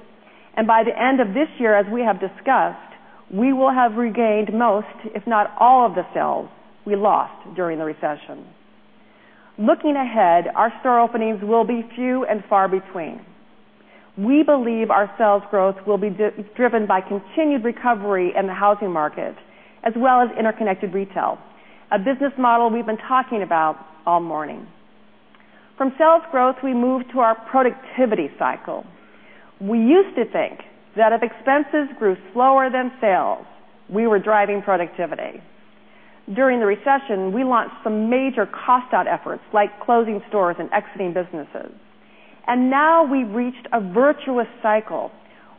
By the end of this year, as we have discussed, we will have regained most, if not all of the sales we lost during the recession. Looking ahead, our store openings will be few and far between. We believe our sales growth will be driven by continued recovery in the housing market as well as interconnected retail, a business model we've been talking about all morning. From sales growth, we move to our productivity cycle. We used to think that if expenses grew slower than sales, we were driving productivity. During the recession, we launched some major cost out efforts like closing stores and exiting businesses. Now we've reached a virtuous cycle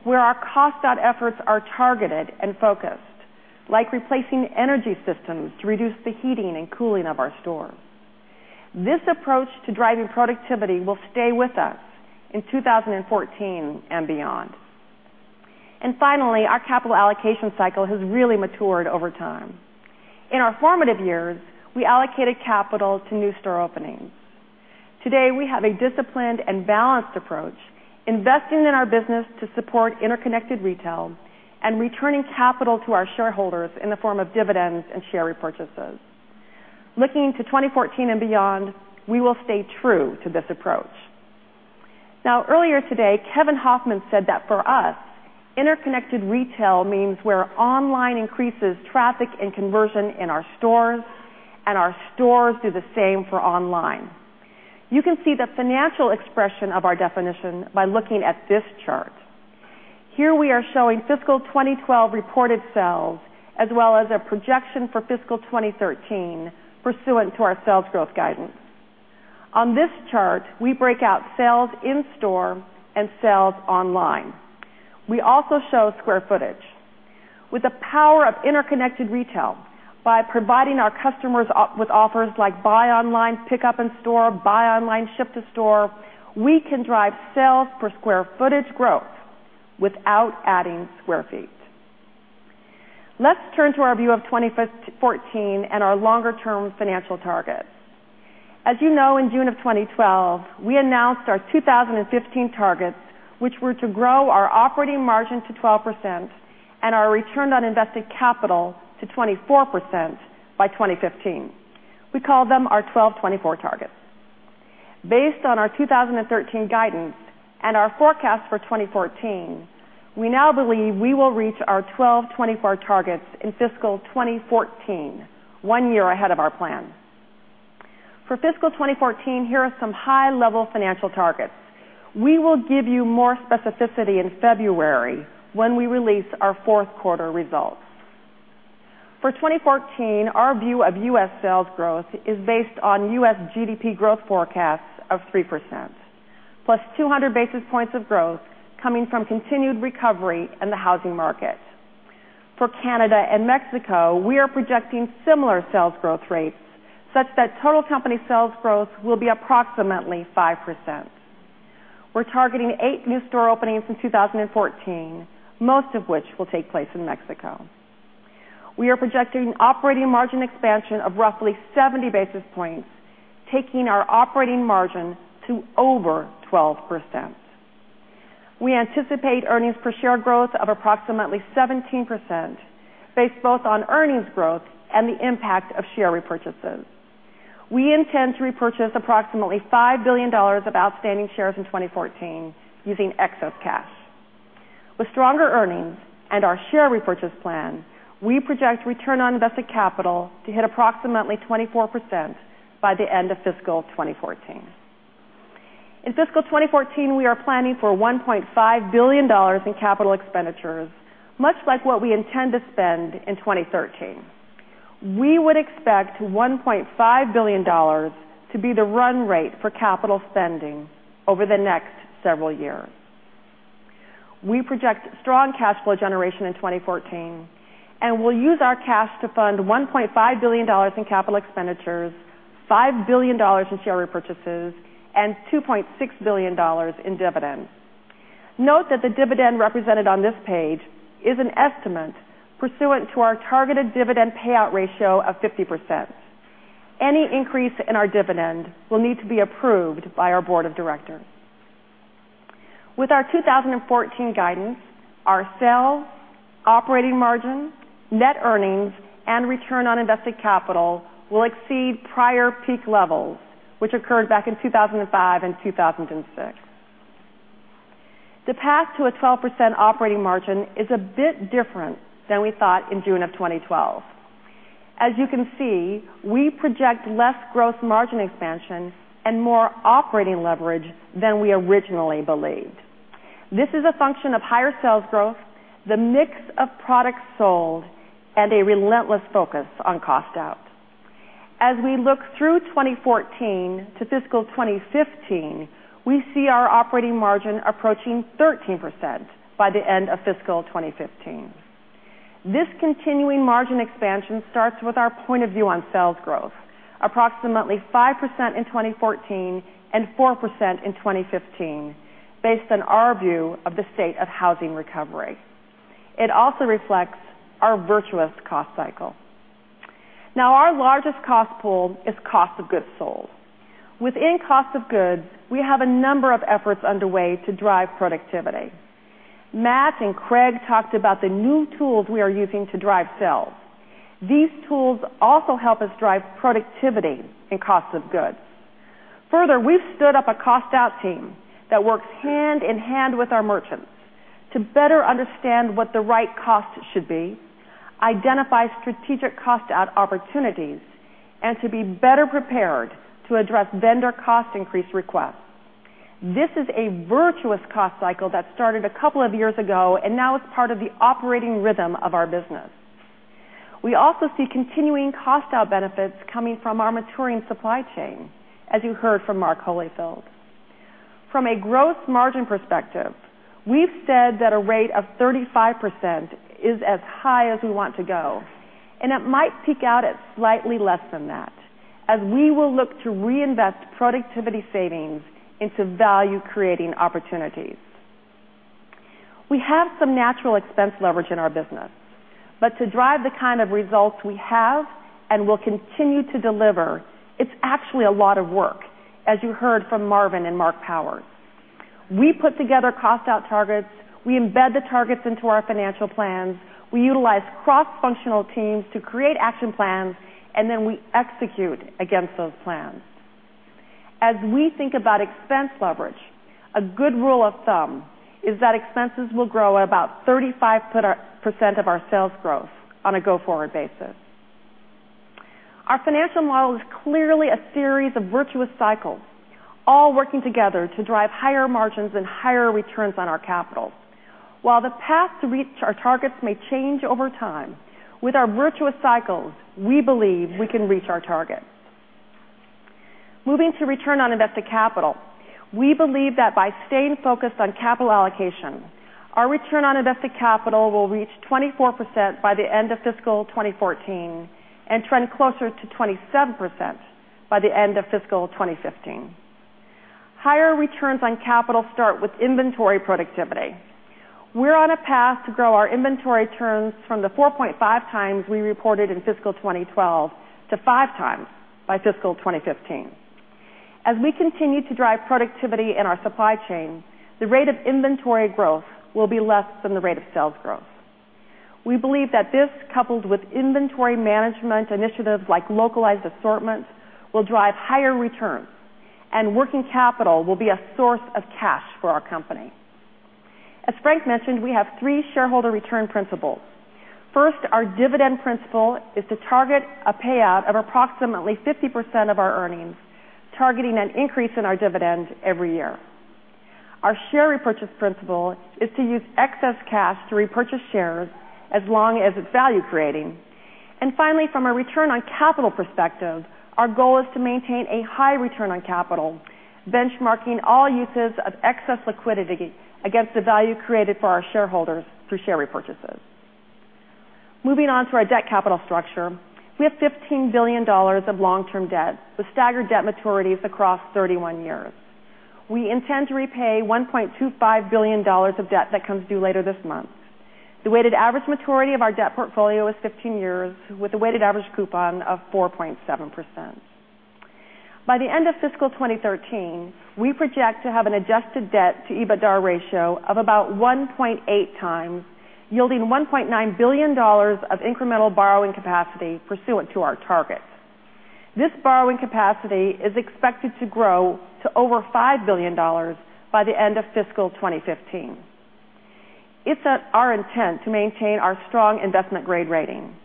where our cost out efforts are targeted and focused, like replacing energy systems to reduce the heating and cooling of our stores. This approach to driving productivity will stay with us in 2014 and beyond. Finally, our capital allocation cycle has really matured over time. In our formative years, we allocated capital to new store openings. Today, we have a disciplined and balanced approach, investing in our business to support interconnected retail and returning capital to our shareholders in the form of dividends and share repurchases. Looking to 2014 and beyond, we will stay true to this approach. Earlier today, Kevin Hofmann said that for us, interconnected retail means where online increases traffic and conversion in our stores, and our stores do the same for online. You can see the financial expression of our definition by looking at this chart. Here we are showing fiscal 2012 reported sales as well as a projection for fiscal 2013 pursuant to our sales growth guidance. On this chart, we break out sales in store and sales online. We also show square footage. With the power of interconnected retail, by providing our customers with offers like buy online, pickup in store, buy online, ship to store, we can drive sales per square footage growth without adding square feet. Let's turn to our view of 2014 and our longer-term financial targets. As you know, in June of 2012, we announced our 2015 targets, which were to grow our operating margin to 12% and our return on invested capital to 24% by 2015. We call them our 1224 targets. Based on our 2013 guidance and our forecast for 2014, we now believe we will reach our 1224 targets in fiscal 2014, one year ahead of our plan. For fiscal 2014, here are some high-level financial targets. We will give you more specificity in February when we release our fourth quarter results. For 2014, our view of U.S. sales growth is based on U.S. GDP growth forecasts of 3%, plus 200 basis points of growth coming from continued recovery in the housing market. For Canada and Mexico, we are projecting similar sales growth rates such that total company sales growth will be approximately 5%. We're targeting eight new store openings in 2014, most of which will take place in Mexico. We are projecting operating margin expansion of roughly 70 basis points, taking our operating margin to over 12%. We anticipate earnings per share growth of approximately 17%, based both on earnings growth and the impact of share repurchases. We intend to repurchase approximately $5 billion of outstanding shares in 2014 using excess cash. With stronger earnings and our share repurchase plan, we project return on invested capital to hit approximately 24% by the end of fiscal 2014. In fiscal 2014, we are planning for $1.5 billion in capital expenditures, much like what we intend to spend in 2013. We would expect $1.5 billion to be the run rate for capital spending over the next several years. We project strong cash flow generation in 2014, and we'll use our cash to fund $1.5 billion in capital expenditures, $5 billion in share repurchases, and $2.6 billion in dividends. Note that the dividend represented on this page is an estimate pursuant to our targeted dividend payout ratio of 50%. Any increase in our dividend will need to be approved by our board of directors. With our 2014 guidance, our sales, operating margin, net earnings, and return on invested capital will exceed prior peak levels, which occurred back in 2005 and 2006. The path to a 12% operating margin is a bit different than we thought in June of 2012. As you can see, we project less gross margin expansion and more operating leverage than we originally believed. This is a function of higher sales growth, the mix of products sold, and a relentless focus on cost out. As we look through 2014 to fiscal 2015, we see our operating margin approaching 13% by the end of fiscal 2015. This continuing margin expansion starts with our point of view on sales growth, approximately 5% in 2014 and 4% in 2015, based on our view of the state of housing recovery. It also reflects our virtuous cost cycle. Our largest cost pool is cost of goods sold. Within cost of goods, we have a number of efforts underway to drive productivity. Matt and Craig talked about the new tools we are using to drive sales. These tools also help us drive productivity in cost of goods. Further, we've stood up a cost out team that works hand in hand with our merchants to better understand what the right cost should be, identify strategic cost out opportunities, and to be better prepared to address vendor cost increase requests. This is a virtuous cost cycle that started a couple of years ago and now is part of the operating rhythm of our business. We also see continuing cost out benefits coming from our maturing supply chain, as you heard from Mark Holifield. From a gross margin perspective, we've said that a rate of 35% is as high as we want to go, and it might peak out at slightly less than that, as we will look to reinvest productivity savings into value-creating opportunities. We have some natural expense leverage in our business, to drive the kind of results we have and will continue to deliver, it's actually a lot of work, as you heard from Marvin and Marc Powers. We put together cost out targets. We embed the targets into our financial plans. We utilize cross-functional teams to create action plans, then we execute against those plans. As we think about expense leverage, a good rule of thumb is that expenses will grow at about 35% of our sales growth on a go-forward basis. Our financial model is clearly a series of virtuous cycles, all working together to drive higher margins and higher returns on our capital. While the path to reach our targets may change over time, with our virtuous cycles, we believe we can reach our targets. Moving to return on invested capital, we believe that by staying focused on capital allocation, our return on invested capital will reach 24% by the end of fiscal 2014 and trend closer to 27% by the end of fiscal 2015. Higher returns on capital start with inventory productivity. We're on a path to grow our inventory turns from the 4.5 times we reported in fiscal 2012 to five times by fiscal 2015. As we continue to drive productivity in our supply chain, the rate of inventory growth will be less than the rate of sales growth. We believe that this, coupled with inventory management initiatives like localized assortments, will drive higher returns. Working capital will be a source of cash for our company. As Frank mentioned, we have three shareholder return principles. First, our dividend principle is to target a payout of approximately 50% of our earnings, targeting an increase in our dividend every year. Our share repurchase principle is to use excess cash to repurchase shares as long as it's value-creating. Finally, from a return on capital perspective, our goal is to maintain a high return on capital, benchmarking all uses of excess liquidity against the value created for our shareholders through share repurchases. Moving on to our debt capital structure, we have $15 billion of long-term debt with staggered debt maturities across 31 years. We intend to repay $1.25 billion of debt that comes due later this month. The weighted average maturity of our debt portfolio is 15 years, with a weighted average coupon of 4.7%. By the end of fiscal 2013, we project to have an adjusted debt to EBITDAR ratio of about 1.8 times, yielding $1.9 billion of incremental borrowing capacity pursuant to our targets. This borrowing capacity is expected to grow to over $5 billion by the end of fiscal 2015. It's our intent to maintain our strong investment-grade rating.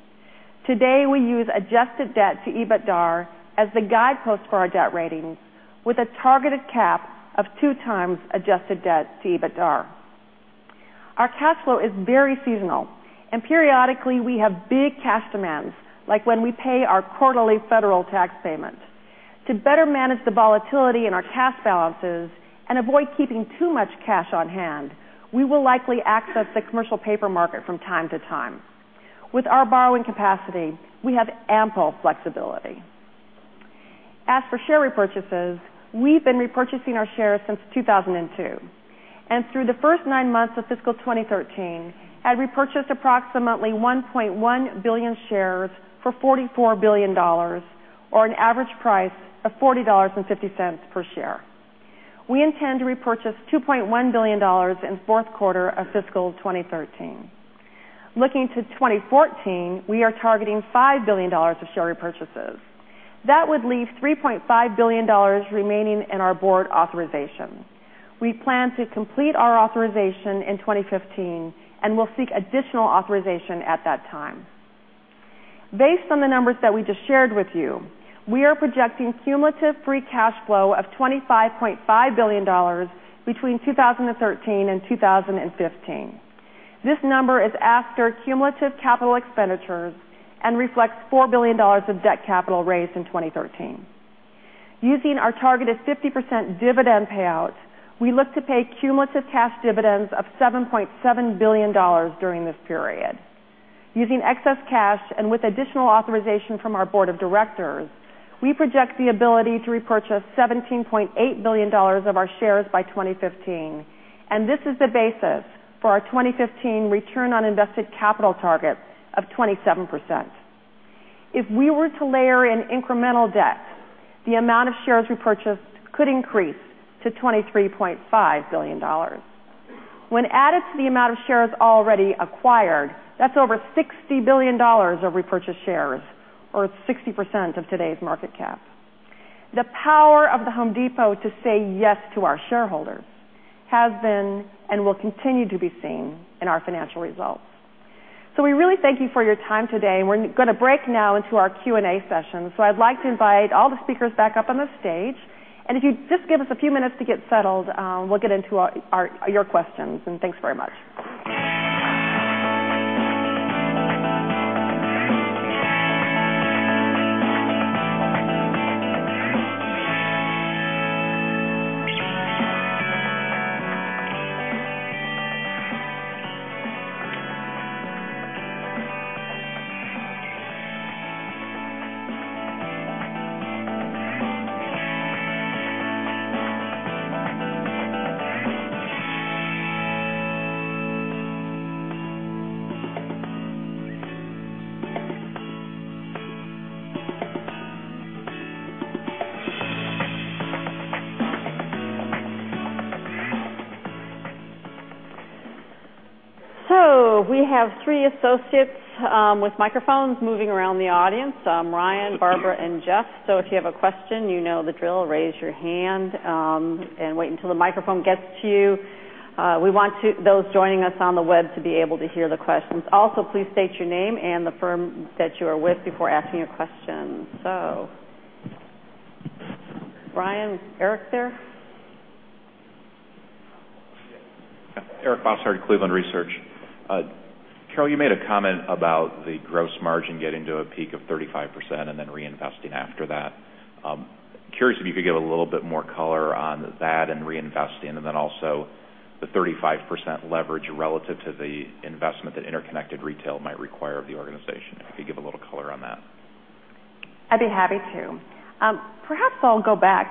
Today, we use adjusted debt to EBITDAR as the guidepost for our debt ratings, with a targeted cap of two times adjusted debt to EBITDAR. Our cash flow is very seasonal. Periodically we have big cash demands, like when we pay our quarterly federal tax payment. To better manage the volatility in our cash balances and avoid keeping too much cash on hand, we will likely access the commercial paper market from time to time. With our borrowing capacity, we have ample flexibility. As for share repurchases, we've been repurchasing our shares since 2002. Through the first nine months of fiscal 2013, have repurchased approximately 1.1 billion shares for $44 billion, or an average price of $40.50 per share. We intend to repurchase $2.1 billion in the fourth quarter of fiscal 2013. Looking to 2014, we are targeting $5 billion of share repurchases. That would leave $3.5 billion remaining in our board authorization. We plan to complete our authorization in 2015. We will seek additional authorization at that time. Based on the numbers that we just shared with you, we are projecting cumulative free cash flow of $25.5 billion between 2013 and 2015. This number is after cumulative capital expenditures and reflects $4 billion of debt capital raised in 2013. Using our targeted 50% dividend payout, we look to pay cumulative cash dividends of $7.7 billion during this period. Using excess cash and with additional authorization from our board of directors, we project the ability to repurchase $17.8 billion of our shares by 2015. This is the basis for our 2015 return on invested capital target of 27%. If we were to layer in incremental debt, the amount of shares repurchased could increase to $23.5 billion. When added to the amount of shares already acquired, that's over $60 billion of repurchased shares, or 60% of today's market cap. The power of The Home Depot to say yes to our shareholders has been and will continue to be seen in our financial results. We really thank you for your time today, we're going to break now into our Q&A session. I'd like to invite all the speakers back up on the stage, if you'd just give us a few minutes to get settled, we'll get into your questions. Thanks very much. We have three associates with microphones moving around the audience, Ryan, Barbara, and Jeff. If you have a question, you know the drill, raise your hand, and wait until the microphone gets to you. We want those joining us on the web to be able to hear the questions. Also, please state your name and the firm that you are with before asking a question. Ryan, is Eric there? Yeah. Eric Bosshard, Cleveland Research. Carol, you made a comment about the gross margin getting to a peak of 35% then reinvesting after that. Curious if you could give a little bit more color on that and reinvesting, then also the 35% leverage relative to the investment that interconnected retail might require of the organization. If you could give a little color on that. I'd be happy to. Perhaps I'll go back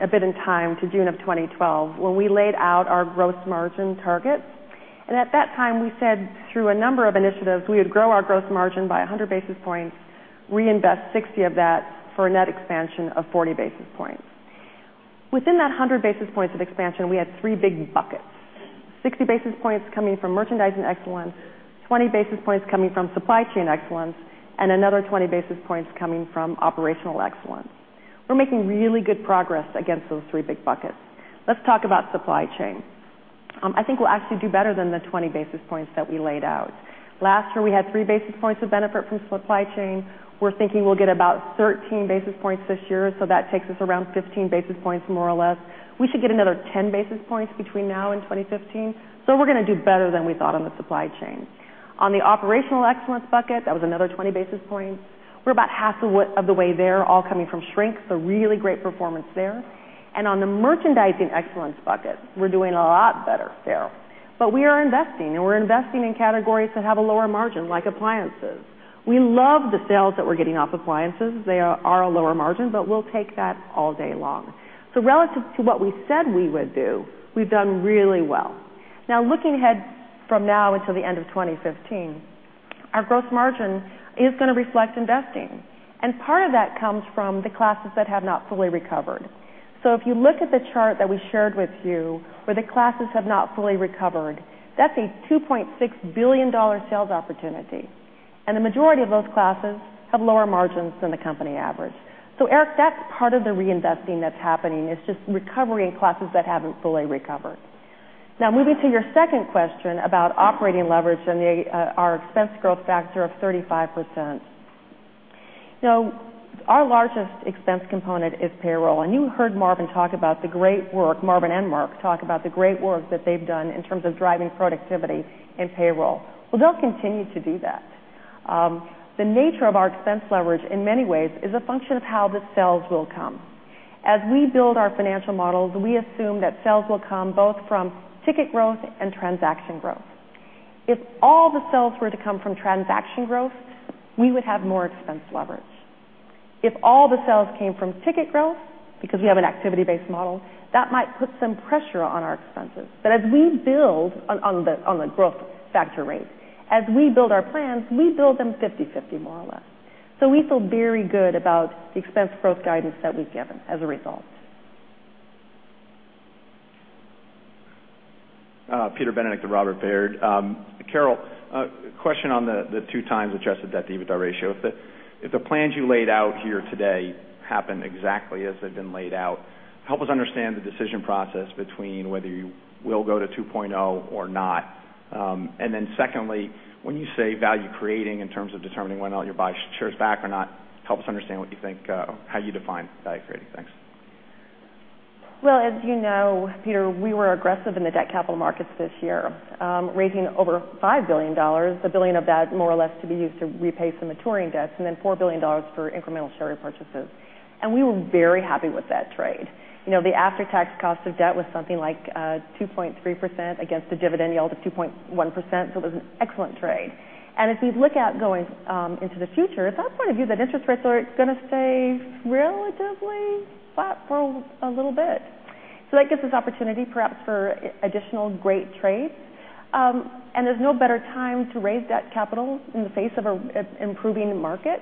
a bit in time to June of 2012 when we laid out our gross margin targets, at that time, we said through a number of initiatives, we would grow our gross margin by 100 basis points, reinvest 60 of that for a net expansion of 40 basis points. Within that 100 basis points of expansion, we had three big buckets, 60 basis points coming from merchandising excellence, 20 basis points coming from supply chain excellence, another 20 basis points coming from operational excellence. We're making really good progress against those three big buckets. Let's talk about supply chain. I think we'll actually do better than the 20 basis points that we laid out. Last year, we had three basis points of benefit from supply chain. We're thinking we'll get about 13 basis points this year, that takes us around 15 basis points, more or less. We should get another 10 basis points between now and 2015. We're going to do better than we thought on the supply chain. On the operational excellence bucket, that was another 20 basis points. We're about half of the way there, all coming from shrinks, really great performance there. On the merchandising excellence bucket, we're doing a lot better there. We are investing, we're investing in categories that have a lower margin, like appliances. We love the sales that we're getting off appliances. They are a lower margin, we'll take that all day long. Relative to what we said we would do, we've done really well. Looking ahead from now until the end of 2015, our gross margin is going to reflect investing, part of that comes from the classes that have not fully recovered. If you look at the chart that we shared with you where the classes have not fully recovered, that's a $2.6 billion sales opportunity, the majority of those classes have lower margins than the company average. Eric, that's part of the reinvesting that's happening is just recovery in classes that haven't fully recovered. Moving to your second question about operating leverage and our expense growth factor of 35%. Our largest expense component is payroll, and you heard Marvin and Marc talk about the great work that they've done in terms of driving productivity in payroll. Well, they'll continue to do that. The nature of our expense leverage, in many ways, is a function of how the sales will come. As we build our financial models, we assume that sales will come both from ticket growth and transaction growth. If all the sales were to come from transaction growth, we would have more expense leverage. If all the sales came from ticket growth, because we have an activity-based model, that might put some pressure on our expenses. As we build on the growth factor rate, as we build our plans, we build them 50/50, more or less. We feel very good about the expense growth guidance that we've given as a result. Peter Benedict at Robert W. Baird. Carol, question on the two times adjusted debt-to-EBITDA ratio. If the plans you laid out here today happen exactly as they've been laid out, help us understand the decision process between whether you will go to 2.0 or not. Secondly, when you say value creating in terms of determining whether or not you'll buy shares back or not, help us understand how you define value creating. Thanks. Well, as you know, Peter, we were aggressive in the debt capital markets this year, raising over $5 billion. $1 billion of that, more or less, to be used to repay some maturing debts, $4 billion for incremental share repurchases. We were very happy with that trade. The after-tax cost of debt was something like 2.3% against a dividend yield of 2.1%, it was an excellent trade. As we look out going into the future, it's our point of view that interest rates are going to stay relatively flat for a little bit. That gives us opportunity, perhaps, for additional great trades. There's no better time to raise debt capital in the face of an improving market.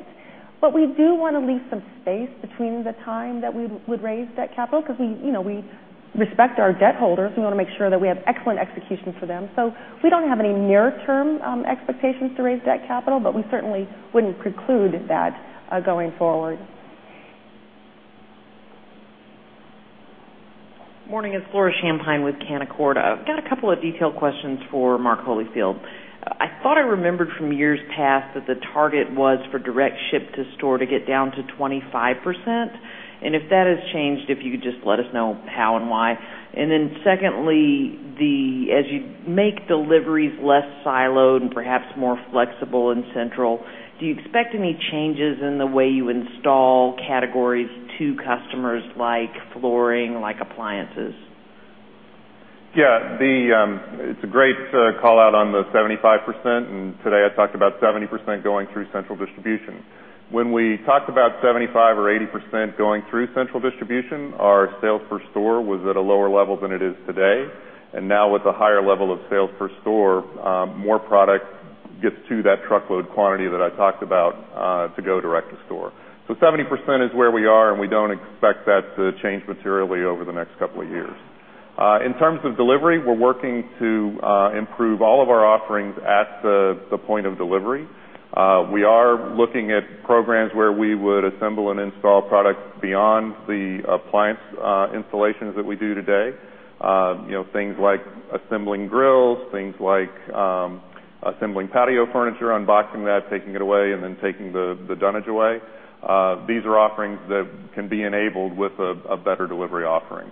We do want to leave some space between the time that we would raise debt capital because we respect our debt holders. We want to make sure that we have excellent execution for them. We don't have any near-term expectations to raise debt capital, but we certainly wouldn't preclude that going forward. Morning. It's Laura Champine with Canaccord. Got a couple of detailed questions for Mark Holifield. I thought I remembered from years past that the target was for direct ship to store to get down to 25%. If that has changed, if you could just let us know how and why. Then secondly, as you make deliveries less siloed and perhaps more flexible and central, do you expect any changes in the way you install categories to customers like flooring, like appliances? Yeah. It's a great call-out on the 75%. Today I talked about 70% going through central distribution. When we talked about 75% or 80% going through central distribution, our sales per store was at a lower level than it is today. Now with a higher level of sales per store, more product gets to that truckload quantity that I talked about to go direct to store. 70% is where we are, and we don't expect that to change materially over the next couple of years. In terms of delivery, we're working to improve all of our offerings at the point of delivery. We are looking at programs where we would assemble and install products beyond the appliance installations that we do today. Things like assembling grills, things like assembling patio furniture, unboxing that, taking it away, and then taking the dunnage away. These are offerings that can be enabled with a better delivery offering.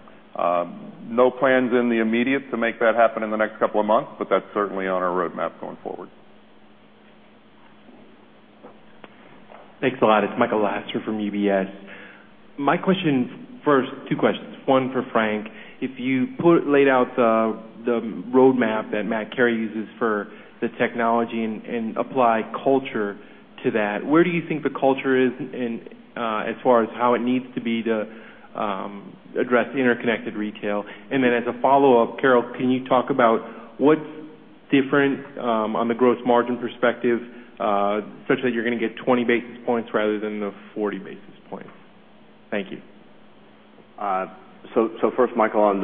No plans in the immediate to make that happen in the next couple of months, but that's certainly on our roadmap going forward. Thanks a lot. It's Michael Lasser from UBS. My question, first, two questions. One for Frank. If you laid out the roadmap that Matt Carey uses for the technology and apply culture to that, where do you think the culture is as far as how it needs to be to address interconnected retail? As a follow-up, Carol, can you talk about what's different on the gross margin perspective such that you're going to get 20 basis points rather than the 40 basis points? Thank you. First, Michael, on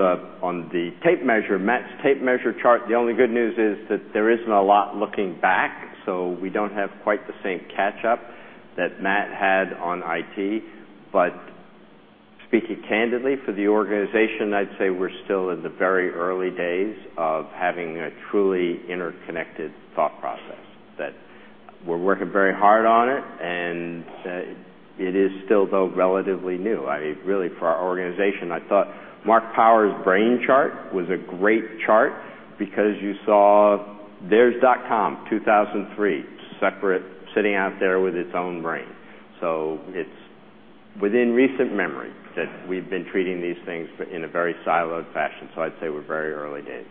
the tape measure, Matt's tape measure chart. The only good news is that there isn't a lot looking back, so we don't have quite the same catch-up that Matt had on IT. Speaking candidly for the organization, I'd say we're still in the very early days of having a truly interconnected thought process, that we're working very hard on it, and it is still, though, relatively new. Really, for our organization, I thought Marc Powers' brain chart was a great chart because you saw there's dot-com, 2003, separate, sitting out there with its own brain. It's within recent memory that we've been treating these things in a very siloed fashion. I'd say we're very early days.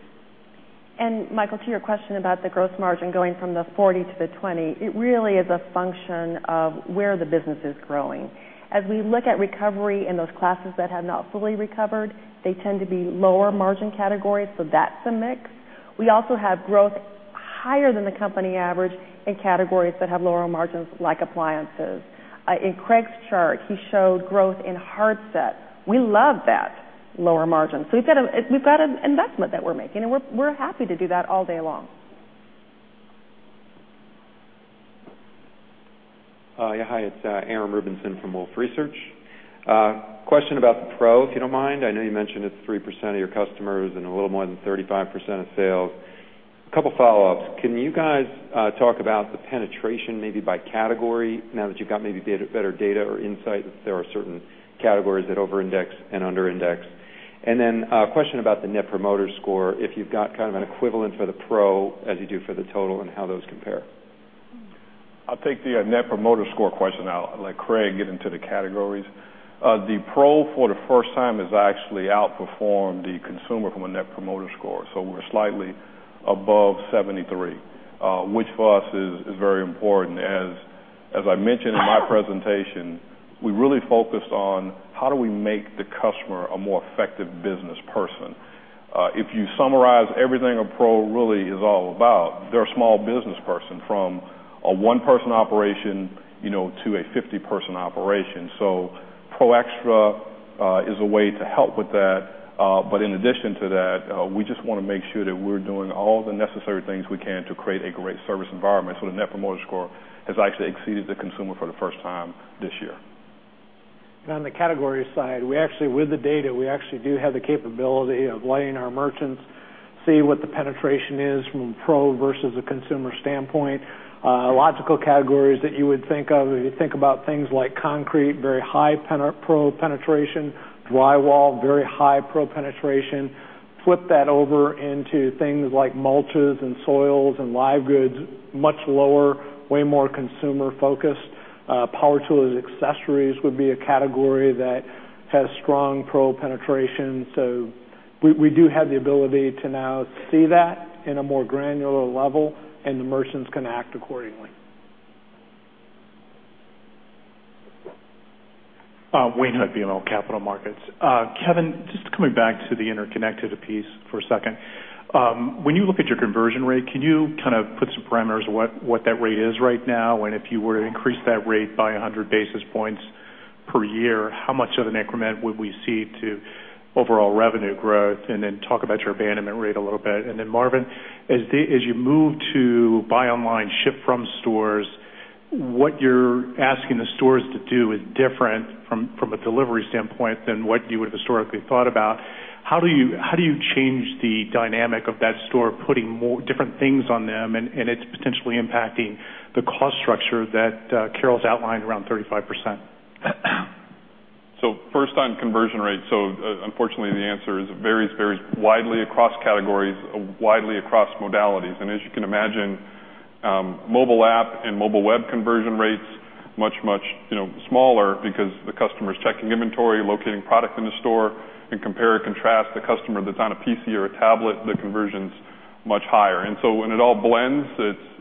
Michael, to your question about the gross margin going from the 40 to the 20, it really is a function of where the business is growing. As we look at recovery in those classes that have not fully recovered, they tend to be lower margin categories, so that's a mix. We also have growth higher than the company average in categories that have lower margins, like appliances. In Craig's chart, he showed growth in hardset. We love that lower margin. We've got an investment that we're making, and we're happy to do that all day long. Hi, it's Aram Rubinson from Wolfe Research. Question about the Pro, if you don't mind. I know you mentioned it's 3% of your customers and a little more than 35% of sales. A couple follow-ups. Can you guys talk about the penetration maybe by category now that you've got maybe better data or insight that there are certain categories that over-index and under-index? A question about the Net Promoter Score, if you've got kind of an equivalent for the Pro as you do for the total, and how those compare. I'll take the Net Promoter Score question. I'll let Craig get into the categories. The Pro for the first time has actually outperformed the consumer from a Net Promoter Score. We're slightly above 73, which for us is very important. As I mentioned in my presentation, we really focused on how do we make the customer a more effective business person. If you summarize everything a Pro really is all about, they're a small business person from a one-person operation to a 50-person operation. Pro Xtra is a way to help with that. In addition to that, we just want to make sure that we're doing all the necessary things we can to create a great service environment. The Net Promoter Score has actually exceeded the consumer for the first time this year. On the category side, with the data, we actually do have the capability of letting our merchants see what the penetration is from a pro versus a consumer standpoint. Logical categories that you would think of if you think about things like concrete, very high pro penetration, drywall, very high pro penetration. Flip that over into things like mulches and soils and live goods, much lower, way more consumer focused. Power tools, accessories would be a category that has strong pro penetration. We do have the ability to now see that in a more granular level, and the merchants can act accordingly. Wayne Hood, BMO Capital Markets. Kevin, just coming back to the interconnected piece for a second. When you look at your conversion rate, can you put some parameters on what that rate is right now? If you were to increase that rate by 100 basis points per year, how much of an increment would we see to overall revenue growth? Then talk about your abandonment rate a little bit. Then Marvin, as you move to buy online, ship from stores, what you're asking the stores to do is different from a delivery standpoint than what you would have historically thought about. How do you change the dynamic of that store putting different things on them and it potentially impacting the cost structure that Carol Tomé's outlined around 35%? First on conversion rates. Unfortunately, the answer is it varies widely across categories, widely across modalities. As you can imagine, mobile app and mobile web conversion rates much, much smaller because the customer's checking inventory, locating product in the store and compare or contrast the customer that's on a PC or a tablet, the conversion's much higher. When it all blends,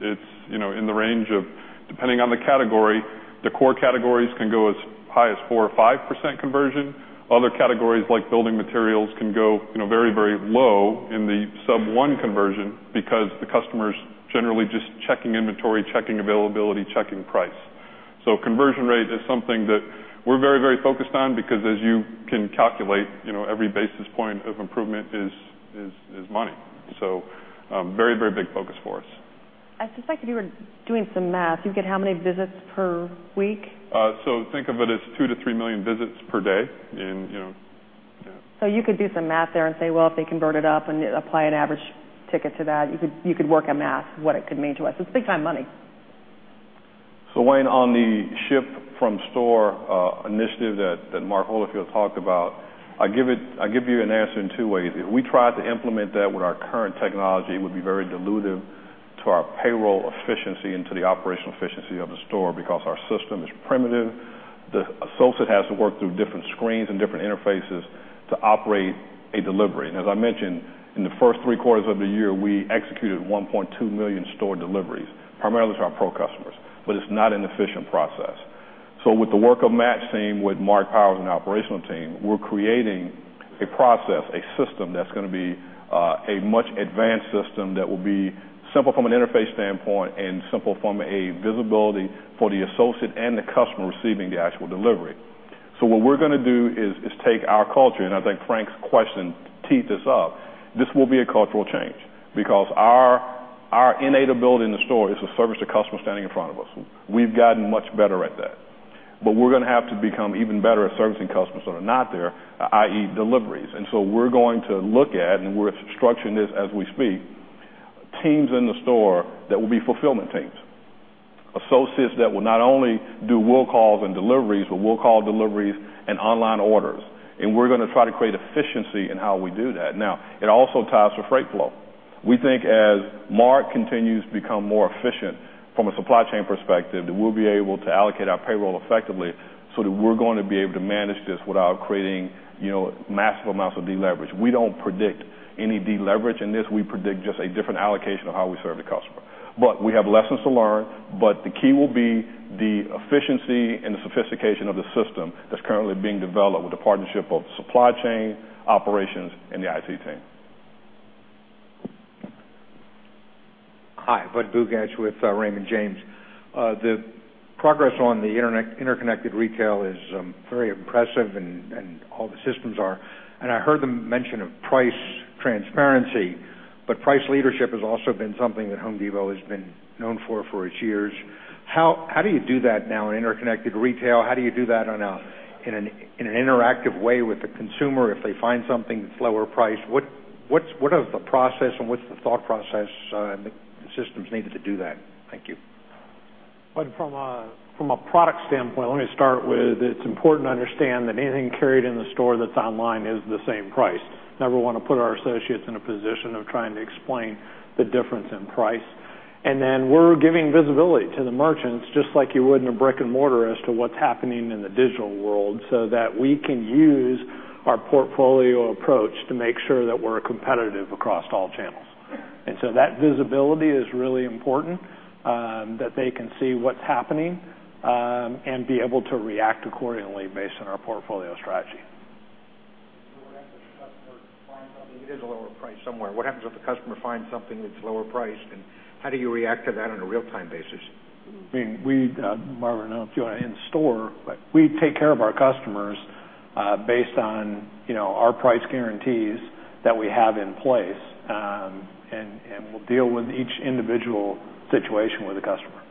it's in the range of, depending on the category, the core categories can go as high as 4% or 5% conversion. Other categories like building materials can go very low in the sub one conversion because the customer's generally just checking inventory, checking availability, checking price. Conversion rate is something that we're very focused on because as you can calculate, every basis point of improvement is money. Very big focus for us. I suspect if you were doing some math, you get how many visits per week? Think of it as 2 million-3 million visits per day in, yeah. You could do some math there and say, well, if they convert it up and apply an average ticket to that, you could work a math what it could mean to us. It's big time money. Wayne, on the ship from store initiative that Mark Holifield talked about, I give you an answer in two ways. If we tried to implement that with our current technology, it would be very dilutive to our payroll efficiency and to the operational efficiency of the store because our system is primitive. The associate has to work through different screens and different interfaces to operate a delivery. As I mentioned, in the first three quarters of the year, we executed 1.2 million store deliveries, primarily to our Pro customers, it's not an efficient process. With the work of Matt's team, with Marc Powers and the operational team, we're creating a process, a system that's going to be a much advanced system that will be simple from an interface standpoint and simple from a visibility for the associate and the customer receiving the actual delivery. What we're going to do is take our culture, and I think Frank's question teed this up. This will be a cultural change because our innate ability in the store is to service the customer standing in front of us. We've gotten much better at that. We're going to have to become even better at servicing customers that are not there, i.e. deliveries. We're going to look at, and we're structuring this as we speak, teams in the store that will be fulfillment teams. Associates that will not only do will calls and deliveries, but will call deliveries and online orders. We're going to try to create efficiency in how we do that. It also ties to freight flow. We think as Mark continues to become more efficient from a supply chain perspective, that we'll be able to allocate our payroll effectively so that we're going to be able to manage this without creating massive amounts of deleverage. We don't predict any deleverage in this. We predict just a different allocation of how we serve the customer. We have lessons to learn, but the key will be the efficiency and the sophistication of the system that's currently being developed with the partnership of supply chain operations and the IT team. Hi, Budd Bugatch with Raymond James. The progress on the interconnected retail is very impressive, and all the systems are. I heard the mention of price transparency, but price leadership has also been something that The Home Depot has been known for its years. How do you do that now in interconnected retail? How do you do that in an interactive way with the consumer if they find something that's lower priced? What is the process and what's the thought process and the systems needed to do that? Thank you. Bud, from a product standpoint, let me start with, it's important to understand that anything carried in the store that's online is the same price. Never want to put our associates in a position of trying to explain the difference in price. Then we're giving visibility to the merchants, just like you would in a brick and mortar as to what's happening in the digital world, so that we can use our portfolio approach to make sure that we're competitive across all channels. That visibility is really important that they can see what's happening, and be able to react accordingly based on our portfolio strategy. What happens if the customer finds something that is a lower price somewhere? What happens if the customer finds something that's lower priced, and how do you react to that on a real-time basis? I mean, we, Marvin, I don't know if you want to in store, but we take care of our customers based on our price guarantees that we have in place. We'll deal with each individual situation with a customer.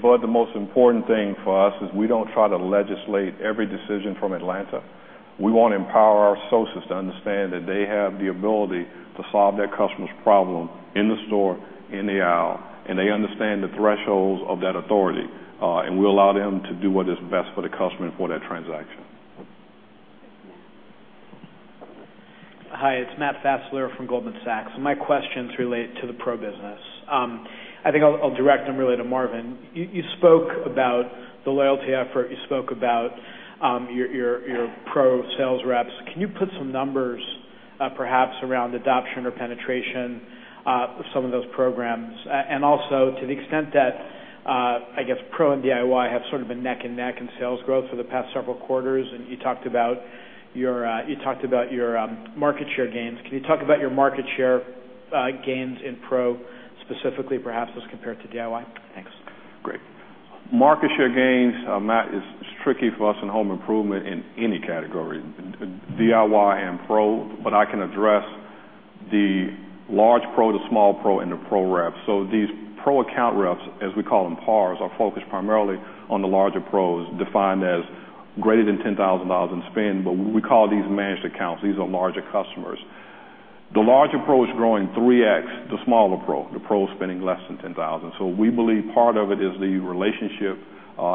Budd, the most important thing for us is we don't try to legislate every decision from Atlanta. We want to empower our associates to understand that they have the ability to solve their customer's problem in the store, in the aisle, and they understand the thresholds of that authority. We allow them to do what is best for the customer and for that transaction. Matt. Hi, it's Matt Fassler from Goldman Sachs. My questions relate to the pro business. I think I'll direct them really to Marvin. You spoke about the loyalty effort. You spoke about your pro sales reps. Can you put some numbers perhaps around adoption or penetration of some of those programs? Also, to the extent that, I guess, pro and DIY have sort of been neck and neck in sales growth for the past several quarters, and you talked about your market share gains. Can you talk about your market share gains in pro specifically, perhaps, as compared to DIY? Thanks. Great. Market share gains, Matt, is tricky for us in home improvement in any category, in DIY and pro, but I can address the large pro to small pro and the pro reps. These Pro Account Reps, as we call them, PARs, are focused primarily on the larger pros, defined as greater than $10,000 in spend, but we call these managed accounts. These are larger customers. The large pro is growing 3x the smaller pro, the pro spending less than 10,000. We believe part of it is the relationship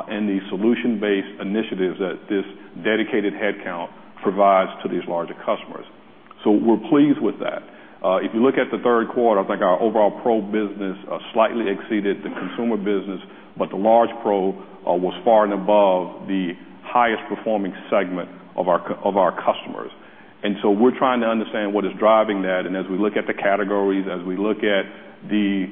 and the solution-based initiatives that this dedicated headcount provides to these larger customers. We're pleased with that. If you look at the third quarter, I think our overall pro business slightly exceeded the consumer business, but the large pro was far and above the highest performing segment of our customers. We're trying to understand what is driving that, and as we look at the categories, as we look at the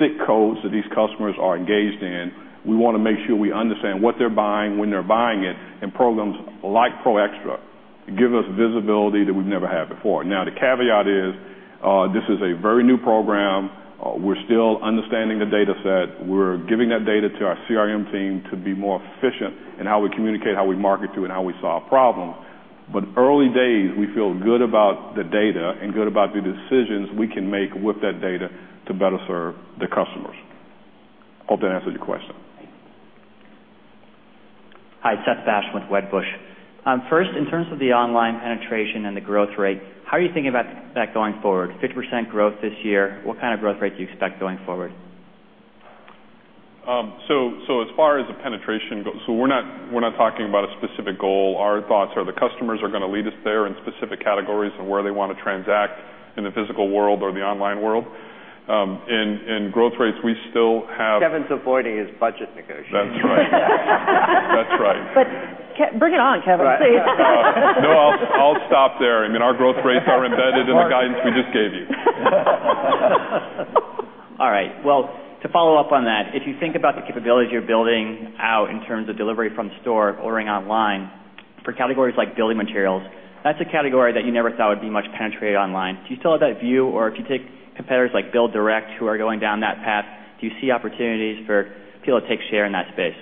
SIC codes that these customers are engaged in, we want to make sure we understand what they're buying, when they're buying it, and programs like Pro Xtra give us visibility that we've never had before. Now, the caveat is, this is a very new program. We're still understanding the data set. We're giving that data to our CRM team to be more efficient in how we communicate, how we market to, and how we solve problems. Early days, we feel good about the data and good about the decisions we can make with that data to better serve the customers. Hope that answered your question. Seth. Hi, Seth Basham with Wedbush. First, in terms of the online penetration and the growth rate, how are you thinking about that going forward? 50% growth this year, what kind of growth rate do you expect going forward? As far as the penetration goes, so we're not talking about a specific goal. Our thoughts are the customers are going to lead us there in specific categories and where they want to transact in the physical world or the online world. In growth rates, we still have- Kevin's avoiding his budget negotiation. That's right. Bring it on, Kevin. No, I'll stop there. I mean, our growth rates are embedded in the guidance we just gave you. All right. Well, to follow up on that, if you think about the capabilities you're building out in terms of delivery from store, ordering online for categories like building materials, that's a category that you never thought would be much penetrated online. Do you still have that view, or if you take competitors like BuildDirect who are going down that path, do you see opportunities for people to take share in that space?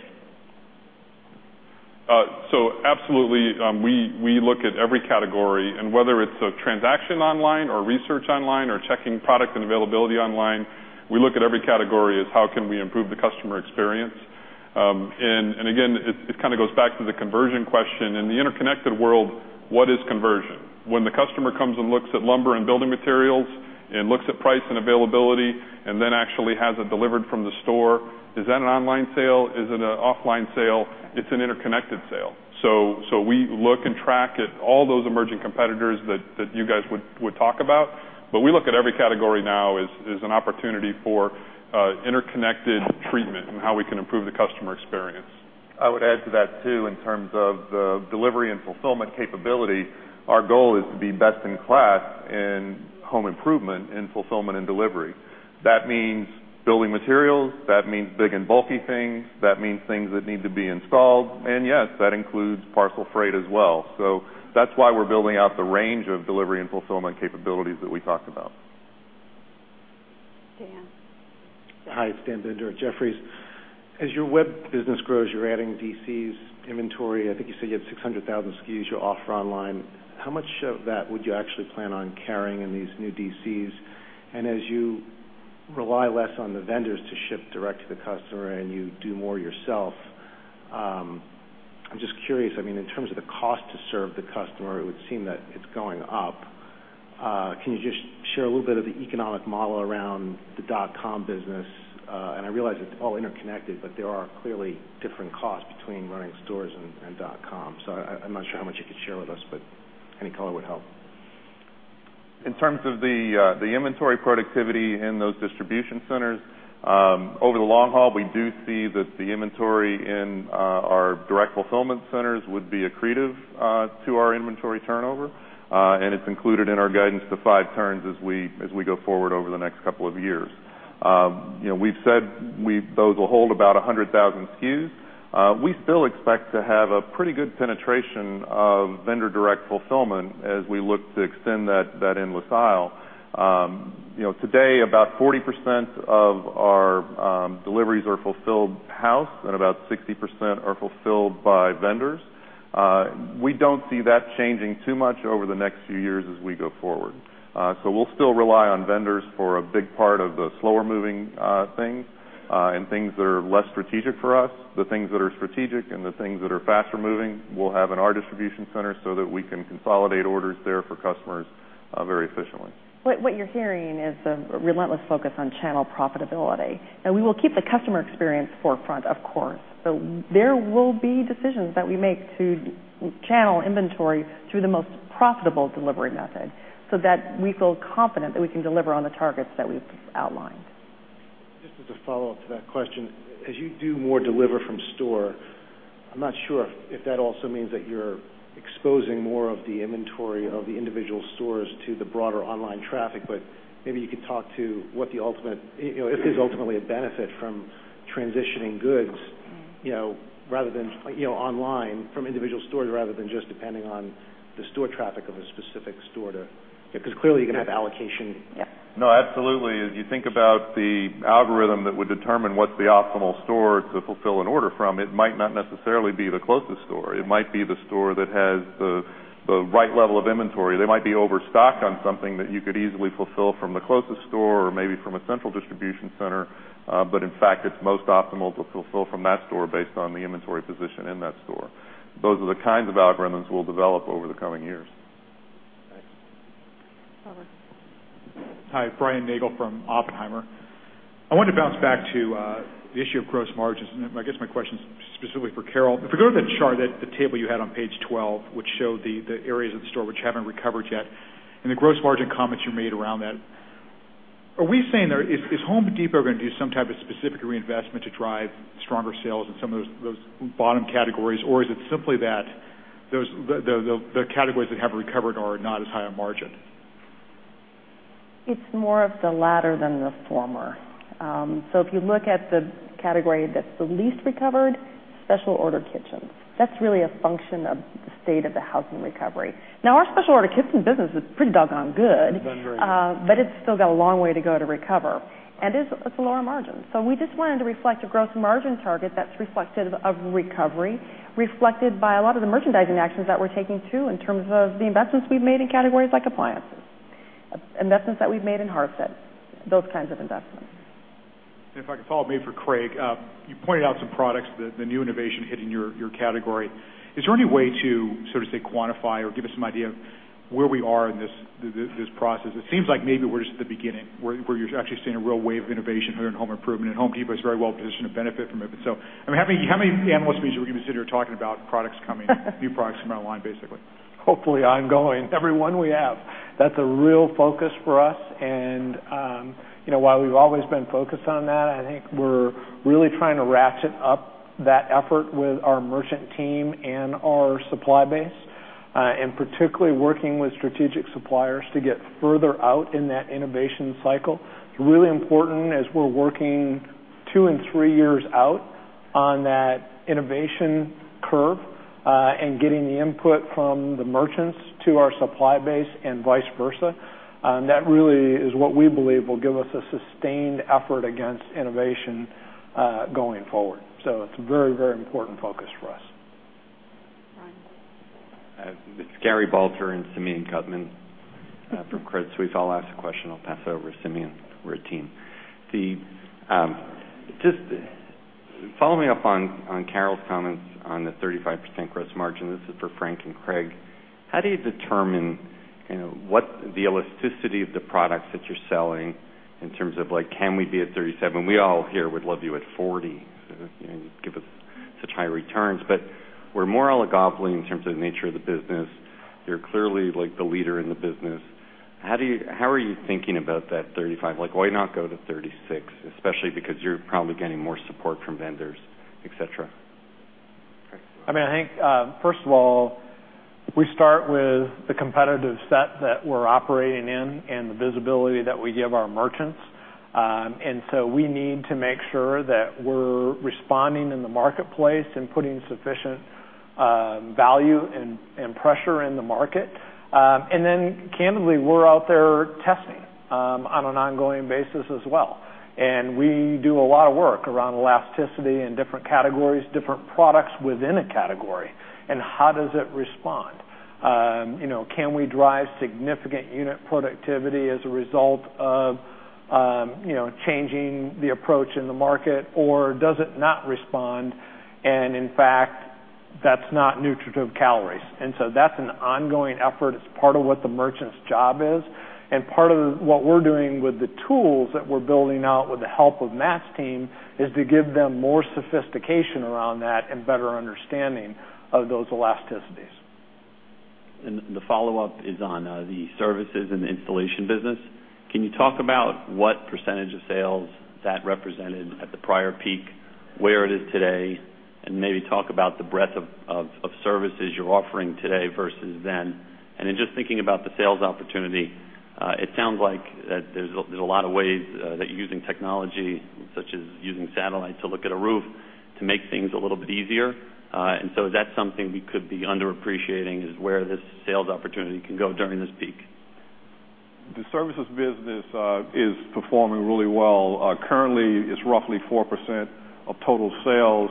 Absolutely. We look at every category, whether it's a transaction online or research online or checking product and availability online, we look at every category as how can we improve the customer experience. Again, it kind of goes back to the conversion question. In the interconnected world, what is conversion? When the customer comes and looks at lumber and building materials and looks at price and availability and then actually has it delivered from the store, is that an online sale? Is it an offline sale? It's an interconnected sale. We look and track at all those emerging competitors that you guys would talk about. We look at every category now as an opportunity for interconnected treatment and how we can improve the customer experience. I would add to that, too, in terms of the delivery and fulfillment capability, our goal is to be best in class in home improvement in fulfillment and delivery. That means building materials. That means big and bulky things. That means things that need to be installed. Yes, that includes parcel freight as well. That's why we're building out the range of delivery and fulfillment capabilities that we talked about. Dan. Hi, it's Dan Binder at Jefferies. As your web business grows, you're adding DCs inventory. I think you said you have 600,000 SKUs you offer online. How much of that would you actually plan on carrying in these new DCs? As you rely less on the vendors to ship direct to the customer and you do more yourself, I mean, in terms of the cost to serve the customer, it would seem that it's going up. Can you just share a little bit of the economic model around the dot com business? I realize it's all interconnected, there are clearly different costs between running stores and dot com. I'm not sure how much you could share with us, but any color would help. In terms of the inventory productivity in those distribution centers, over the long haul, we do see that the inventory in our direct fulfillment centers would be accretive to our inventory turnover, and it's included in our guidance to 5 turns as we go forward over the next couple of years. We've said those will hold about 100,000 SKUs. We still expect to have a pretty good penetration of vendor direct fulfillment as we look to extend that endless aisle. Today, about 40% of our deliveries are fulfilled in-house, and about 60% are fulfilled by vendors. We don't see that changing too much over the next few years as we go forward. We'll still rely on vendors for a big part of the slower-moving things and things that are less strategic for us. The things that are strategic and the things that are faster-moving, we'll have in our distribution center so that we can consolidate orders there for customers very efficiently. What you're hearing is the relentless focus on channel profitability. We will keep the customer experience forefront, of course. There will be decisions that we make to channel inventory through the most profitable delivery method so that we feel confident that we can deliver on the targets that we've outlined. Just as a follow-up to that question, as you do more deliver from store, I'm not sure if that also means that you're exposing more of the inventory of the individual stores to the broader online traffic, but maybe you could talk to if there's ultimately a benefit from transitioning goods online from individual stores rather than just depending on the store traffic of a specific store. Clearly, you're going to have allocation. Yep. No, absolutely. If you think about the algorithm that would determine what the optimal store to fulfill an order from, it might not necessarily be the closest store. It might be the store that has the right level of inventory. They might be overstocked on something that you could easily fulfill from the closest store or maybe from a central distribution center. In fact, it's most optimal to fulfill from that store based on the inventory position in that store. Those are the kinds of algorithms we'll develop over the coming years. Thanks, Robert. Hi, Brian Nagel from Oppenheimer. I wanted to bounce back to the issue of gross margins. I guess my question is specifically for Carol. If we go to the chart, the table you had on page 12, which showed the areas of the store which haven't recovered yet, and the gross margin comments you made around that. Are we saying, is The Home Depot going to do some type of specific reinvestment to drive stronger sales in some of those bottom categories? Is it simply that the categories that haven't recovered are not as high on margin? It's more of the latter than the former. If you look at the category that's the least recovered, special order kitchens, that's really a function of the state of the housing recovery. Our special order kitchen business is pretty doggone good. It's done very well. It's still got a long way to go to recover. It's a lower margin. We just wanted to reflect a gross margin target that's reflective of recovery, reflected by a lot of the merchandising actions that we're taking too, in terms of the investments we've made in categories like appliances, investments that we've made in hardset, those kinds of investments. If I could follow up, maybe for Craig. You pointed out some products, the new innovation hitting your category. Is there any way to, so to say, quantify or give us some idea of where we are in this process? It seems like maybe we're just at the beginning, where you're actually seeing a real wave of innovation here in home improvement, and The Home Depot is very well-positioned to benefit from it. How many analyst meetings are we going to sit here talking about new products coming online, basically? Hopefully, ongoing. Every one we have. That's a real focus for us. While we've always been focused on that, I think we're really trying to ratchet up that effort with our merchant team and our supply base. Particularly working with strategic suppliers to get further out in that innovation cycle. It's really important as we're working two and three years out on that innovation curve, and getting the input from the merchants to our supply base and vice versa. That really is what we believe will give us a sustained effort against innovation going forward. It's a very, very important focus for us. Brian. Gary Balter and Simeon Gutman from Credit Suisse. I'll ask the question, I'll pass it over to Simeon. We're a team. Just following up on Carol's comments on the 35% gross margin. This is for Frank and Craig. How do you determine what the elasticity of the products that you're selling in terms of can we be at 37? We all here would love you at 40 and give us such high returns. We're more oligopoly in terms of the nature of the business. You're clearly the leader in the business. How are you thinking about that 35? Why not go to 36, especially because you're probably getting more support from vendors, et cetera? First of all, we start with the competitive set that we're operating in and the visibility that we give our merchants. We need to make sure that we're responding in the marketplace and putting sufficient value and pressure in the market. Candidly, we're out there testing on an ongoing basis as well. We do a lot of work around elasticity in different categories, different products within a category, and how does it respond. Can we drive significant unit productivity as a result of changing the approach in the market, or does it not respond and, in fact, that's not nutritive calories. That's an ongoing effort. It's part of what the merchant's job is. Part of what we're doing with the tools that we're building out with the help of Matt's team is to give them more sophistication around that and better understanding of those elasticities. The follow-up is on the services and installation business. Can you talk about what percentage of sales that represented at the prior peak, where it is today, and maybe talk about the breadth of services you're offering today versus then? In just thinking about the sales opportunity, it sounds like there's a lot of ways that using technology, such as using satellite to look at a roof, to make things a little bit easier. Is that something we could be underappreciating is where this sales opportunity can go during this peak? The services business is performing really well. Currently, it's roughly 4% of total sales.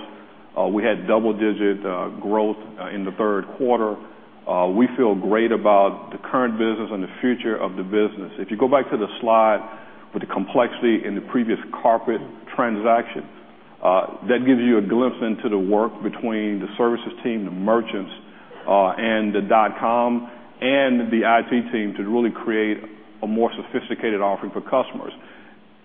We had double-digit growth in the third quarter. We feel great about the current business and the future of the business. If you go back to the slide with the complexity in the previous carpet transaction, that gives you a glimpse into the work between the services team, the merchants, and the dotcom, and the IT team to really create a more sophisticated offering for customers.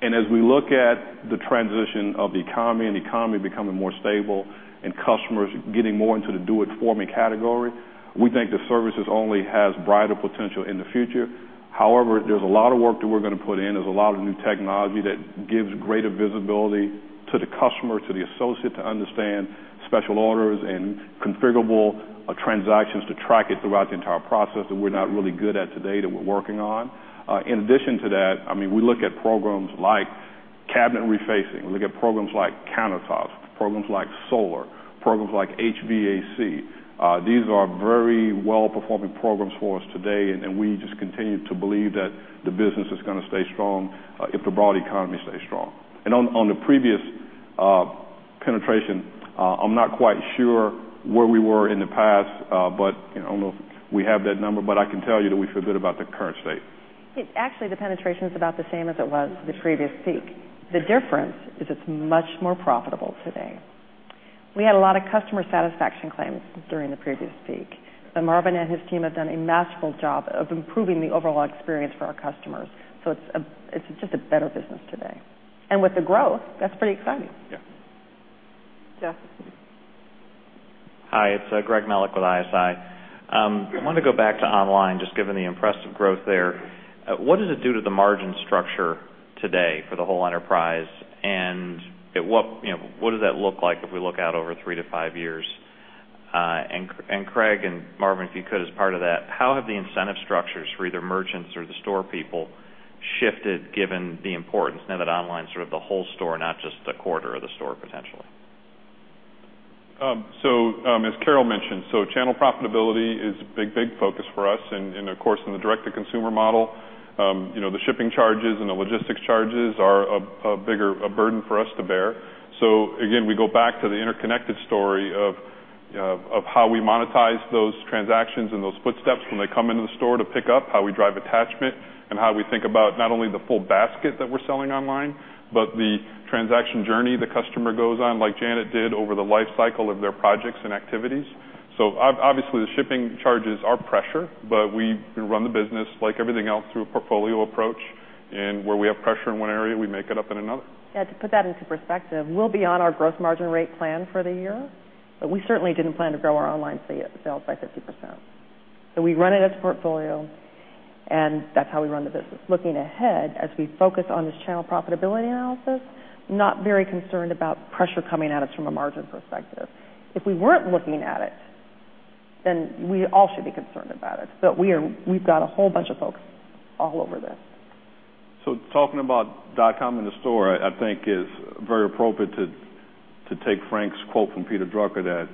As we look at the transition of the economy and the economy becoming more stable and customers getting more into the do-it-for-me category, we think the services only has brighter potential in the future. However, there's a lot of work that we're going to put in. There's a lot of new technology that gives greater visibility to the customer, to the associate to understand special orders and configurable transactions to track it throughout the entire process that we're not really good at today, that we're working on. In addition to that, we look at programs like cabinet refacing. We look at programs like countertops, programs like solar, programs like HVAC. These are very well-performing programs for us today, and we just continue to believe that the business is going to stay strong if the broad economy stays strong. On the previous penetration, I'm not quite sure where we were in the past, but I don't know if we have that number, but I can tell you that we feel good about the current state. Actually, the penetration is about the same as it was the previous peak. The difference is it's much more profitable today. We had a lot of customer satisfaction claims during the previous peak. Marvin and his team have done a masterful job of improving the overall experience for our customers. It's just a better business today. With the growth, that's pretty exciting. Yeah. Jeff? Hi, it's Greg Melich with ISI. I wanted to go back to online, just given the impressive growth there. What does it do to the margin structure today for the whole enterprise? What does that look like if we look out over three to five years? Craig and Marvin, if you could, as part of that, how have the incentive structures for either merchants or the store people shifted given the importance now that online's sort of the whole store, not just a quarter of the store potentially? As Carol mentioned, channel profitability is a big focus for us. Of course, in the direct-to-consumer model the shipping charges and the logistics charges are a bigger burden for us to bear. Again, we go back to the interconnected story of how we monetize those transactions and those footsteps when they come into the store to pick up, how we drive attachment, and how we think about not only the full basket that we're selling online, but the transaction journey the customer goes on, like Janet did, over the life cycle of their projects and activities. Obviously, the shipping charges are pressure, but we run the business like everything else, through a portfolio approach. Where we have pressure in one area, we make it up in another. Yeah, to put that into perspective, we'll be on our gross margin rate plan for the year, but we certainly didn't plan to grow our online sales by 50%. We run it as a portfolio, and that's how we run the business. Looking ahead, as we focus on this channel profitability analysis, not very concerned about pressure coming at us from a margin perspective. If we weren't looking at it, then we all should be concerned about it. We've got a whole bunch of folks all over this. Talking about dotcom in the store, I think is very appropriate to take Frank's quote from Peter Drucker that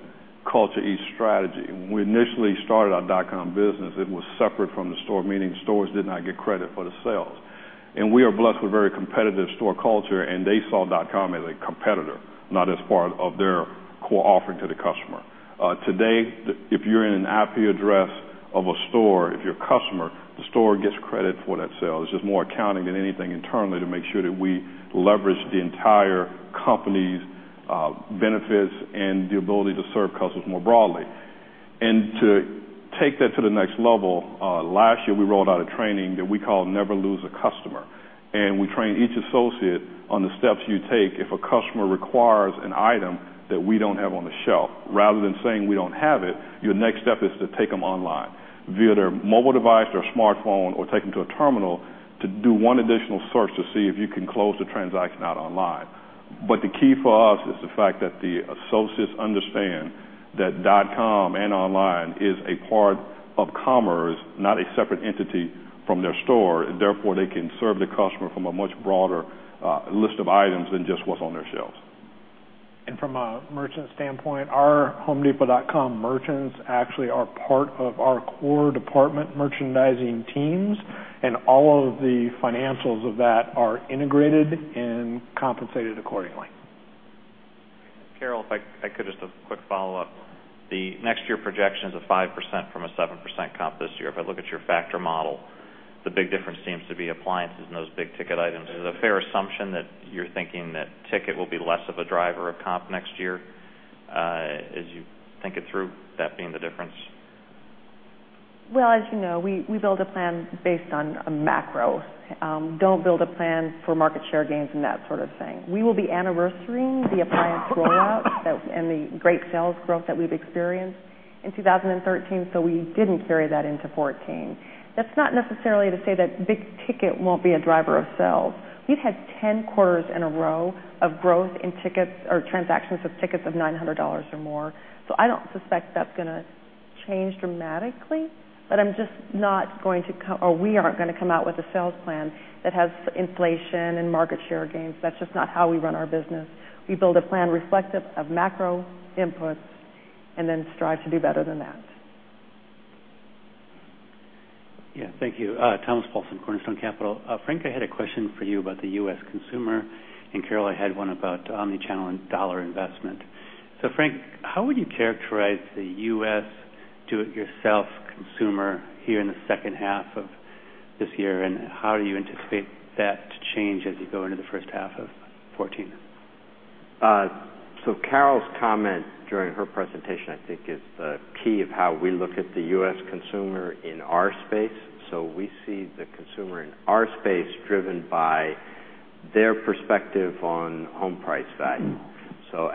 culture eats strategy. When we initially started our dotcom business, it was separate from the store, meaning stores did not get credit for the sales. We are blessed with very competitive store culture, and they saw dotcom as a competitor, not as part of their core offering to the customer. Today, if you're in an IP address of a store, if you're a customer, the store gets credit for that sale. This is more accounting than anything internally to make sure that we leverage the entire company's benefits and the ability to serve customers more broadly. To take that to the next level, last year, we rolled out a training that we call Never Lose a Customer, and we train each associate on the steps you take if a customer requires an item that we don't have on the shelf. Rather than saying we don't have it, your next step is to take them online via their mobile device or smartphone or take them to a terminal to do one additional source to see if you can close the transaction out online. The key for us is the fact that the associates understand that dotcom and online is a part of commerce, not a separate entity from their store. Therefore, they can serve the customer from a much broader list of items than just what's on their shelves. From a merchant standpoint, our homedepot.com merchants actually are part of our core department merchandising teams, and all of the financials of that are integrated and compensated accordingly. Carol, if I could, just a quick follow-up. The next year projection's a 5% from a 7% comp this year. If I look at your factor model, the big difference seems to be appliances and those big-ticket items. Is it a fair assumption that you're thinking that ticket will be less of a driver of comp next year as you think it through, that being the difference? Well, as you know, we build a plan based on a macro. Don't build a plan for market share gains and that sort of thing. We will be anniversarying the appliance rollout and the great sales growth that we've experienced in 2013. We didn't carry that into 2014. That's not necessarily to say that big ticket won't be a driver of sales. We've had 10 quarters in a row of growth in transactions of tickets of $900 or more. I don't suspect that's going to change dramatically, but we aren't going to come out with a sales plan that has inflation and market share gains. That's just not how we run our business. We build a plan reflective of macro inputs then strive to be better than that. Yeah. Thank you. Thomas Paulson, Cornerstone Capital. Frank, I had a question for you about the U.S. consumer, and Carol, I had one about omni-channel and dollar investment. Frank, how would you characterize the U.S. do-it-yourself consumer here in the second half of this year, and how do you anticipate that to change as you go into the first half of 2014? Carol's comment during her presentation, I think, is the key of how we look at the U.S. consumer in our space. We see the consumer in our space driven by their perspective on home price value.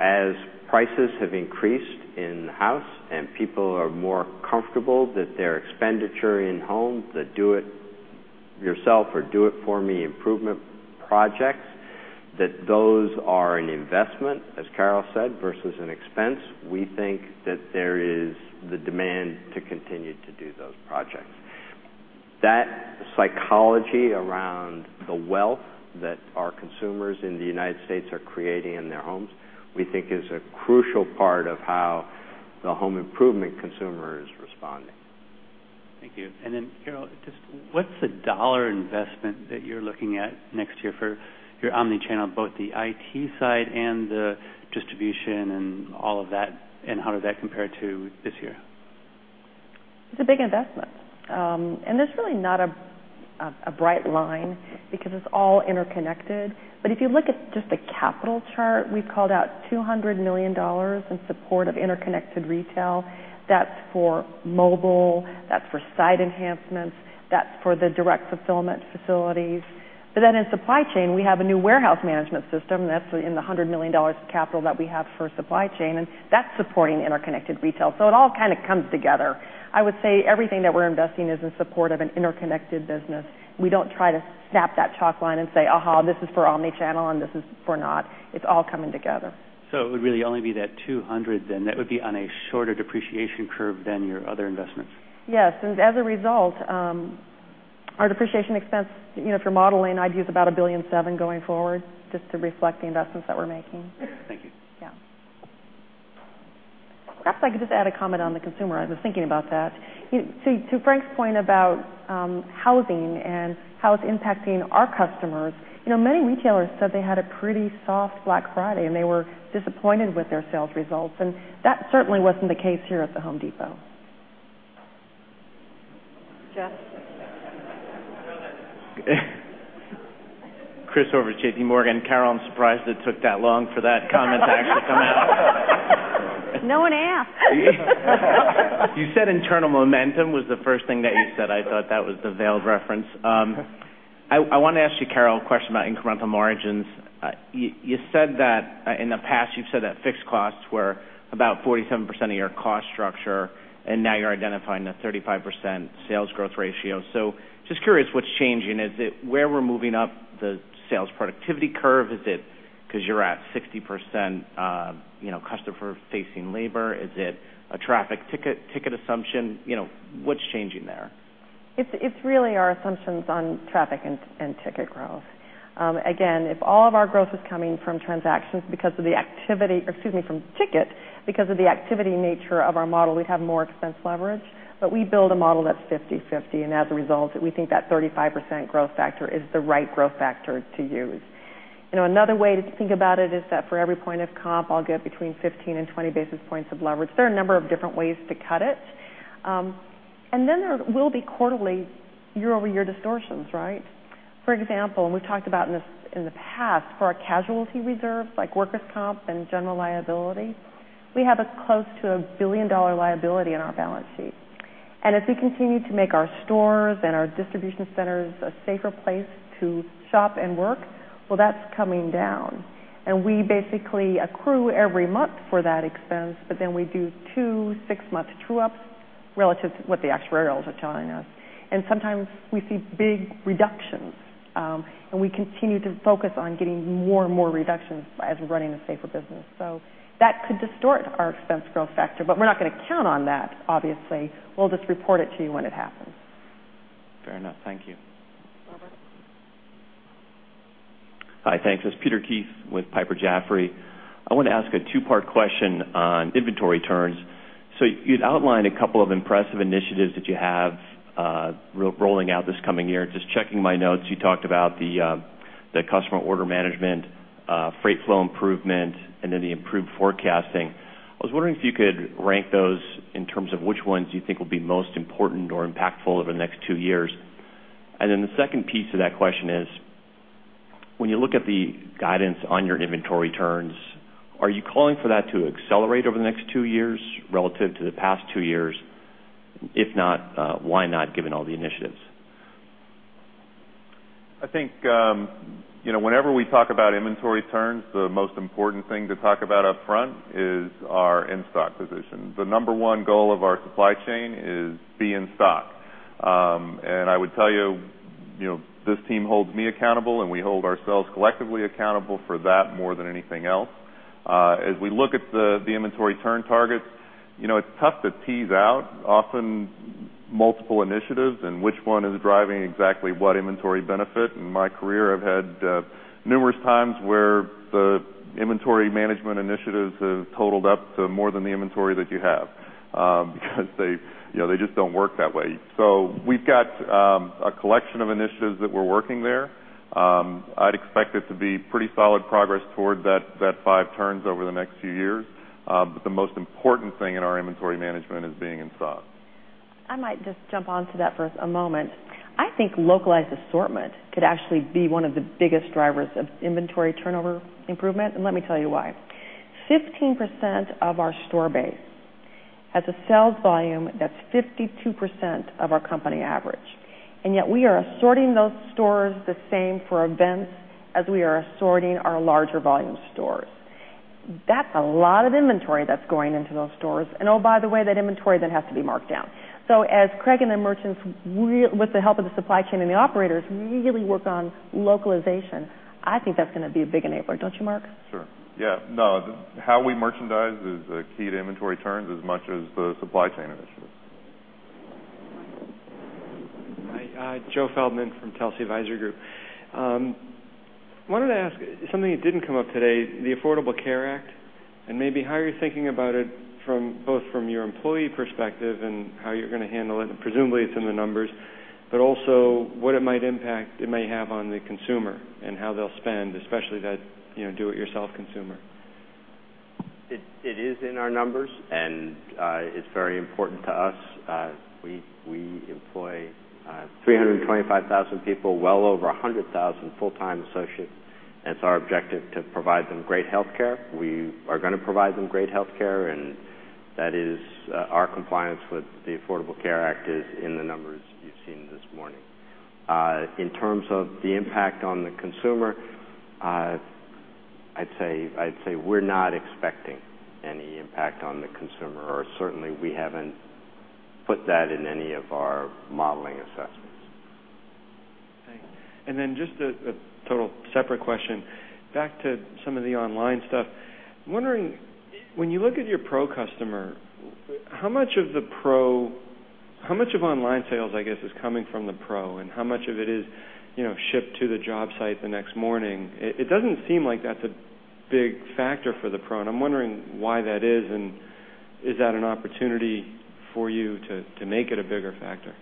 As prices have increased in house and people are more comfortable that their expenditure in home, the do it yourself or do it for me improvement projects, that those are an investment, as Carol said, versus an expense. We think that there is the demand to continue to do those projects. That psychology around the wealth that our consumers in the U.S. are creating in their homes, we think is a crucial part of how the home improvement consumer is responding. Thank you. Carol, just what's the dollar investment that you're looking at next year for your omni-channel, both the IT side and the distribution and all of that, and how does that compare to this year? It's a big investment. There's really not a bright line because it's all interconnected. If you look at just the capital chart, we've called out $200 million in support of interconnected retail. That's for mobile, that's for site enhancements, that's for the direct fulfillment facilities. In supply chain, we have a new warehouse management system that's in the $100 million of capital that we have for supply chain, and that's supporting interconnected retail. It all kind of comes together. I would say everything that we're investing is in support of an interconnected business. We don't try to snap that chalk line and say, "Aha, this is for omni-channel and this is for not." It's all coming together. It would really only be that $200 then. That would be on a shorter depreciation curve than your other investments. Yes. As a result, our depreciation expense, if you're modeling, I'd use about $1.7 billion going forward just to reflect the investments that we're making. Thank you. Yeah. Perhaps I could just add a comment on the consumer. I was thinking about that. To Frank's point about housing and how it's impacting our customers, many retailers said they had a pretty soft Black Friday, and they were disappointed with their sales results, and that certainly wasn't the case here at The Home Depot. Jeff? Chris over at JPMorgan. Carol, I'm surprised it took that long for that comment to actually come out. No one asked. You said internal momentum was the first thing that you said. I thought that was the veiled reference. I want to ask you, Carol, a question about incremental margins. In the past, you've said that fixed costs were about 47% of your cost structure, and now you're identifying a 35% sales growth ratio. Just curious, what's changing? Is it where we're moving up the sales productivity curve? Is it because you're at 60% customer-facing labor? Is it a traffic ticket assumption? What's changing there? It's really our assumptions on traffic and ticket growth. Again, if all of our growth is coming from transactions because of the activity or excuse me, from ticket, because of the activity nature of our model, we'd have more expense leverage. We build a model that's 50/50, and as a result, we think that 35% growth factor is the right growth factor to use. Another way to think about it is that for every point of comp, I'll get between 15 and 20 basis points of leverage. There are a number of different ways to cut it. Then there will be quarterly year-over-year distortions, right? For example, we've talked about in the past, for our casualty reserves, like workers comp and general liability, we have close to a billion-dollar liability on our balance sheet. As we continue to make our stores and our distribution centers a safer place to shop and work, well, that's coming down. We basically accrue every month for that expense, then we do two six-month true-ups relative to what the actuarials are telling us. Sometimes we see big reductions. We continue to focus on getting more and more reductions as we're running a safer business. That could distort our expense growth factor, but we're not going to count on that, obviously. We'll just report it to you when it happens. Fair enough. Thank you. Robert. Hi, thanks. It's Peter Keith with Piper Jaffray. I want to ask a two-part question on inventory turns. You'd outlined a couple of impressive initiatives that you have rolling out this coming year. Just checking my notes, you talked about the customer order management, freight flow improvement, and the improved forecasting. I was wondering if you could rank those in terms of which ones you think will be most important or impactful over the next two years. The second piece to that question is, when you look at the guidance on your inventory turns, are you calling for that to accelerate over the next two years relative to the past two years? If not, why not, given all the initiatives? I think, whenever we talk about inventory turns, the most important thing to talk about up front is our in-stock position. The number one goal of our supply chain is be in stock. I would tell you, this team holds me accountable, and we hold ourselves collectively accountable for that more than anything else. As we look at the inventory turn targets, it's tough to tease out. Multiple initiatives and which one is driving exactly what inventory benefit. In my career, I've had numerous times where the inventory management initiatives have totaled up to more than the inventory that you have because they just don't work that way. We've got a collection of initiatives that we're working there. I'd expect it to be pretty solid progress towards that five turns over the next few years. The most important thing in our inventory management is being in stock. I might just jump onto that for a moment. I think localized assortment could actually be one of the biggest drivers of inventory turnover improvement, let me tell you why. 15% of our store base has a sales volume that's 52% of our company average, yet we are assorting those stores the same for events as we are assorting our larger volume stores. That's a lot of inventory that's going into those stores. Oh, by the way, that inventory then has to be marked down. As Craig and the merchants, with the help of the supply chain and the operators, really work on localization, I think that's going to be a big enabler, don't you, Marc? Sure. Yeah. No, how we merchandise is key to inventory turns as much as the supply chain initiatives. Matt? Hi, Joe Feldman from Telsey Advisory Group. Wanted to ask something that didn't come up today, the Affordable Care Act, maybe how you're thinking about it both from your employee perspective and how you're going to handle it, presumably it's in the numbers, but also what impact it may have on the consumer and how they'll spend, especially that do-it-yourself consumer. It is in our numbers, it's very important to us. We employ 325,000 people, well over 100,000 full-time associates, it's our objective to provide them great healthcare. We are going to provide them great healthcare, our compliance with the Affordable Care Act is in the numbers you've seen this morning. In terms of the impact on the consumer, I'd say we're not expecting any impact on the consumer, certainly we haven't put that in any of our modeling assessments. Thanks. Then just a total separate question. Back to some of the online stuff. I'm wondering, when you look at your Pro customer, how much of online sales, I guess, is coming from the Pro, and how much of it is shipped to the job site the next morning? It doesn't seem like that's a big factor for the Pro, and I'm wondering why that is, and is that an opportunity for you to make it a bigger factor?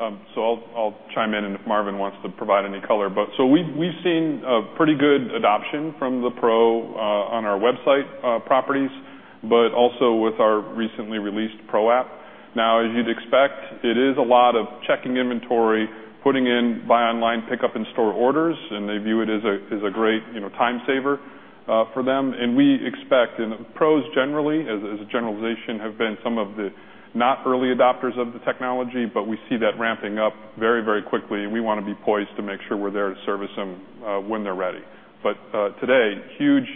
I'll chime in, and if Marvin wants to provide any color. We've seen a pretty good adoption from the Pro on our website properties, but also with our recently released Pro app. As you'd expect, it is a lot of checking inventory, putting in buy online, pick up in-store orders, and they view it as a great time saver for them. Pros, generally, as a generalization, have been some of the not early adopters of the technology, but we see that ramping up very quickly, and we want to be poised to make sure we're there to service them when they're ready. Today, huge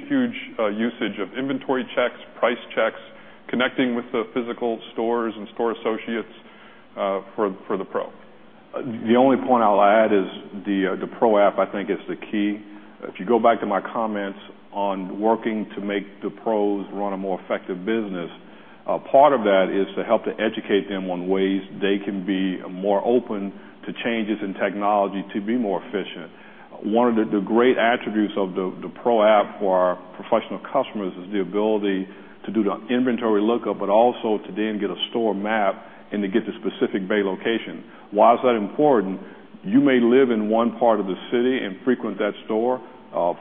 usage of inventory checks, price checks, connecting with the physical stores and store associates for the Pro. The only point I'll add is the Pro app, I think, is the key. If you go back to my comments on working to make the Pros run a more effective business, part of that is to help to educate them on ways they can be more open to changes in technology to be more efficient. One of the great attributes of the Pro app for our professional customers is the ability to do the inventory lookup, but also to then get a store map and to get to a specific bay location. Why is that important? You may live in one part of the city and frequent that store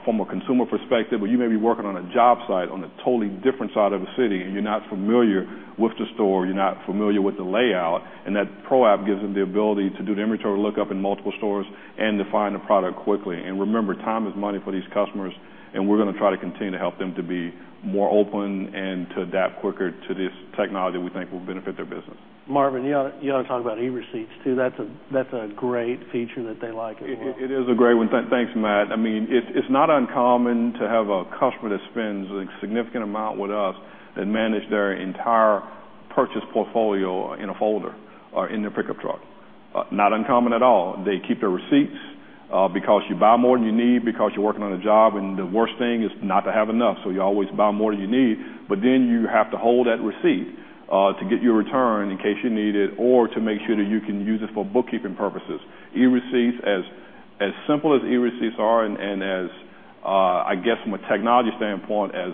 from a consumer perspective, or you may be working on a job site on a totally different side of the city, and you're not familiar with the store, you're not familiar with the layout, and that Pro app gives them the ability to do the inventory lookup in multiple stores and to find a product quickly. Remember, time is money for these customers, and we're going to try to continue to help them to be more open and to adapt quicker to this technology we think will benefit their business. Marvin, you ought to talk about eReceipts, too. That's a great feature that they like as well. It is a great one. Thanks, Matt. It's not uncommon to have a customer that spends a significant amount with us that manage their entire purchase portfolio in a folder or in their pickup truck. Not uncommon at all. They keep their receipts because you buy more than you need because you're working on a job, the worst thing is not to have enough, so you always buy more than you need. Then you have to hold that receipt to get your return in case you need it or to make sure that you can use it for bookkeeping purposes. As simple as eReceipts are and as, I guess from a technology standpoint, as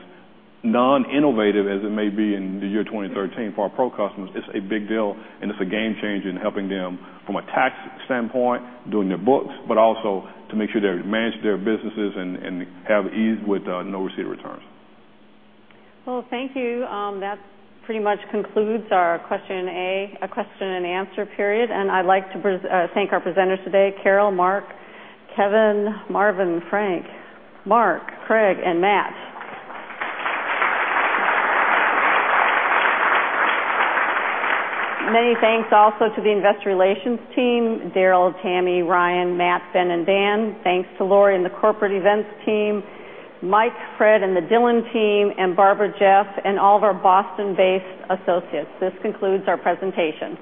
non-innovative as it may be in the year 2013 for our Pro customers, it's a big deal. It's a game-changer in helping them from a tax standpoint, doing their books, also to make sure they manage their businesses and have ease with no receipt returns. Well, thank you. That pretty much concludes our Question and Answer period. I'd like to thank our presenters today, Carol, Mark, Kevin, Marvin, Frank, Mark, Craig, and Matt. Many thanks also to the investor relations team, Daryl, Tammy, Ryan, Matt, Ben, and Dan. Thanks to Lori and the corporate events team, Matt, Fred, and the Dillon team, Barbara, Jeff, and all of our Boston-based associates. This concludes our presentation.